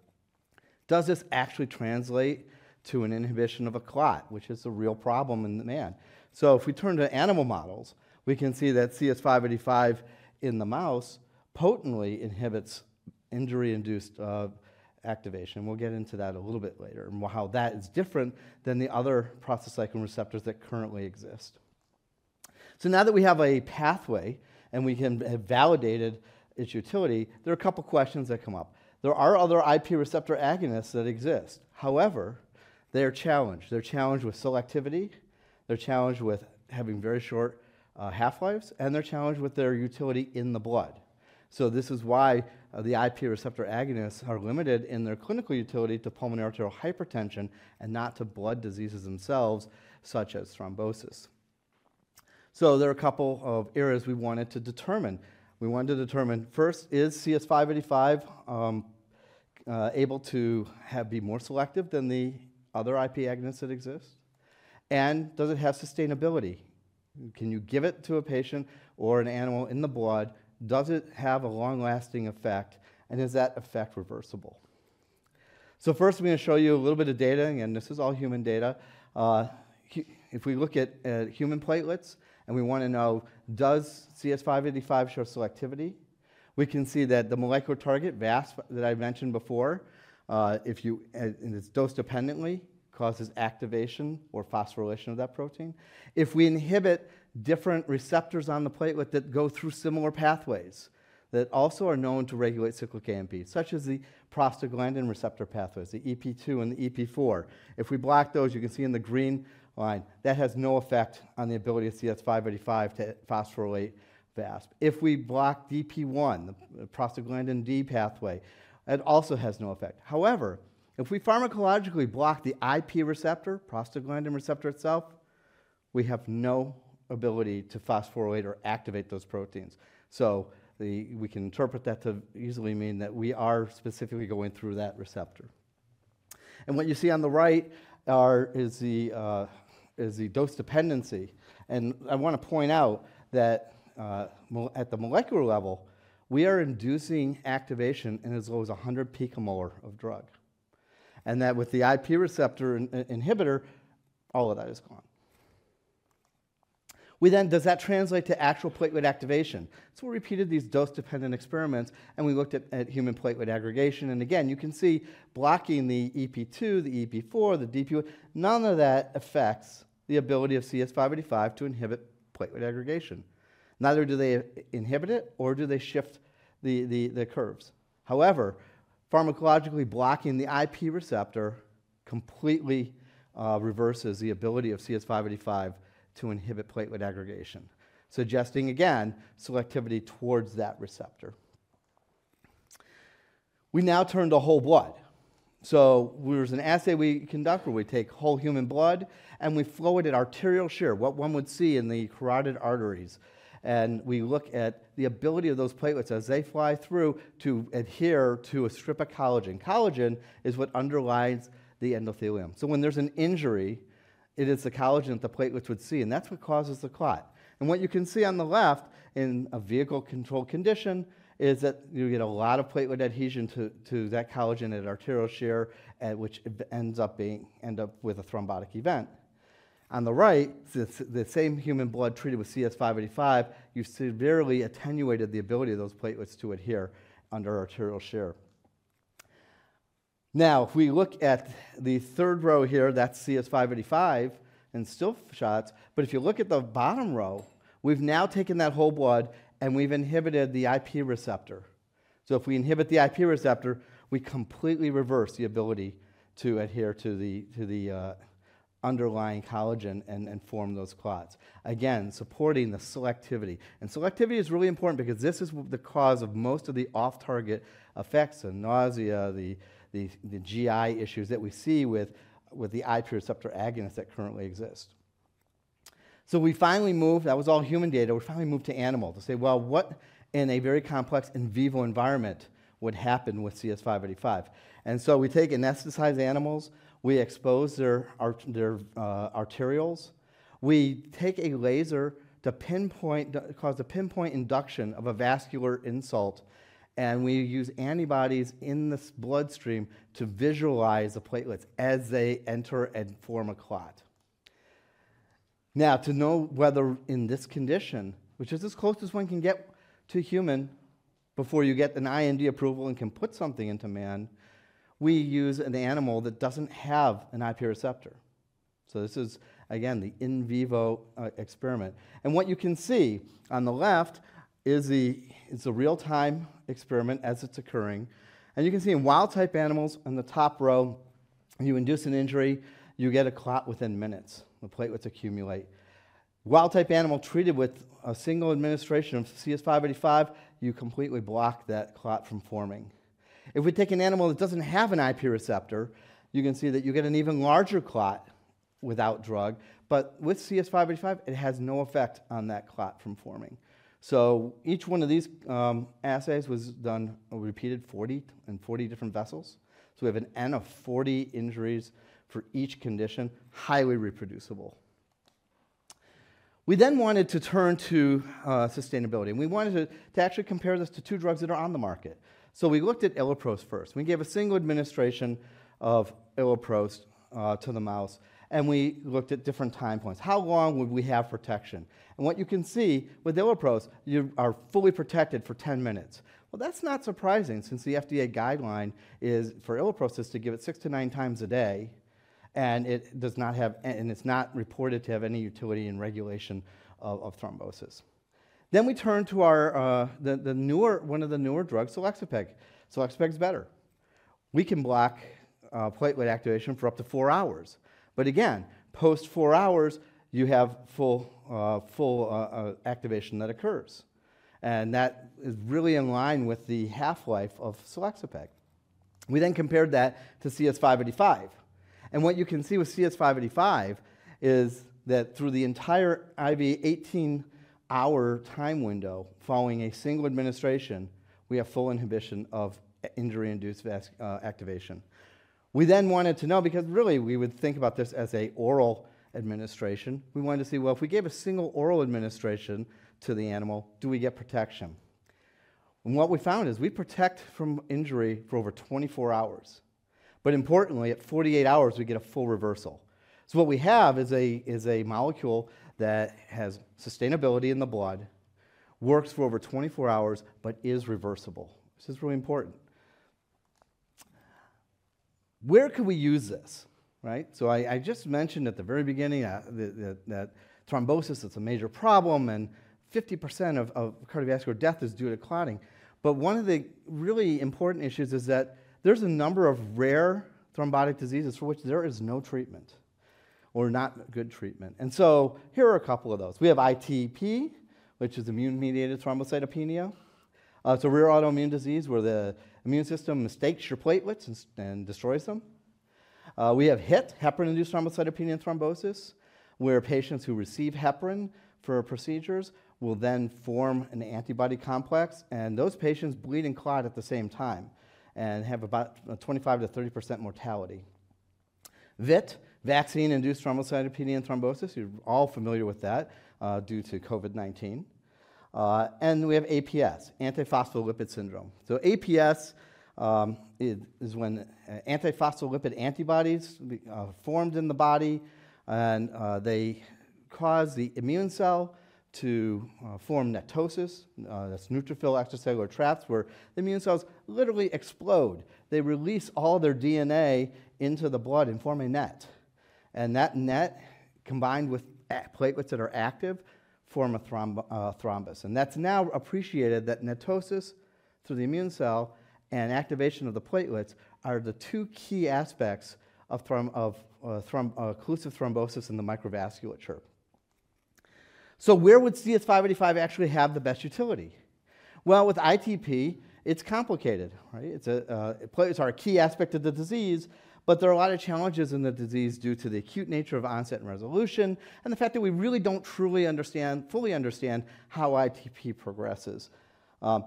[SPEAKER 9] Does this actually translate to an inhibition of a clot, which is a real problem in the man? So if we turn to animal models, we can see that CS585 in the mouse potently inhibits injury-induced activation. We'll get into that a little bit later, and how that is different than the other prostacyclin receptors that currently exist. So now that we have a pathway and we have validated its utility, there are a couple of questions that come up. There are other IP receptor agonists that exist. However, they are challenged. They're challenged with selectivity, they're challenged with having very short half-lives, and they're challenged with their utility in the blood. So this is why the IP receptor agonists are limited in their clinical utility to pulmonary arterial hypertension and not to blood diseases themselves, such as thrombosis. So there are a couple of areas we wanted to determine. We wanted to determine first, is CS585 able to have, be more selective than the other IP agonists that exist? And does it have sustainability? Can you give it to a patient or an animal in the blood, does it have a long-lasting effect, and is that effect reversible? So first, I'm gonna show you a little bit of data, again, this is all human data. If we look at human platelets, and we want to know, does CS585 show selectivity? We can see that the molecular target, VASP, that I mentioned before, it's dose dependently causes activation or phosphorylation of that protein. If we inhibit different receptors on the platelet that go through similar pathways, that also are known to regulate cyclic AMP, such as the prostaglandin receptor pathways, the EP2 and the EP4, if we block those, you can see in the green line that has no effect on the ability of CS585 to phosphorylate VASP. If we block DP1, the prostaglandin D pathway, it also has no effect. However, if we pharmacologically block the IP receptor, prostaglandin receptor itself, we have no ability to phosphorylate or activate those proteins. So we can interpret that to usually mean that we are specifically going through that receptor. And what you see on the right is the dose dependency. And I want to point out that at the molecular level, we are inducing activation in as low as 100 pM of drug. And that with the IP receptor inhibitor, all of that is gone. We then. Does that translate to actual platelet activation? So we repeated these dose-dependent experiments, and we looked at human platelet aggregation. And again, you can see blocking the EP2, the EP4, the DP, none of that affects the ability of CS585 to inhibit platelet aggregation. Neither do they inhibit it or do they shift the curves. However, pharmacologically blocking the IP receptor completely reverses the ability of CS585 to inhibit platelet aggregation, suggesting, again, selectivity towards that receptor. We now turn to whole blood. So there was an assay we conduct, where we take whole human blood, and we flow it at arterial shear, what one would see in the carotid arteries. And we look at the ability of those platelets as they fly through, to adhere to a strip of collagen. Collagen is what underlies the endothelium. So when there's an injury, it is the collagen that the platelets would see, and that's what causes the clot. And what you can see on the left, in a vehicle control condition, is that you get a lot of platelet adhesion to that collagen at arterial shear, which ends up with a thrombotic event. On the right, the same human blood treated with CS585, you severely attenuated the ability of those platelets to adhere under arterial shear. Now, if we look at the third row here, that's CS585 in still shots, but if you look at the bottom row, we've now taken that whole blood, and we've inhibited the IP receptor. If we inhibit the IP receptor, we completely reverse the ability to adhere to the underlying collagen and form those clots. Again, supporting the selectivity. Selectivity is really important because this is the cause of most of the off-target effects, the nausea, the GI issues that we see with the IP receptor agonists that currently exist. We finally moved. That was all human data. We finally moved to animal to say, "Well, what in a very complex in vivo environment would happen with CS585?" We take anesthetized animals, we expose their arteries, we take a laser to pinpoint, to cause a pinpoint induction of a vascular insult, and we use antibodies in the bloodstream to visualize the platelets as they enter and form a clot. Now, to know whether in this condition, which is as close as one can get to human, before you get an IND approval and can put something into man, we use an animal that doesn't have an IP receptor. So this is, again, the in vivo experiment. And what you can see on the left is the, it's a real-time experiment as it's occurring, and you can see in wild type animals on the top row, you induce an injury, you get a clot within minutes, the platelets accumulate. Wild type animal treated with a single administration of CS585, you completely block that clot from forming. If we take an animal that doesn't have an IP receptor, you can see that you get an even larger clot without drug, but with CS585, it has no effect on that clot from forming. Each one of these assays was done or repeated 40, in 40 different vessels. So we have an n of 40 injuries for each condition, highly reproducible. We then wanted to turn to sustainability, and we wanted to actually compare this to two drugs that are on the market. So we looked at iloprost first. We gave a single administration of iloprost to the mouse, and we looked at different time points. How long would we have protection? And what you can see with iloprost, you are fully protected for 10 minutes. Well, that's not surprising since the FDA guideline is for iloprost is to give it six to nine times a day, and it does not have, and it's not reported to have any utility in regulation of thrombosis. Then we turn to our, one of the newer drugs, selexipag. Selexipag is better. We can block platelet activation for up to four hours, but again, post four hours, you have full activation that occurs. And that is really in line with the half-life of selexipag. We then compared that to CS585. And what you can see with CS585 is that through the entire IV 18-hour time window following a single administration, we have full inhibition of injury-induced VASP activation. We then wanted to know, because really, we would think about this as an oral administration. We wanted to see, well, if we gave a single oral administration to the animal, do we get protection? And what we found is we protect from injury for over 24 hours, but importantly, at 48 hours, we get a full reversal. So what we have is a molecule that has sustainability in the blood, works for over 24 hours, but is reversible. This is really important. Where could we use this? Right? So I just mentioned at the very beginning that thrombosis is a major problem, and 50% of cardiovascular death is due to clotting. But one of the really important issues is that there's a number of rare thrombotic diseases for which there is no treatment or not good treatment. And so here are a couple of those. We have ITP, which is immune-mediated thrombocytopenia. It's a rare autoimmune disease where the immune system mistakes your platelets and destroys them. We have HIT, heparin-induced thrombocytopenia and thrombosis, where patients who receive heparin for procedures will then form an antibody complex, and those patients bleed and clot at the same time and have about 25%-30% mortality. VITT, vaccine-induced thrombocytopenia and thrombosis, you're all familiar with that, due to COVID-19, and we have APS, antiphospholipid syndrome, so APS is when antiphospholipid antibodies are formed in the body, and they cause the immune cell to form NETosis. That's neutrophil extracellular traps, where the immune cells literally explode. They release all their DNA into the blood and form a net, and that net, combined with platelets that are active, form a thrombus. That's now appreciated, that NETosis through the immune cell and activation of the platelets are the two key aspects of thrombo-occlusive thrombosis in the microvasculature. Where would CS585 actually have the best utility? With ITP, it's complicated, right? It's a platelets are a key aspect of the disease, but there are a lot of challenges in the disease due to the acute nature of onset and resolution, and the fact that we really don't fully understand how ITP progresses.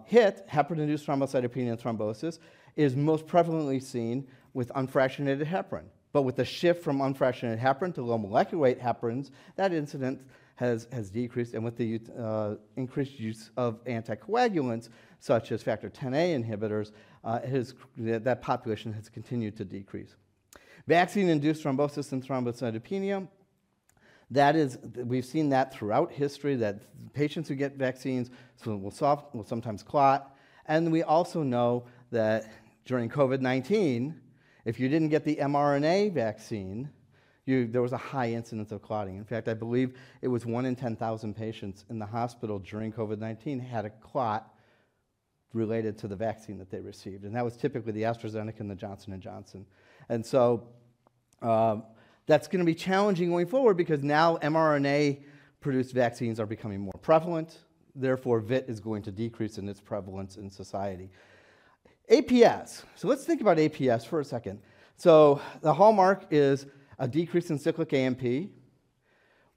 [SPEAKER 9] HIT, heparin-induced thrombocytopenia and thrombosis, is most prevalently seen with unfractionated heparin. But with the shift from unfractionated heparin to low molecular weight heparins, that incidence has decreased, and with the increased use of anticoagulants, such as factor Xa inhibitors, that population has continued to decrease. Vaccine-induced thrombosis and thrombocytopenia, that is, we've seen that throughout history, that patients who get vaccines, some will sometimes clot. And we also know that during COVID-19, if you didn't get the mRNA vaccine, there was a high incidence of clotting. In fact, I believe it was one in 10,000 patients in the hospital during COVID-19 had a clot related to the vaccine that they received, and that was typically the AstraZeneca and the Johnson & Johnson. And so, that's going to be challenging going forward because now mRNA-produced vaccines are becoming more prevalent. Therefore, VITT is going to decrease in its prevalence in society. APS. So let's think about APS for a second. So the hallmark is a decrease in cyclic AMP.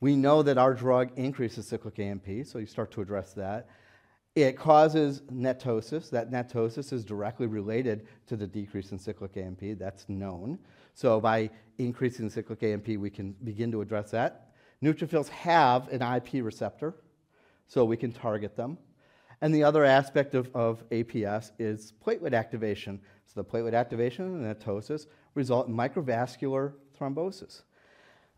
[SPEAKER 9] We know that our drug increases cyclic AMP, so you start to address that. It causes NETosis. That NETosis is directly related to the decrease in cyclic AMP. That's known. So by increasing cyclic AMP, we can begin to address that. Neutrophils have an IP receptor, so we can target them. And the other aspect of APS is platelet activation. So the platelet activation and NETosis result in microvascular thrombosis.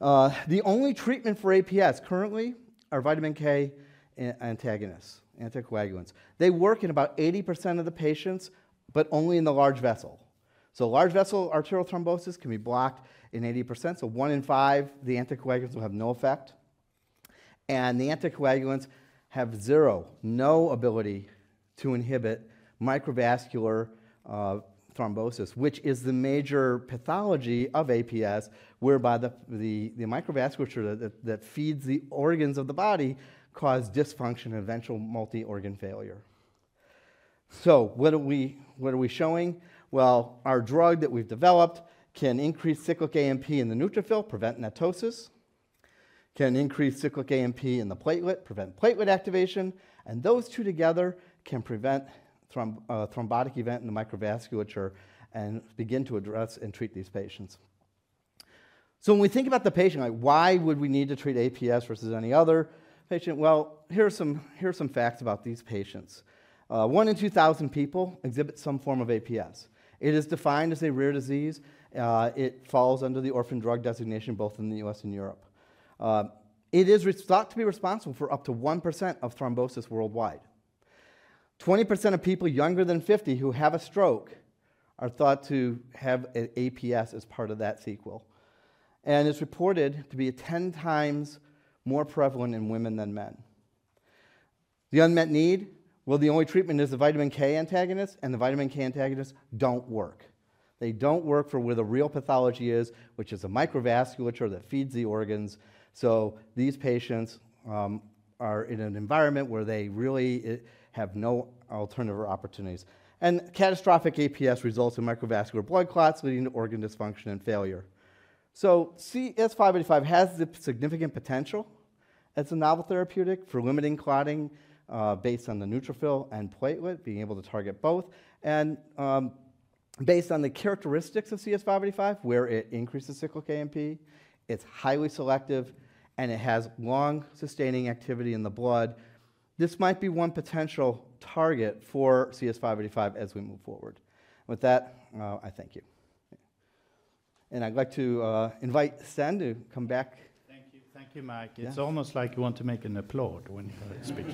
[SPEAKER 9] The only treatment for APS currently are vitamin K antagonists, anticoagulants. They work in about 80% of the patients, but only in the large vessel. So large vessel arterial thrombosis can be blocked in 80%. So one in five, the anticoagulants will have no effect, and the anticoagulants have zero no ability to inhibit microvascular thrombosis, which is the major pathology of APS, whereby the microvasculature that feeds the organs of the body cause dysfunction and eventual multi-organ failure. So what are we showing? Our drug that we've developed can increase cyclic AMP in the neutrophil, prevent NETosis, can increase cyclic AMP in the platelet, prevent platelet activation, and those two together can prevent thrombotic event in the microvasculature and begin to address and treat these patients. When we think about the patient, like, why would we need to treat APS versus any other patient? Here are some facts about these patients. One in 2000 people exhibit some form of APS. It is defined as a rare disease. It falls under the orphan drug designation, both in the U.S. and Europe. It is thought to be responsible for up to 1% of thrombosis worldwide. 20% of people younger than 50 who have a stroke are thought to have an APS as part of that sequelae, and it's reported to be 10x more prevalent in women than men. The unmet need? Well, the only treatment is the vitamin K antagonist, and the vitamin K antagonist don't work. They don't work for where the real pathology is, which is the microvasculature that feeds the organs. So these patients are in an environment where they really have no alternative or opportunities. And catastrophic APS results in microvascular blood clots, leading to organ dysfunction and failure. So CS585 has the significant potential as a novel therapeutic for limiting clotting based on the neutrophil and platelet, being able to target both. Based on the characteristics of CS585, where it increases cyclic AMP, it's highly selective, and it has long-sustaining activity in the blood. This might be one potential target for CS585 as we move forward. With that, I thank you. I'd like to invite Sten to come back.
[SPEAKER 1] Thank you. Thank you, Mike.
[SPEAKER 9] Yeah.
[SPEAKER 1] It's almost like you want to make applause when he speak.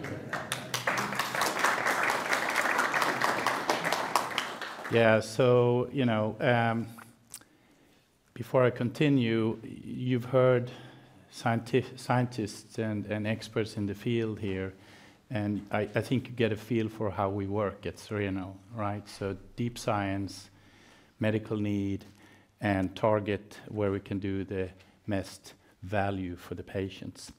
[SPEAKER 1] Yeah, so, you know, before I continue, you've heard scientists and experts in the field here, and I think you get a feel for how we work at Cereno, right? So deep science, medical need, and target, where we can do the best value for the patients.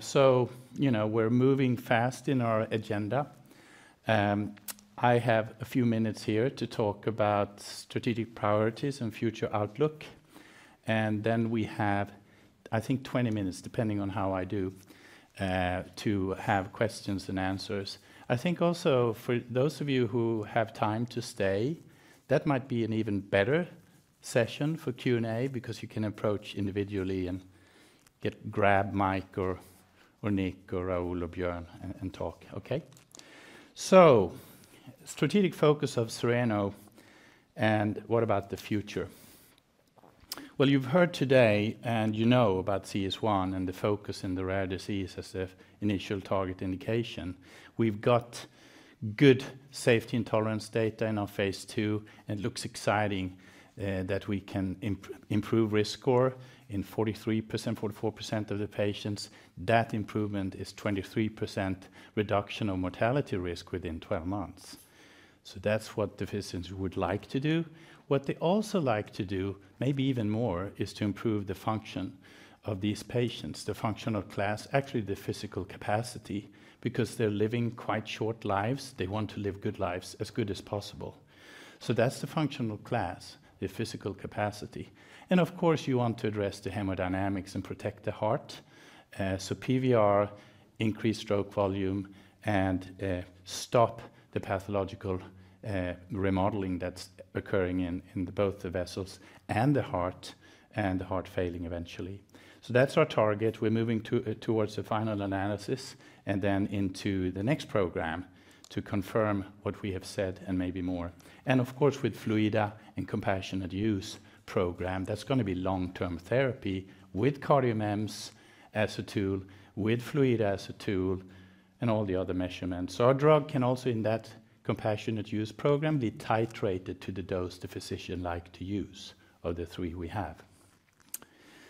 [SPEAKER 1] So, you know, we're moving fast in our agenda. I have a few minutes here to talk about strategic priorities and future outlook, and then we have, I think, 20 minutes, depending on how I do, to have questions and answers. I think also for those of you who have time to stay, that might be an even better session for Q&A because you can approach individually and grab Mike or Nick or Rahul or Björn and talk. Okay? Strategic focus of Cereno and what about the future? Well, you've heard today, and you know about CS1 and the focus in the rare disease as the initial target indication. We've got good safety and tolerance data in our phase II, and it looks exciting that we can improve risk score in 43%, 44% of the patients. That improvement is 23% reduction of mortality risk within 12 months. So that's what the physicians would like to do. What they also like to do, maybe even more, is to improve the function of these patients, the functional class, actually, the physical capacity, because they're living quite short lives. They want to live good lives, as good as possible. So that's the functional class, the physical capacity. And of course, you want to address the hemodynamics and protect the heart. So PVR, increased stroke volume, and stop the pathological remodeling that's occurring in both the vessels and the heart, and the heart failing eventually. So that's our target. We're moving towards the final analysis and then into the next program to confirm what we have said and maybe more. And of course, with FLUIDDA and compassionate use program, that's gonna be long-term therapy with CardioMEMS as a tool, with FLUIDDA as a tool, and all the other measurements. So our drug can also, in that compassionate use program, be titrated to the dose the physician like to use of the three we have.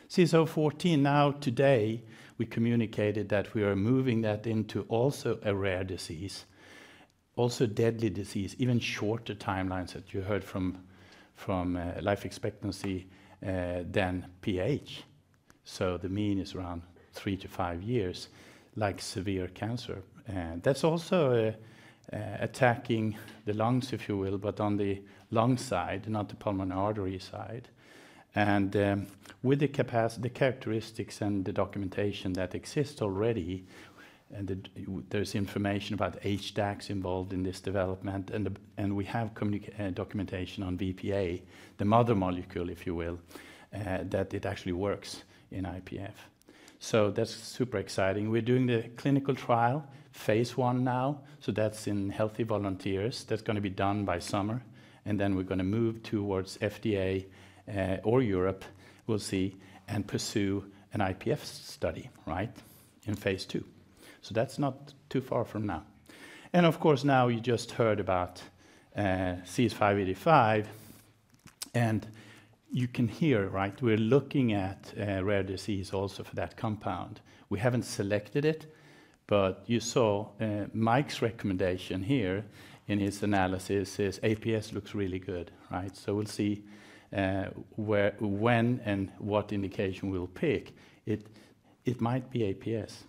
[SPEAKER 1] CS014, now, today, we communicated that we are moving that into also a rare disease, also deadly disease, even shorter timelines that you heard from life expectancy than PH. So the mean is around three to five years, like severe cancer. And that's also attacking the lungs, if you will, but on the lung side, not the pulmonary artery side. And with the characteristics and the documentation that exists already, and there's information about HDACs involved in this development, and we have documentation on VPA, the mother molecule, if you will, that it actually works in IPF. So that's super exciting. We're doing the clinical trial, phase I now, so that's in healthy volunteers. That's gonna be done by summer, and then we're gonna move towards FDA or Europe, we'll see, and pursue an IPF study, right? In phase II. So that's not too far from now. And of course, now you just heard about CS585, and you can hear, right? We're looking at rare disease also for that compound. We haven't selected it, but you saw Mike's recommendation here in his analysis, is APS looks really good, right? So we'll see where, when, and what indication we'll pick. It might be APS.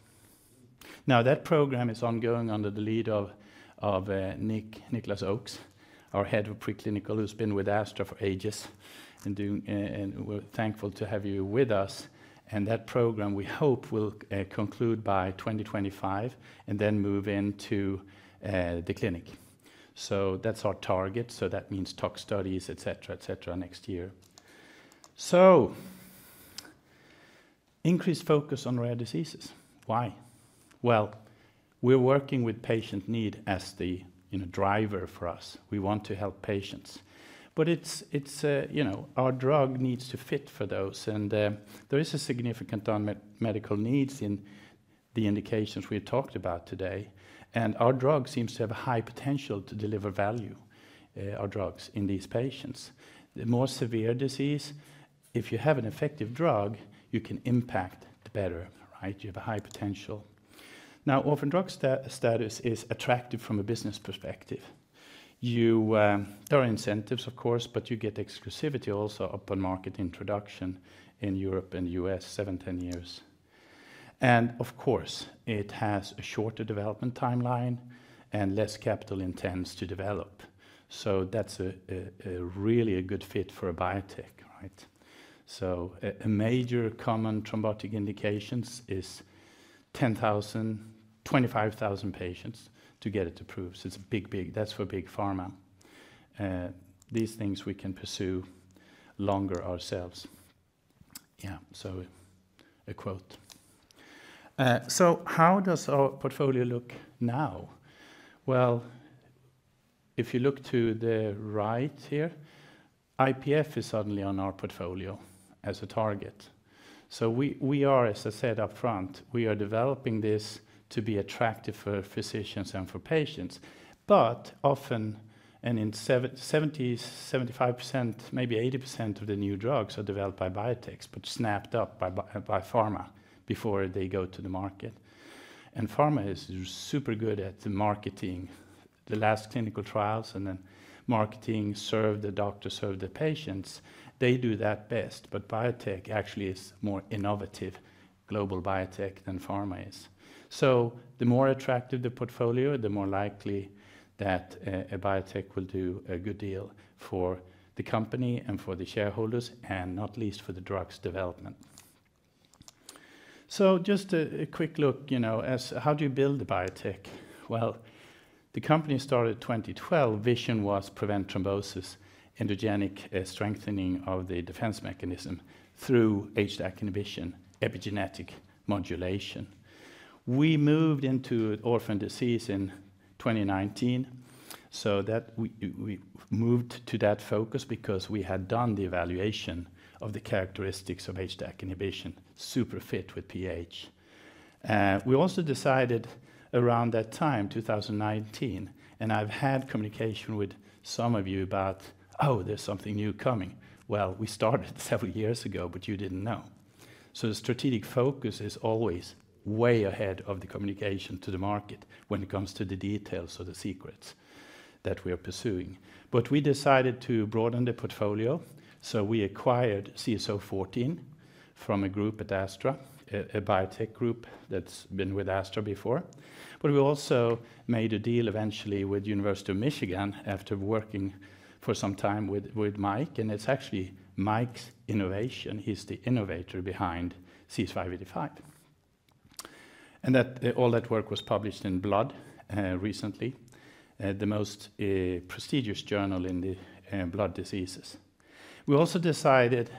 [SPEAKER 1] Now, that program is ongoing under the lead of Nick, Nicholas Oakes, our Head of Preclinical, who's been with Astra for ages, and we're thankful to have you with us. That program, we hope, will conclude by 2025 and then move into the clinic. So that's our target, so that means tox studies, et cetera, et cetera, next year, so increased focus on rare diseases. Why? Well, we're working with patient need as the, you know, driver for us. We want to help patients. But it's you know, our drug needs to fit for those, and there is a significant unmet medical needs in the indications we talked about today, and our drug seems to have a high potential to deliver value, our drugs in these patients. The more severe disease, if you have an effective drug, you can impact the better, right? You have a high potential. Now, orphan drug status is attractive from a business perspective. You there are incentives, of course, but you get exclusivity also upon market introduction in Europe and U.S., 7-10 years. And of course, it has a shorter development timeline and less capital intense to develop. So that's a really good fit for a biotech, right? So a major common thrombotic indications is 10,000, 25,000 patients to get it to prove. So it's big, big. That's for big pharma. These things we can pursue longer ourselves. Yeah, so a quote. So how does our portfolio look now? Well, if you look to the right here, IPF is suddenly on our portfolio as a target. So we, we are, as I said, up front, we are developing this to be attractive for physicians and for patients. But often, and in 75%, maybe 80% of the new drugs are developed by biotechs, but snapped up by pharma before they go to the market. And pharma is super good at the marketing, the last clinical trials, and then marketing, serve the doctor, serve the patients. They do that best, but biotech actually is more innovative, global biotech than pharma is. So the more attractive the portfolio, the more likely that a biotech will do a good deal for the company and for the shareholders, and not least for the drugs development. Just a quick look, you know, as how do you build a biotech? The company started 2012. Vision was prevent thrombosis, endogenous strengthening of the defense mechanism through HDAC inhibition, epigenetic modulation. We moved into orphan disease in 2019, so that we moved to that focus because we had done the evaluation of the characteristics of HDAC inhibition, super fit with PH. We also decided around that time, 2019, and I've had communication with some of you about, "Oh, there's something new coming." We started several years ago, but you didn't know. The strategic focus is always way ahead of the communication to the market when it comes to the details or the secrets that we are pursuing. But we decided to broaden the portfolio, so we acquired CS014 from a group at Astra, a biotech group that's been with Astra before. But we also made a deal eventually with University of Michigan after working for some time with Mike, and it's actually Mike's innovation. He's the innovator behind CS585. And that, all that work was published in Blood recently, the most prestigious journal in the blood diseases. We also decided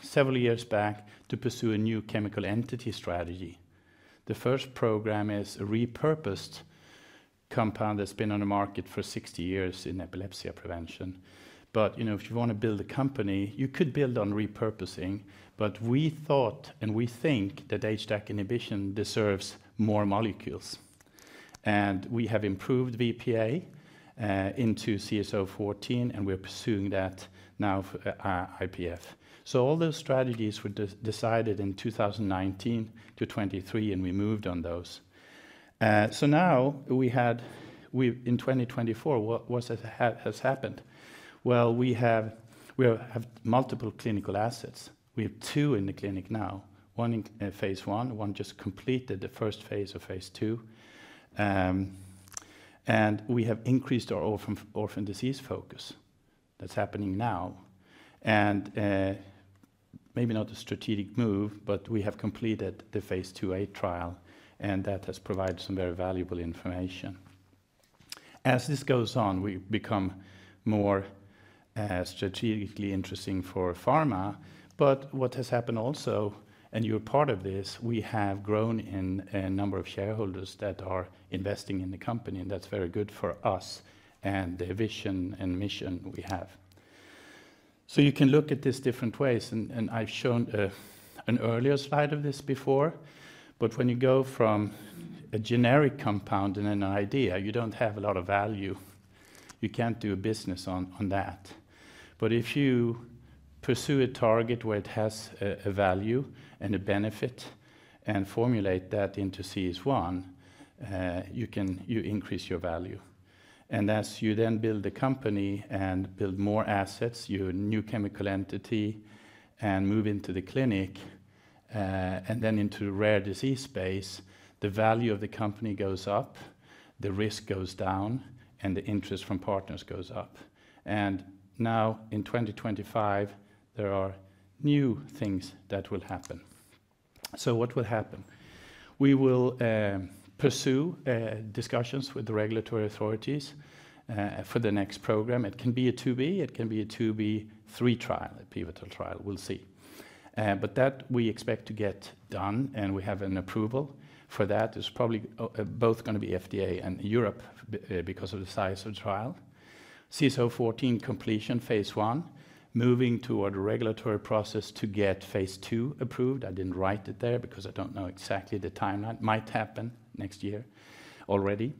[SPEAKER 1] several years back to pursue a new chemical entity strategy. The first program is a repurposed compound that's been on the market for 60 years in epilepsy prevention. But you know, if you want to build a company, you could build on repurposing, but we thought and we think that HDAC inhibition deserves more molecules, and we have improved VPA into CS014, and we're pursuing that now for IPF. So all those strategies were decided in 2019 to 2023, and we moved on those. So now we have, in 2024, what has happened? Well, we have multiple clinical assets. We have two in the clinic now, one in phase I, one just completed the first phase of phase II. And we have increased our orphan disease focus. That's happening now. And maybe not a strategic move, but we have completed the phase IIa trial, and that has provided some very valuable information. As this goes on, we become more strategically interesting for pharma, but what has happened also, and you're part of this, we have grown in a number of shareholders that are investing in the company, and that's very good for us and the vision and mission we have. So you can look at this different ways, and I've shown an earlier slide of this before, but when you go from a generic compound and an idea, you don't have a lot of value. You can't do a business on that. But if you pursue a target where it has a value and a benefit and formulate that into CS1, you can... You increase your value. As you then build the company and build more assets, your new chemical entity, and move into the clinic, and then into the rare disease space, the value of the company goes up, the risk goes down, and the interest from partners goes up. Now, in 2025, there are new things that will happen. What will happen? We will pursue discussions with the regulatory authorities for the next program. It can be a phase IIb, it can be a phase IIb/III trial, a pivotal trial. We'll see. But that we expect to get done, and we have an approval for that. It's probably both going to be FDA and Europe because of the size of trial. CS014 completion, phase I, moving toward a regulatory process to get phase II approved. I didn't write it there because I don't know exactly the timeline. Might happen next year already.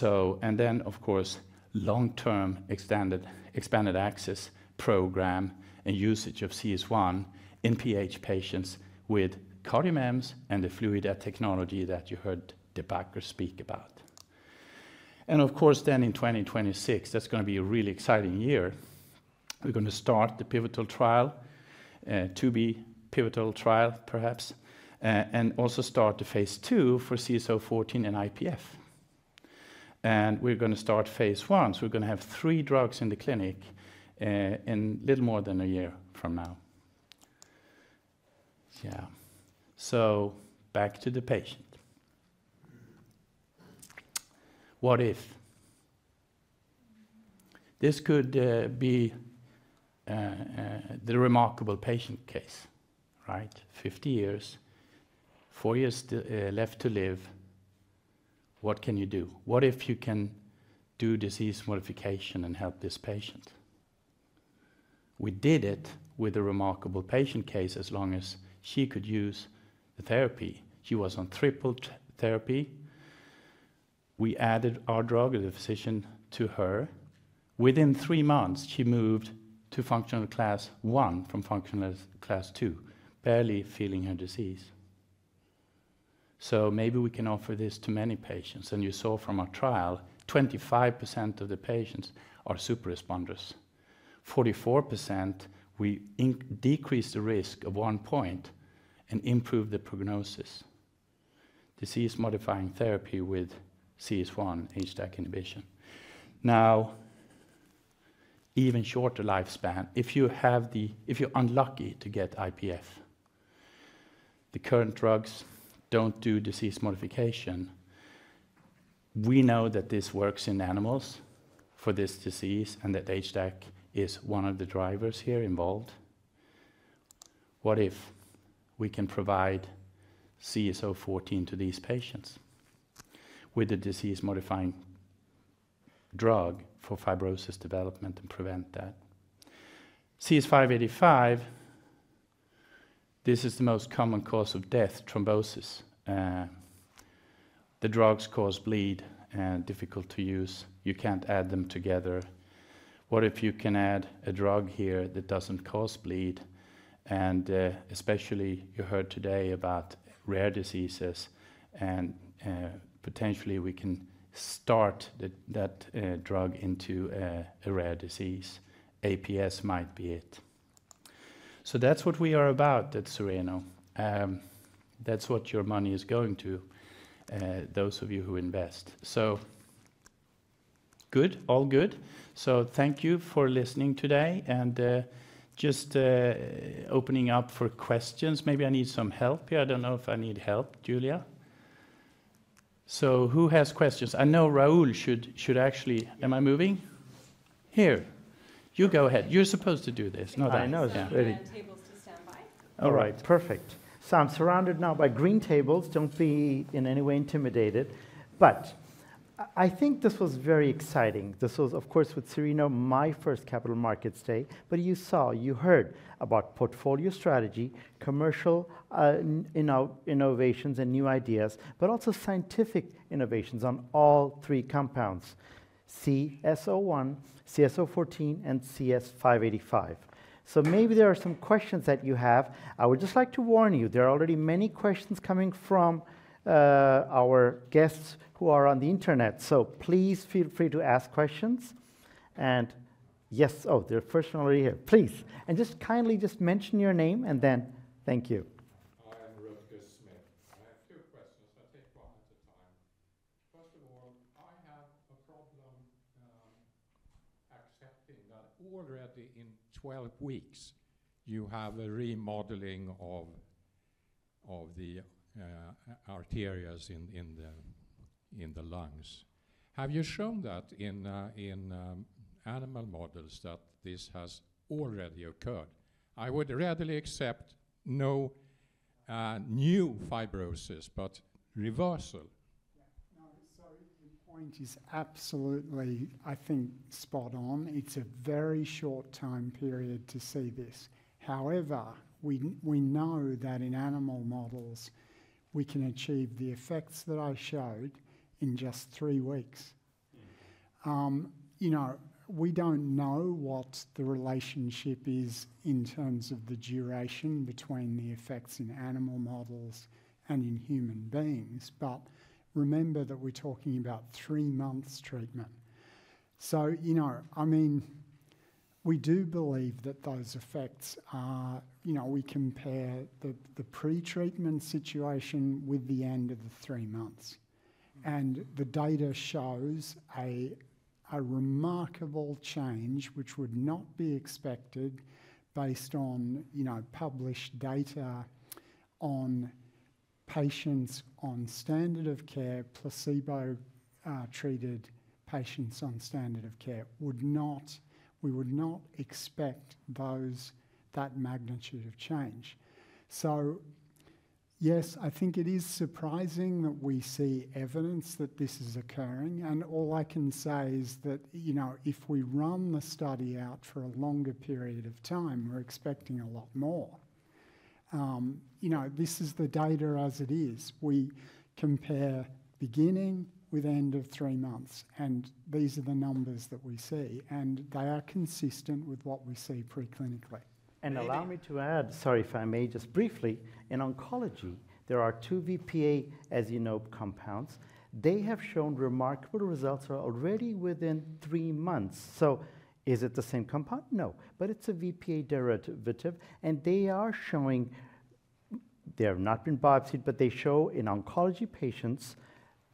[SPEAKER 1] And then, of course, long-term, extended, expanded access program and usage of CS1 in PH patients with CardioMEMS and the FLUIDDA technology that you heard De Backer speak about. And of course, then in 2026, that's gonna be a really exciting year. We're gonna start the pivotal trial, perhaps, and also start the phase II for CS014 and IPF. And we're gonna start phase I, so we're gonna have three drugs in the clinic in little more than a year from now. Yeah. Back to the patient. What if this could be the remarkable patient case, right? 50 years, four years left to live. What can you do? What if you can do disease modification and help this patient? We did it with a remarkable patient case, as long as she could use the therapy. She was on triple therapy. We added our drug as a physician to her. Within three months, she moved functional class I from functional class II barely feeling her disease. So maybe we can offer this to many patients, and you saw from our trial, 25% of the patients are super responders. 44%, we decreased the risk of one point and improved the prognosis. Disease-modifying therapy with CS1 HDAC inhibition. Now, even shorter lifespan, if you're unlucky to get IPF, the current drugs don't do disease modification. We know that this works in animals for this disease and that HDAC is one of the drivers here involved. What if we can provide CS014 to these patients with a disease-modifying drug for fibrosis development and prevent that? CS585, this is the most common cause of death, thrombosis. The drugs cause bleed and difficult to use. You can't add them together. What if you can add a drug here that doesn't cause bleed and especially you heard today about rare diseases and potentially we can start that drug into a rare disease. APS might be it. So that's what we are about at Cereno. That's what your money is going to, those of you who invest. So good. All good. So thank you for listening today and just opening up for questions. Maybe I need some help here. I don't know if I need help, Julia. So who has questions? I know Rahul should actually. Am I moving? Here, you go ahead. You're supposed to do this, not I.
[SPEAKER 4] I know.
[SPEAKER 10] We have tables to stand by.
[SPEAKER 4] All right, perfect. So I'm surrounded now by green tables. Don't be in any way intimidated, but I think this was very exciting. This was, of course, with Cereno, my first Capital Markets Day, but you saw, you heard about portfolio strategy, commercial, innovations and new ideas, but also scientific innovations on all three compounds: CS1, CS014, and CS585. So maybe there are some questions that you have. I would just like to warn you, there are already many questions coming from our guests who are on the internet. So please feel free to ask questions. And yes. Oh, there are persons already here. Please, and just kindly mention your name and then thank you. I am [Rutger Smith]. I have two questions. I'll take one at a time. First of all, I have a problem accepting that already in 12 weeks you have a remodeling of the arteries in the lungs. Have you shown that in animal models that this has already occurred? I would readily accept no new fibrosis, but reversal.
[SPEAKER 5] Yeah. No, so your point is absolutely, I think, spot on. It's a very short time period to see this. However, we know that in animal models, we can achieve the effects that I showed in just three weeks. Mm-hmm. You know, we don't know what the relationship is in terms of the duration between the effects in animal models and in human beings, but remember that we're talking about three months treatment. So, you know, I mean, we do believe that those effects are... You know, we compare the pre-treatment situation with the end of the three months, and the data shows a remarkable change, which would not be expected based on, you know, published data on patients on standard of care, placebo, treated patients on standard of care. We would not expect that magnitude of change. So yes, I think it is surprising that we see evidence that this is occurring, and all I can say is that, you know, if we run the study out for a longer period of time, we're expecting a lot more.... you know, this is the data as it is. We compare beginning with end of three months, and these are the numbers that we see, and they are consistent with what we see preclinically.
[SPEAKER 4] Allow me to add, sorry, if I may, just briefly. In oncology, there are two VPA, as you know, compounds. They have shown remarkable results already within three months. Is it the same compound? No, but it's a VPA derivative, and they are showing. They have not been biopsied, but they show in oncology patients.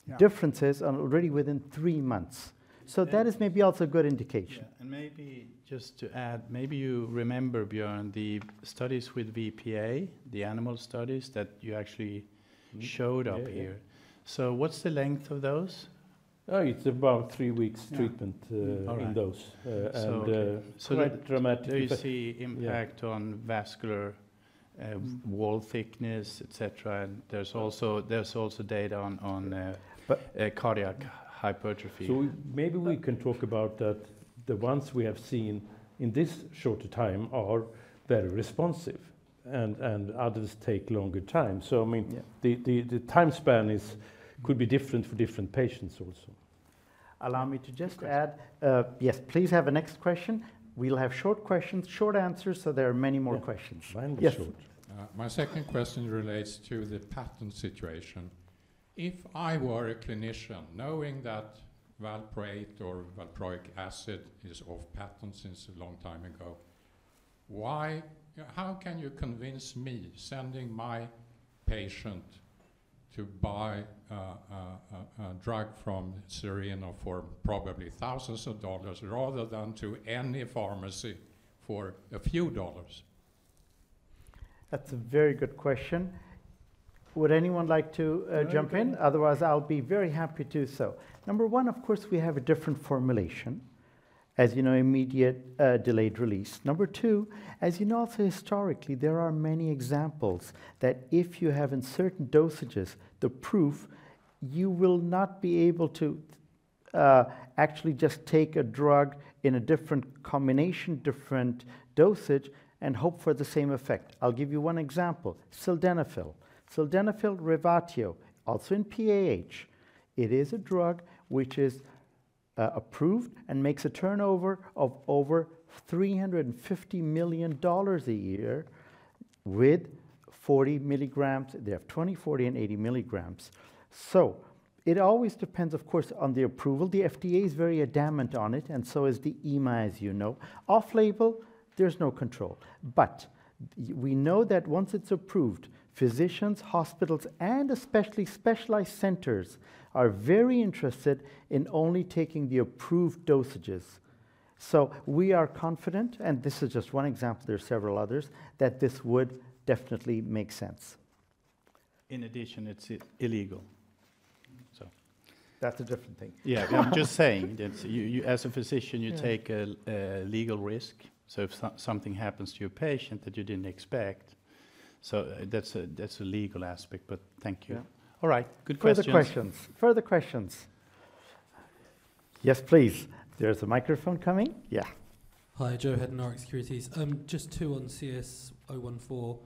[SPEAKER 5] Yeah...
[SPEAKER 4] differences already within three months. So that is maybe also a good indication.
[SPEAKER 1] Yeah, and maybe just to add, maybe you remember, Björn, the studies with VPA, the animal studies that you actually showed up here.
[SPEAKER 8] Yeah, yeah.
[SPEAKER 1] So what's the length of those?
[SPEAKER 8] Oh, it's about three weeks treatment-
[SPEAKER 1] Yeah...
[SPEAKER 8] in those.
[SPEAKER 1] All right.
[SPEAKER 8] And so dramatic- Do you see impact-
[SPEAKER 1] Yeah...
[SPEAKER 8] on vascular wall thickness, et cetera? And there's also data on...
[SPEAKER 1] But-...
[SPEAKER 8] cardiac hypertrophy. So maybe we can talk about that. The ones we have seen in this shorter time are very responsive, and others take longer time. So I mean-
[SPEAKER 1] Yeah...
[SPEAKER 8] the time span is, could be different for different patients also.
[SPEAKER 4] Allow me to just add-
[SPEAKER 1] Question.
[SPEAKER 4] Yes, please have a next question. We'll have short questions, short answers, so there are many more questions. Yeah, mind the short.
[SPEAKER 1] Yes. My second question relates to the patent situation. If I were a clinician knowing that valproate or valproic acid is off patent since a long time ago, why... How can you convince me, sending my patient to buy a drug from Cereno for probably thousands of dollars, rather than to any pharmacy for a few dollars?
[SPEAKER 4] That's a very good question. Would anyone like to jump in? Do you want to? Otherwise, I'll be very happy to do so. Number one, of course, we have a different formulation. As you know, immediate, delayed release. Number two, as you know, also historically, there are many examples that if you have in certain dosages, the proof, you will not be able to actually just take a drug in a different combination, different dosage, and hope for the same effect. I'll give you one example, sildenafil Revatio, also in PAH. It is a drug which is approved and makes a turnover of over $350 million a year with 40 mg. They have 20, 40, and 80 mg. So it always depends, of course, on the approval. The FDA is very adamant on it, and so is the EMA, as you know. Off-label, there's no control. But we know that once it's approved, physicians, hospitals, and especially specialized centers are very interested in only taking the approved dosages. So we are confident, and this is just one example, there are several others, that this would definitely make sense.
[SPEAKER 1] In addition, it's illegal, so.
[SPEAKER 4] That's a different thing.
[SPEAKER 1] Yeah. I'm just saying that you, as a physician-
[SPEAKER 4] Yeah...
[SPEAKER 1] you take a legal risk, so if something happens to your patient that you didn't expect, so that's a legal aspect, but thank you.
[SPEAKER 4] Yeah.
[SPEAKER 1] All right. Good questions.
[SPEAKER 4] Further questions. Further questions? Yes, please. There's a microphone coming. Yeah.
[SPEAKER 3] Hi. Joe Hedden, Rx Securities. Just two on CS014.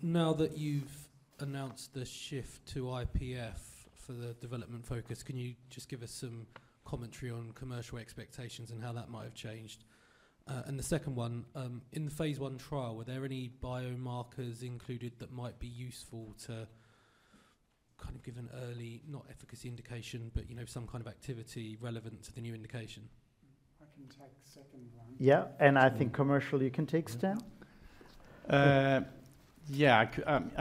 [SPEAKER 3] Now that you've announced the shift to IPF for the development focus, can you just give us some commentary on commercial expectations and how that might have changed? And the second one, in the phase I trial, were there any biomarkers included that might be useful to kind of give an early, not efficacy indication, but, you know, some kind of activity relevant to the new indication?
[SPEAKER 5] I can take second one.
[SPEAKER 4] Yeah, and I think commercial you can take, Sten.
[SPEAKER 1] I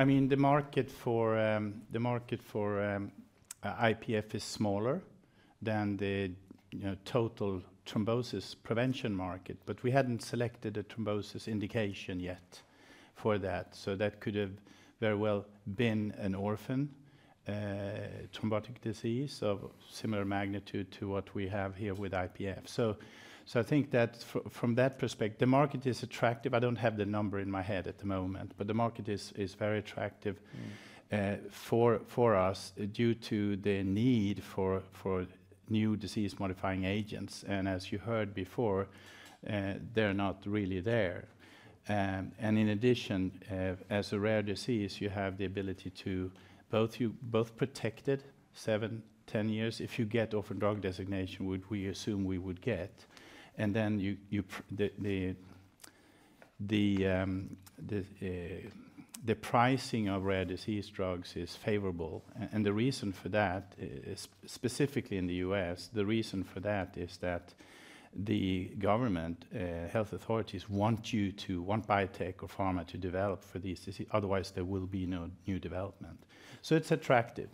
[SPEAKER 1] mean, the market for IPF is smaller than the, you know, total thrombosis prevention market, but we hadn't selected a thrombosis indication yet for that. So that could have very well been an orphan thrombotic disease of similar magnitude to what we have here with IPF. So I think that from that perspective, the market is attractive. I don't have the number in my head at the moment, but the market is very attractive.
[SPEAKER 4] Mm...
[SPEAKER 1] for us due to the need for new disease-modifying agents. As you heard before, they're not really there. And in addition, as a rare disease, you have the ability to both protect it seven, 10 years if you get orphan drug designation, which we assume we would get, and then the pricing of rare disease drugs is favorable. And the reason for that is, specifically in the U.S., the reason for that is that the government health authorities want you to want biotech or pharma to develop for these diseases, otherwise there will be no new development. So it's attractive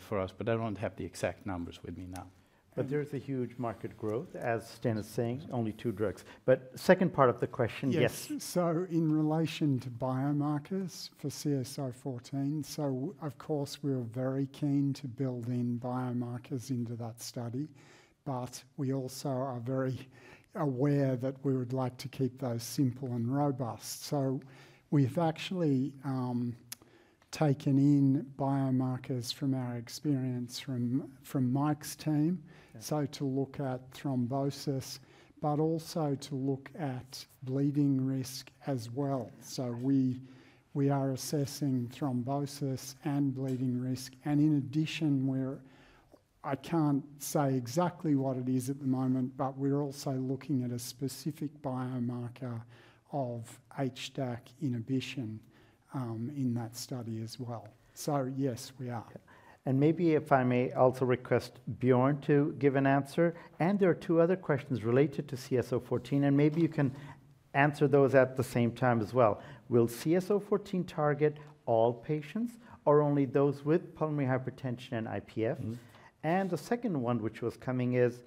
[SPEAKER 1] for us, but I don't have the exact numbers with me now.
[SPEAKER 4] But there is a huge market growth, as Sten is saying, only two drugs. But second part of the question, yes.
[SPEAKER 5] Yes. So in relation to biomarkers for CS014, so of course, we're very keen to build in biomarkers into that study, but we also are very aware that we would like to keep those simple and robust. So we've actually taken in biomarkers from our experience from Mike's team.
[SPEAKER 4] Yeah.
[SPEAKER 5] To look at thrombosis, but also to look at bleeding risk as well. We are assessing thrombosis and bleeding risk, and in addition, we're, I can't say exactly what it is at the moment, but we're also looking at a specific biomarker of HDAC inhibition in that study as well. Yes, we are.
[SPEAKER 4] And maybe if I may also request Björn to give an answer, and there are two other questions related to CS014, and maybe you can answer those at the same time as well. Will CS014 target all patients or only those with pulmonary hypertension and IPF?
[SPEAKER 8] Mm-hmm.
[SPEAKER 4] And the second one, which was coming, is,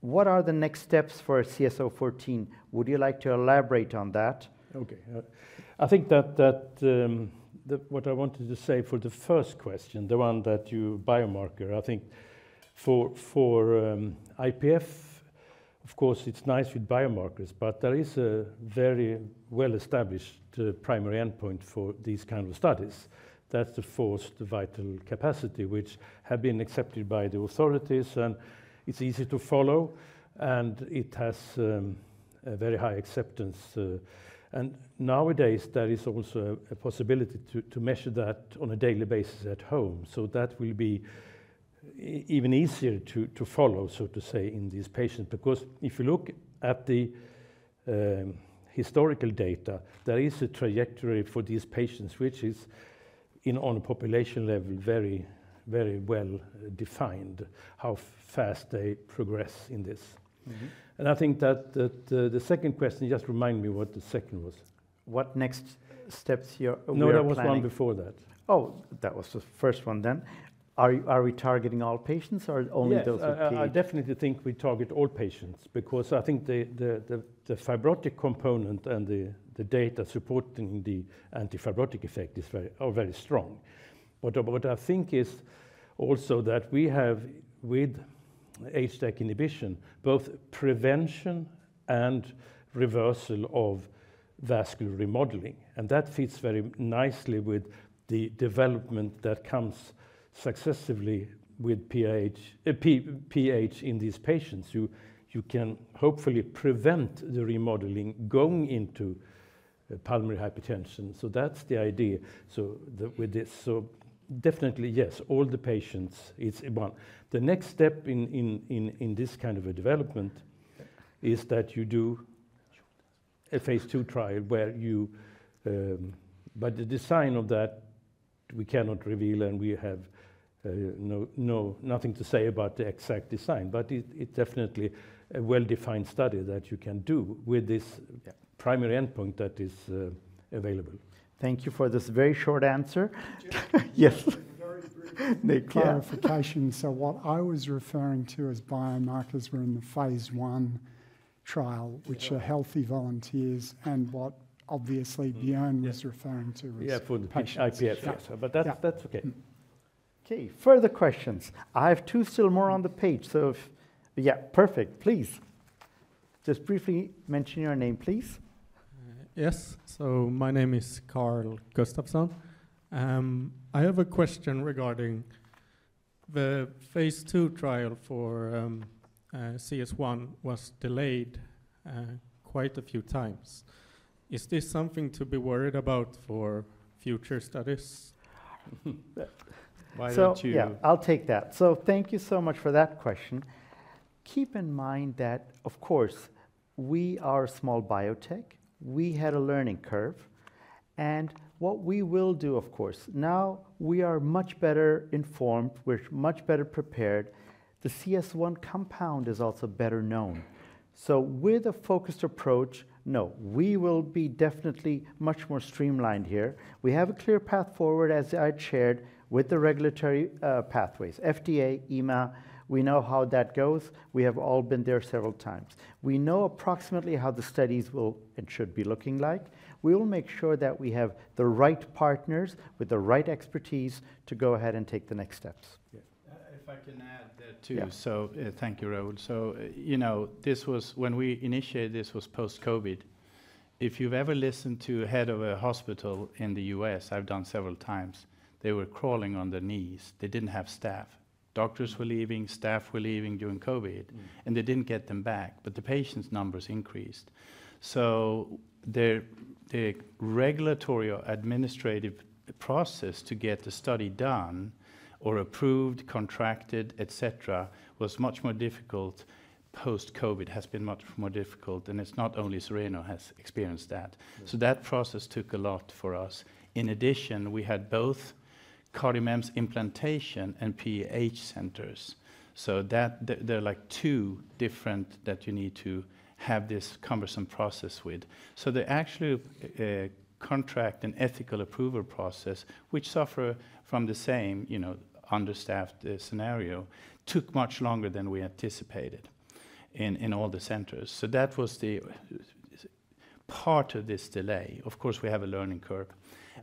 [SPEAKER 4] what are the next steps for CS014? Would you like to elaborate on that?
[SPEAKER 8] Okay. I think what I wanted to say for the first question, the one about biomarker, I think for IPF, of course, it's nice with biomarkers, but there is a very well-established primary endpoint for these kind of studies. That's the forced vital capacity, which have been accepted by the authorities, and it's easy to follow, and it has a very high acceptance. And nowadays, there is also a possibility to measure that on a daily basis at home. So that will be even easier to follow, so to say, in these patients. Because if you look at the historical data, there is a trajectory for these patients, which is in, on a population level, very, very well defined, how fast they progress in this.
[SPEAKER 4] Mm-hmm.
[SPEAKER 8] I think that. The second question, just remind me what the second was.
[SPEAKER 4] What next steps we are planning?
[SPEAKER 8] No, there was one before that.
[SPEAKER 4] Oh, that was the first one then. Are we targeting all patients or only those with PH?
[SPEAKER 8] Yes, I definitely think we target all patients because I think the fibrotic component and the data supporting the anti-fibrotic effect are very strong. But what I think is also that we have, with HDAC inhibition, both prevention and reversal of vascular remodeling, and that fits very nicely with the development that comes successively with PH, PH in these patients. You can hopefully prevent the remodeling going into pulmonary hypertension, so that's the idea. So with this, so definitely, yes, all the patients, it's one. The next step in this kind of a development is that you do a phase II trial where you... But the design of that, we cannot reveal, and we have no, no, nothing to say about the exact design, but it definitely a well-defined study that you can do with this-
[SPEAKER 4] Yeah...
[SPEAKER 8] primary endpoint that is, available.
[SPEAKER 4] Thank you for this very short answer. Yes. Very brief- Nick, yeah...
[SPEAKER 5] clarification. So what I was referring to as biomarkers were in the phase I trial- Yeah... which are healthy volunteers, and what obviously Björn- Yes... was referring to is-
[SPEAKER 8] Yeah, for the patients. IPF, yes. But that's okay.
[SPEAKER 4] Okay, further questions. I have two still more on the page, so if... Yeah, perfect. Please, just briefly mention your name, please. Yes, so my name is Carl Gustafsson. I have a question regarding the phase II trial for CS1 was delayed quite a few times. Is this something to be worried about for future studies? Why don't you- So, yeah, I'll take that. So thank you so much for that question. Keep in mind that, of course, we are a small biotech. We had a learning curve, and what we will do, of course, now we are much better informed. We're much better prepared. The CS1 compound is also better known. So with a focused approach, no, we will be definitely much more streamlined here. We have a clear path forward, as I shared with the regulatory pathways, FDA, EMA. We know how that goes. We have all been there several times. We know approximately how the studies will and should be looking like. We will make sure that we have the right partners with the right expertise to go ahead and take the next steps. Yeah.
[SPEAKER 1] If I can add there, too.
[SPEAKER 4] Yeah.
[SPEAKER 1] So, thank you, Rahul. So, you know, this was when we initiated. This was post-COVID. If you've ever listened to a head of a hospital in the U.S., I've done several times, they were crawling on their knees. They didn't have staff. Doctors were leaving, staff were leaving during COVID. Mm... and they didn't get them back, but the patients' numbers increased. So the regulatory or administrative process to get the study done or approved, contracted, et cetera, was much more difficult. Post-COVID has been much more difficult, and it's not only Cereno has experienced that. Yes. So that process took a lot for us. In addition, we had both CardioMEMS implantation and PH centers, so that, there are, like, two different that you need to have this cumbersome process with. So the actual contract and ethical approval process, which suffer from the same, you know, understaffed scenario, took much longer than we anticipated in all the centers. So that was the part of this delay. Of course, we have a learning curve.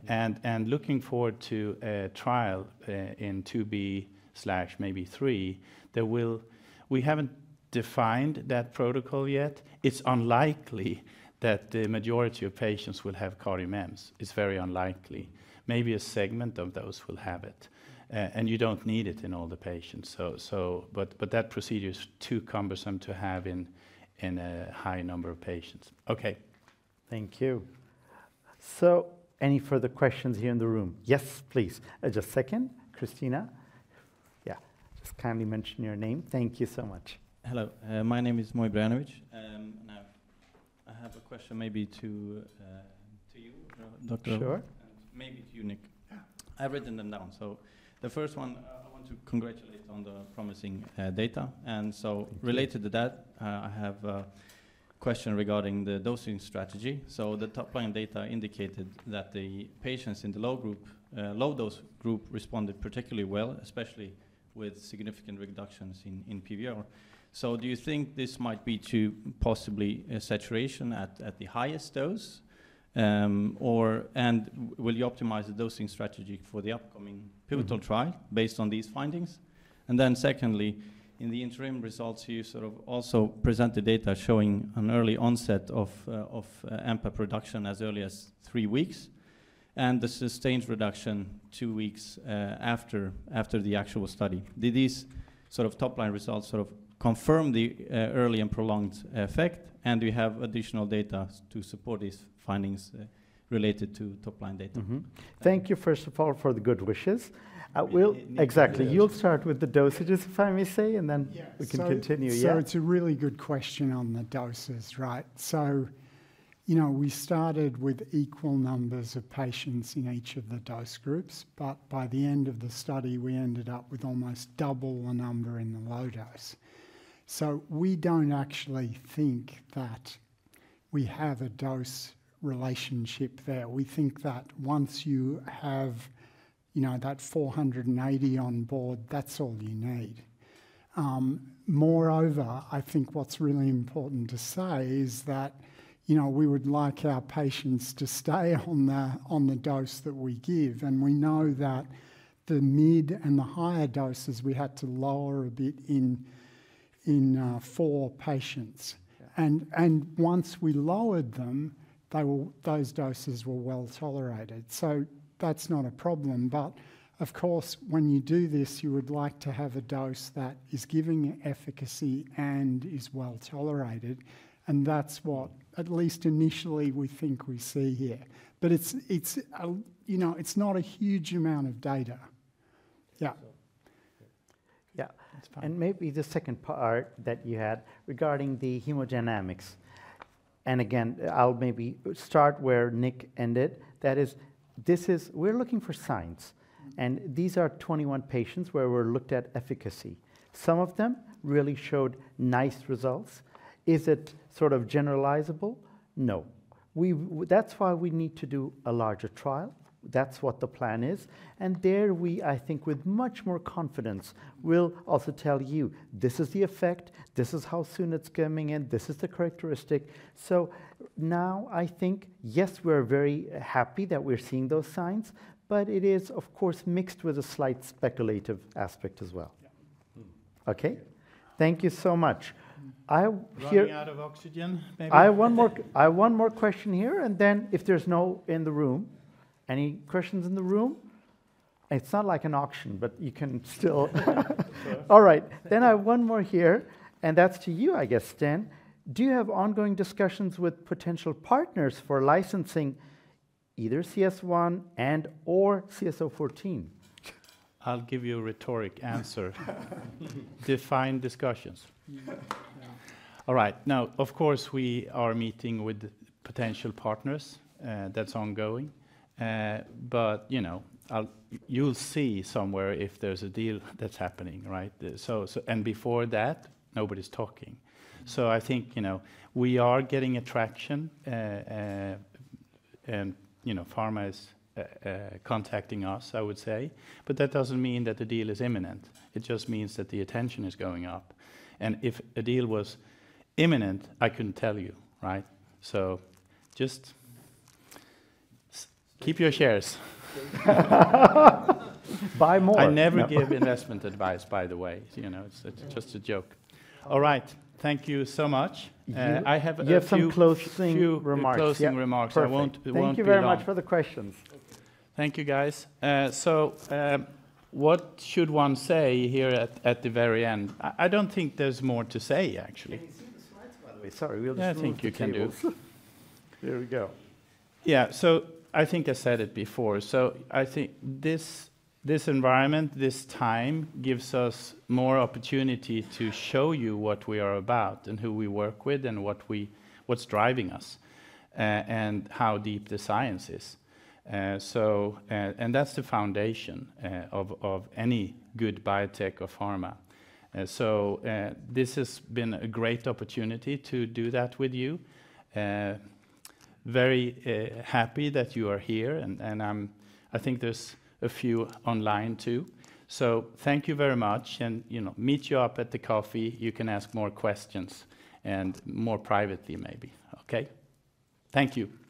[SPEAKER 1] Mm. And looking forward to a trial in IIb slash maybe III, there will... We haven't-... defined that protocol yet. It's unlikely that the majority of patients will have CardioMEMS. It's very unlikely. Maybe a segment of those will have it, and you don't need it in all the patients. So, but that procedure is too cumbersome to have in a high number of patients. Okay.
[SPEAKER 4] Thank you. So any further questions here in the room? Yes, please. Just a second. Christina? Yeah. Just kindly mention your name. Thank you so much.
[SPEAKER 11] Hello, my name is Moi Brajanovic, and I have a question maybe to you, Doctor-
[SPEAKER 4] Sure.
[SPEAKER 11] Maybe to you, Nick.
[SPEAKER 5] Yeah.
[SPEAKER 11] I've written them down, so the first one, I want to congratulate on the promising data. And so-
[SPEAKER 4] Thank you...
[SPEAKER 11] related to that, I have a question regarding the dosing strategy. So the top-line data indicated that the patients in the low group, low dose group, responded particularly well, especially with significant reductions in PVR. So do you think this might be to possibly a saturation at the highest dose? Or and will you optimize the dosing strategy for the upcoming pivotal trial-
[SPEAKER 4] Mm-hmm...
[SPEAKER 11] based on these findings? And then secondly, in the interim results, you sort of also present the data showing an early onset of cAMP production as early as three weeks and the sustained reduction two weeks after the actual study. Do these sort of top-line results sort of confirm the early and prolonged effect? And do you have additional data to support these findings related to top-line data?
[SPEAKER 4] Mm-hmm.
[SPEAKER 11] Thank you.
[SPEAKER 4] Thank you, first of all, for the good wishes. Need, need- Exactly. You'll start with the dosages, if I may say, and then-
[SPEAKER 5] Yeah...
[SPEAKER 4] we can continue. Yeah.
[SPEAKER 5] It's a really good question on the doses, right? So, you know, we started with equal numbers of patients in each of the dose groups, but by the end of the study, we ended up with almost double the number in the low dose. So we don't actually think that we have a dose relationship there. We think that once you have, you know, that 480 on board, that's all you need. Moreover, I think what's really important to say is that, you know, we would like our patients to stay on the dose that we give, and we know that the mid and the higher doses, we had to lower a bit in four patients.
[SPEAKER 4] Yeah.
[SPEAKER 5] Once we lowered them, those doses were well tolerated, so that's not a problem. Of course, when you do this, you would like to have a dose that is giving efficacy and is well tolerated, and that's what, at least initially, we think we see here. It's you know, it's not a huge amount of data. Yeah.
[SPEAKER 4] Yeah.
[SPEAKER 5] That's fine.
[SPEAKER 4] And maybe the second part that you had regarding the hemodynamics, and again, I'll maybe start where Nick ended. That is, this is... We're looking for signs, and these are 21 patients where we looked at efficacy. Some of them really showed nice results. Is it sort of generalizable? No. That's why we need to do a larger trial. That's what the plan is. And there we, I think, with much more confidence-
[SPEAKER 5] Mm...
[SPEAKER 4] we'll also tell you, "This is the effect, this is how soon it's coming in, this is the characteristic." So now I think, yes, we're very happy that we're seeing those signs, but it is, of course, mixed with a slight speculative aspect as well.
[SPEAKER 11] Yeah.
[SPEAKER 4] Okay? Thank you so much.
[SPEAKER 5] Running out of oxygen, maybe.
[SPEAKER 4] I have one more, I have one more question here, and then if there's no one in the room. Any questions in the room? It's not like an auction, but you can still
[SPEAKER 5] Yes.
[SPEAKER 4] All right, then I have one more here, and that's to you, I guess, Sten. Do you have ongoing discussions with potential partners for licensing either CS1 and/or CS014?
[SPEAKER 1] I'll give you a rhetorical answer. Define discussions.
[SPEAKER 4] Yeah.
[SPEAKER 1] All right. Now, of course, we are meeting with potential partners, that's ongoing. But, you know, you'll see somewhere if there's a deal that's happening, right? So, and before that, nobody's talking. So I think, you know, we are getting attention, and, you know, pharma is contacting us, I would say, but that doesn't mean that the deal is imminent. It just means that the attention is going up, and if a deal was imminent, I couldn't tell you, right? So just keep your shares.
[SPEAKER 4] Buy more!
[SPEAKER 1] I never give investment advice, by the way. You know, it's just a joke. All right. Thank you so much.
[SPEAKER 4] Mm-hmm.
[SPEAKER 1] I have a few-
[SPEAKER 4] You have some closing-...
[SPEAKER 1] few-
[SPEAKER 4] -remarks
[SPEAKER 1] closing remarks.
[SPEAKER 4] Yeah, perfect.
[SPEAKER 1] I won't be long.
[SPEAKER 4] Thank you very much for the questions.
[SPEAKER 5] Thank you.
[SPEAKER 1] Thank you, guys. What should one say here at the very end? I don't think there's more to say, actually.
[SPEAKER 5] Can you see the slides, by the way? Sorry, we'll just move the tables.
[SPEAKER 1] Yeah, I think you can do.
[SPEAKER 5] Here we go.
[SPEAKER 1] Yeah. So I think I said it before. So I think this, this environment, this time, gives us more opportunity to show you what we are about and who we work with and what's driving us, and how deep the science is. So, and that's the foundation, of, of any good biotech or pharma. So, this has been a great opportunity to do that with you. Very happy that you are here, and, and, I think there's a few online too. So thank you very much, and, you know, meet you up at the coffee. You can ask more questions and more privately, maybe. Okay? Thank you.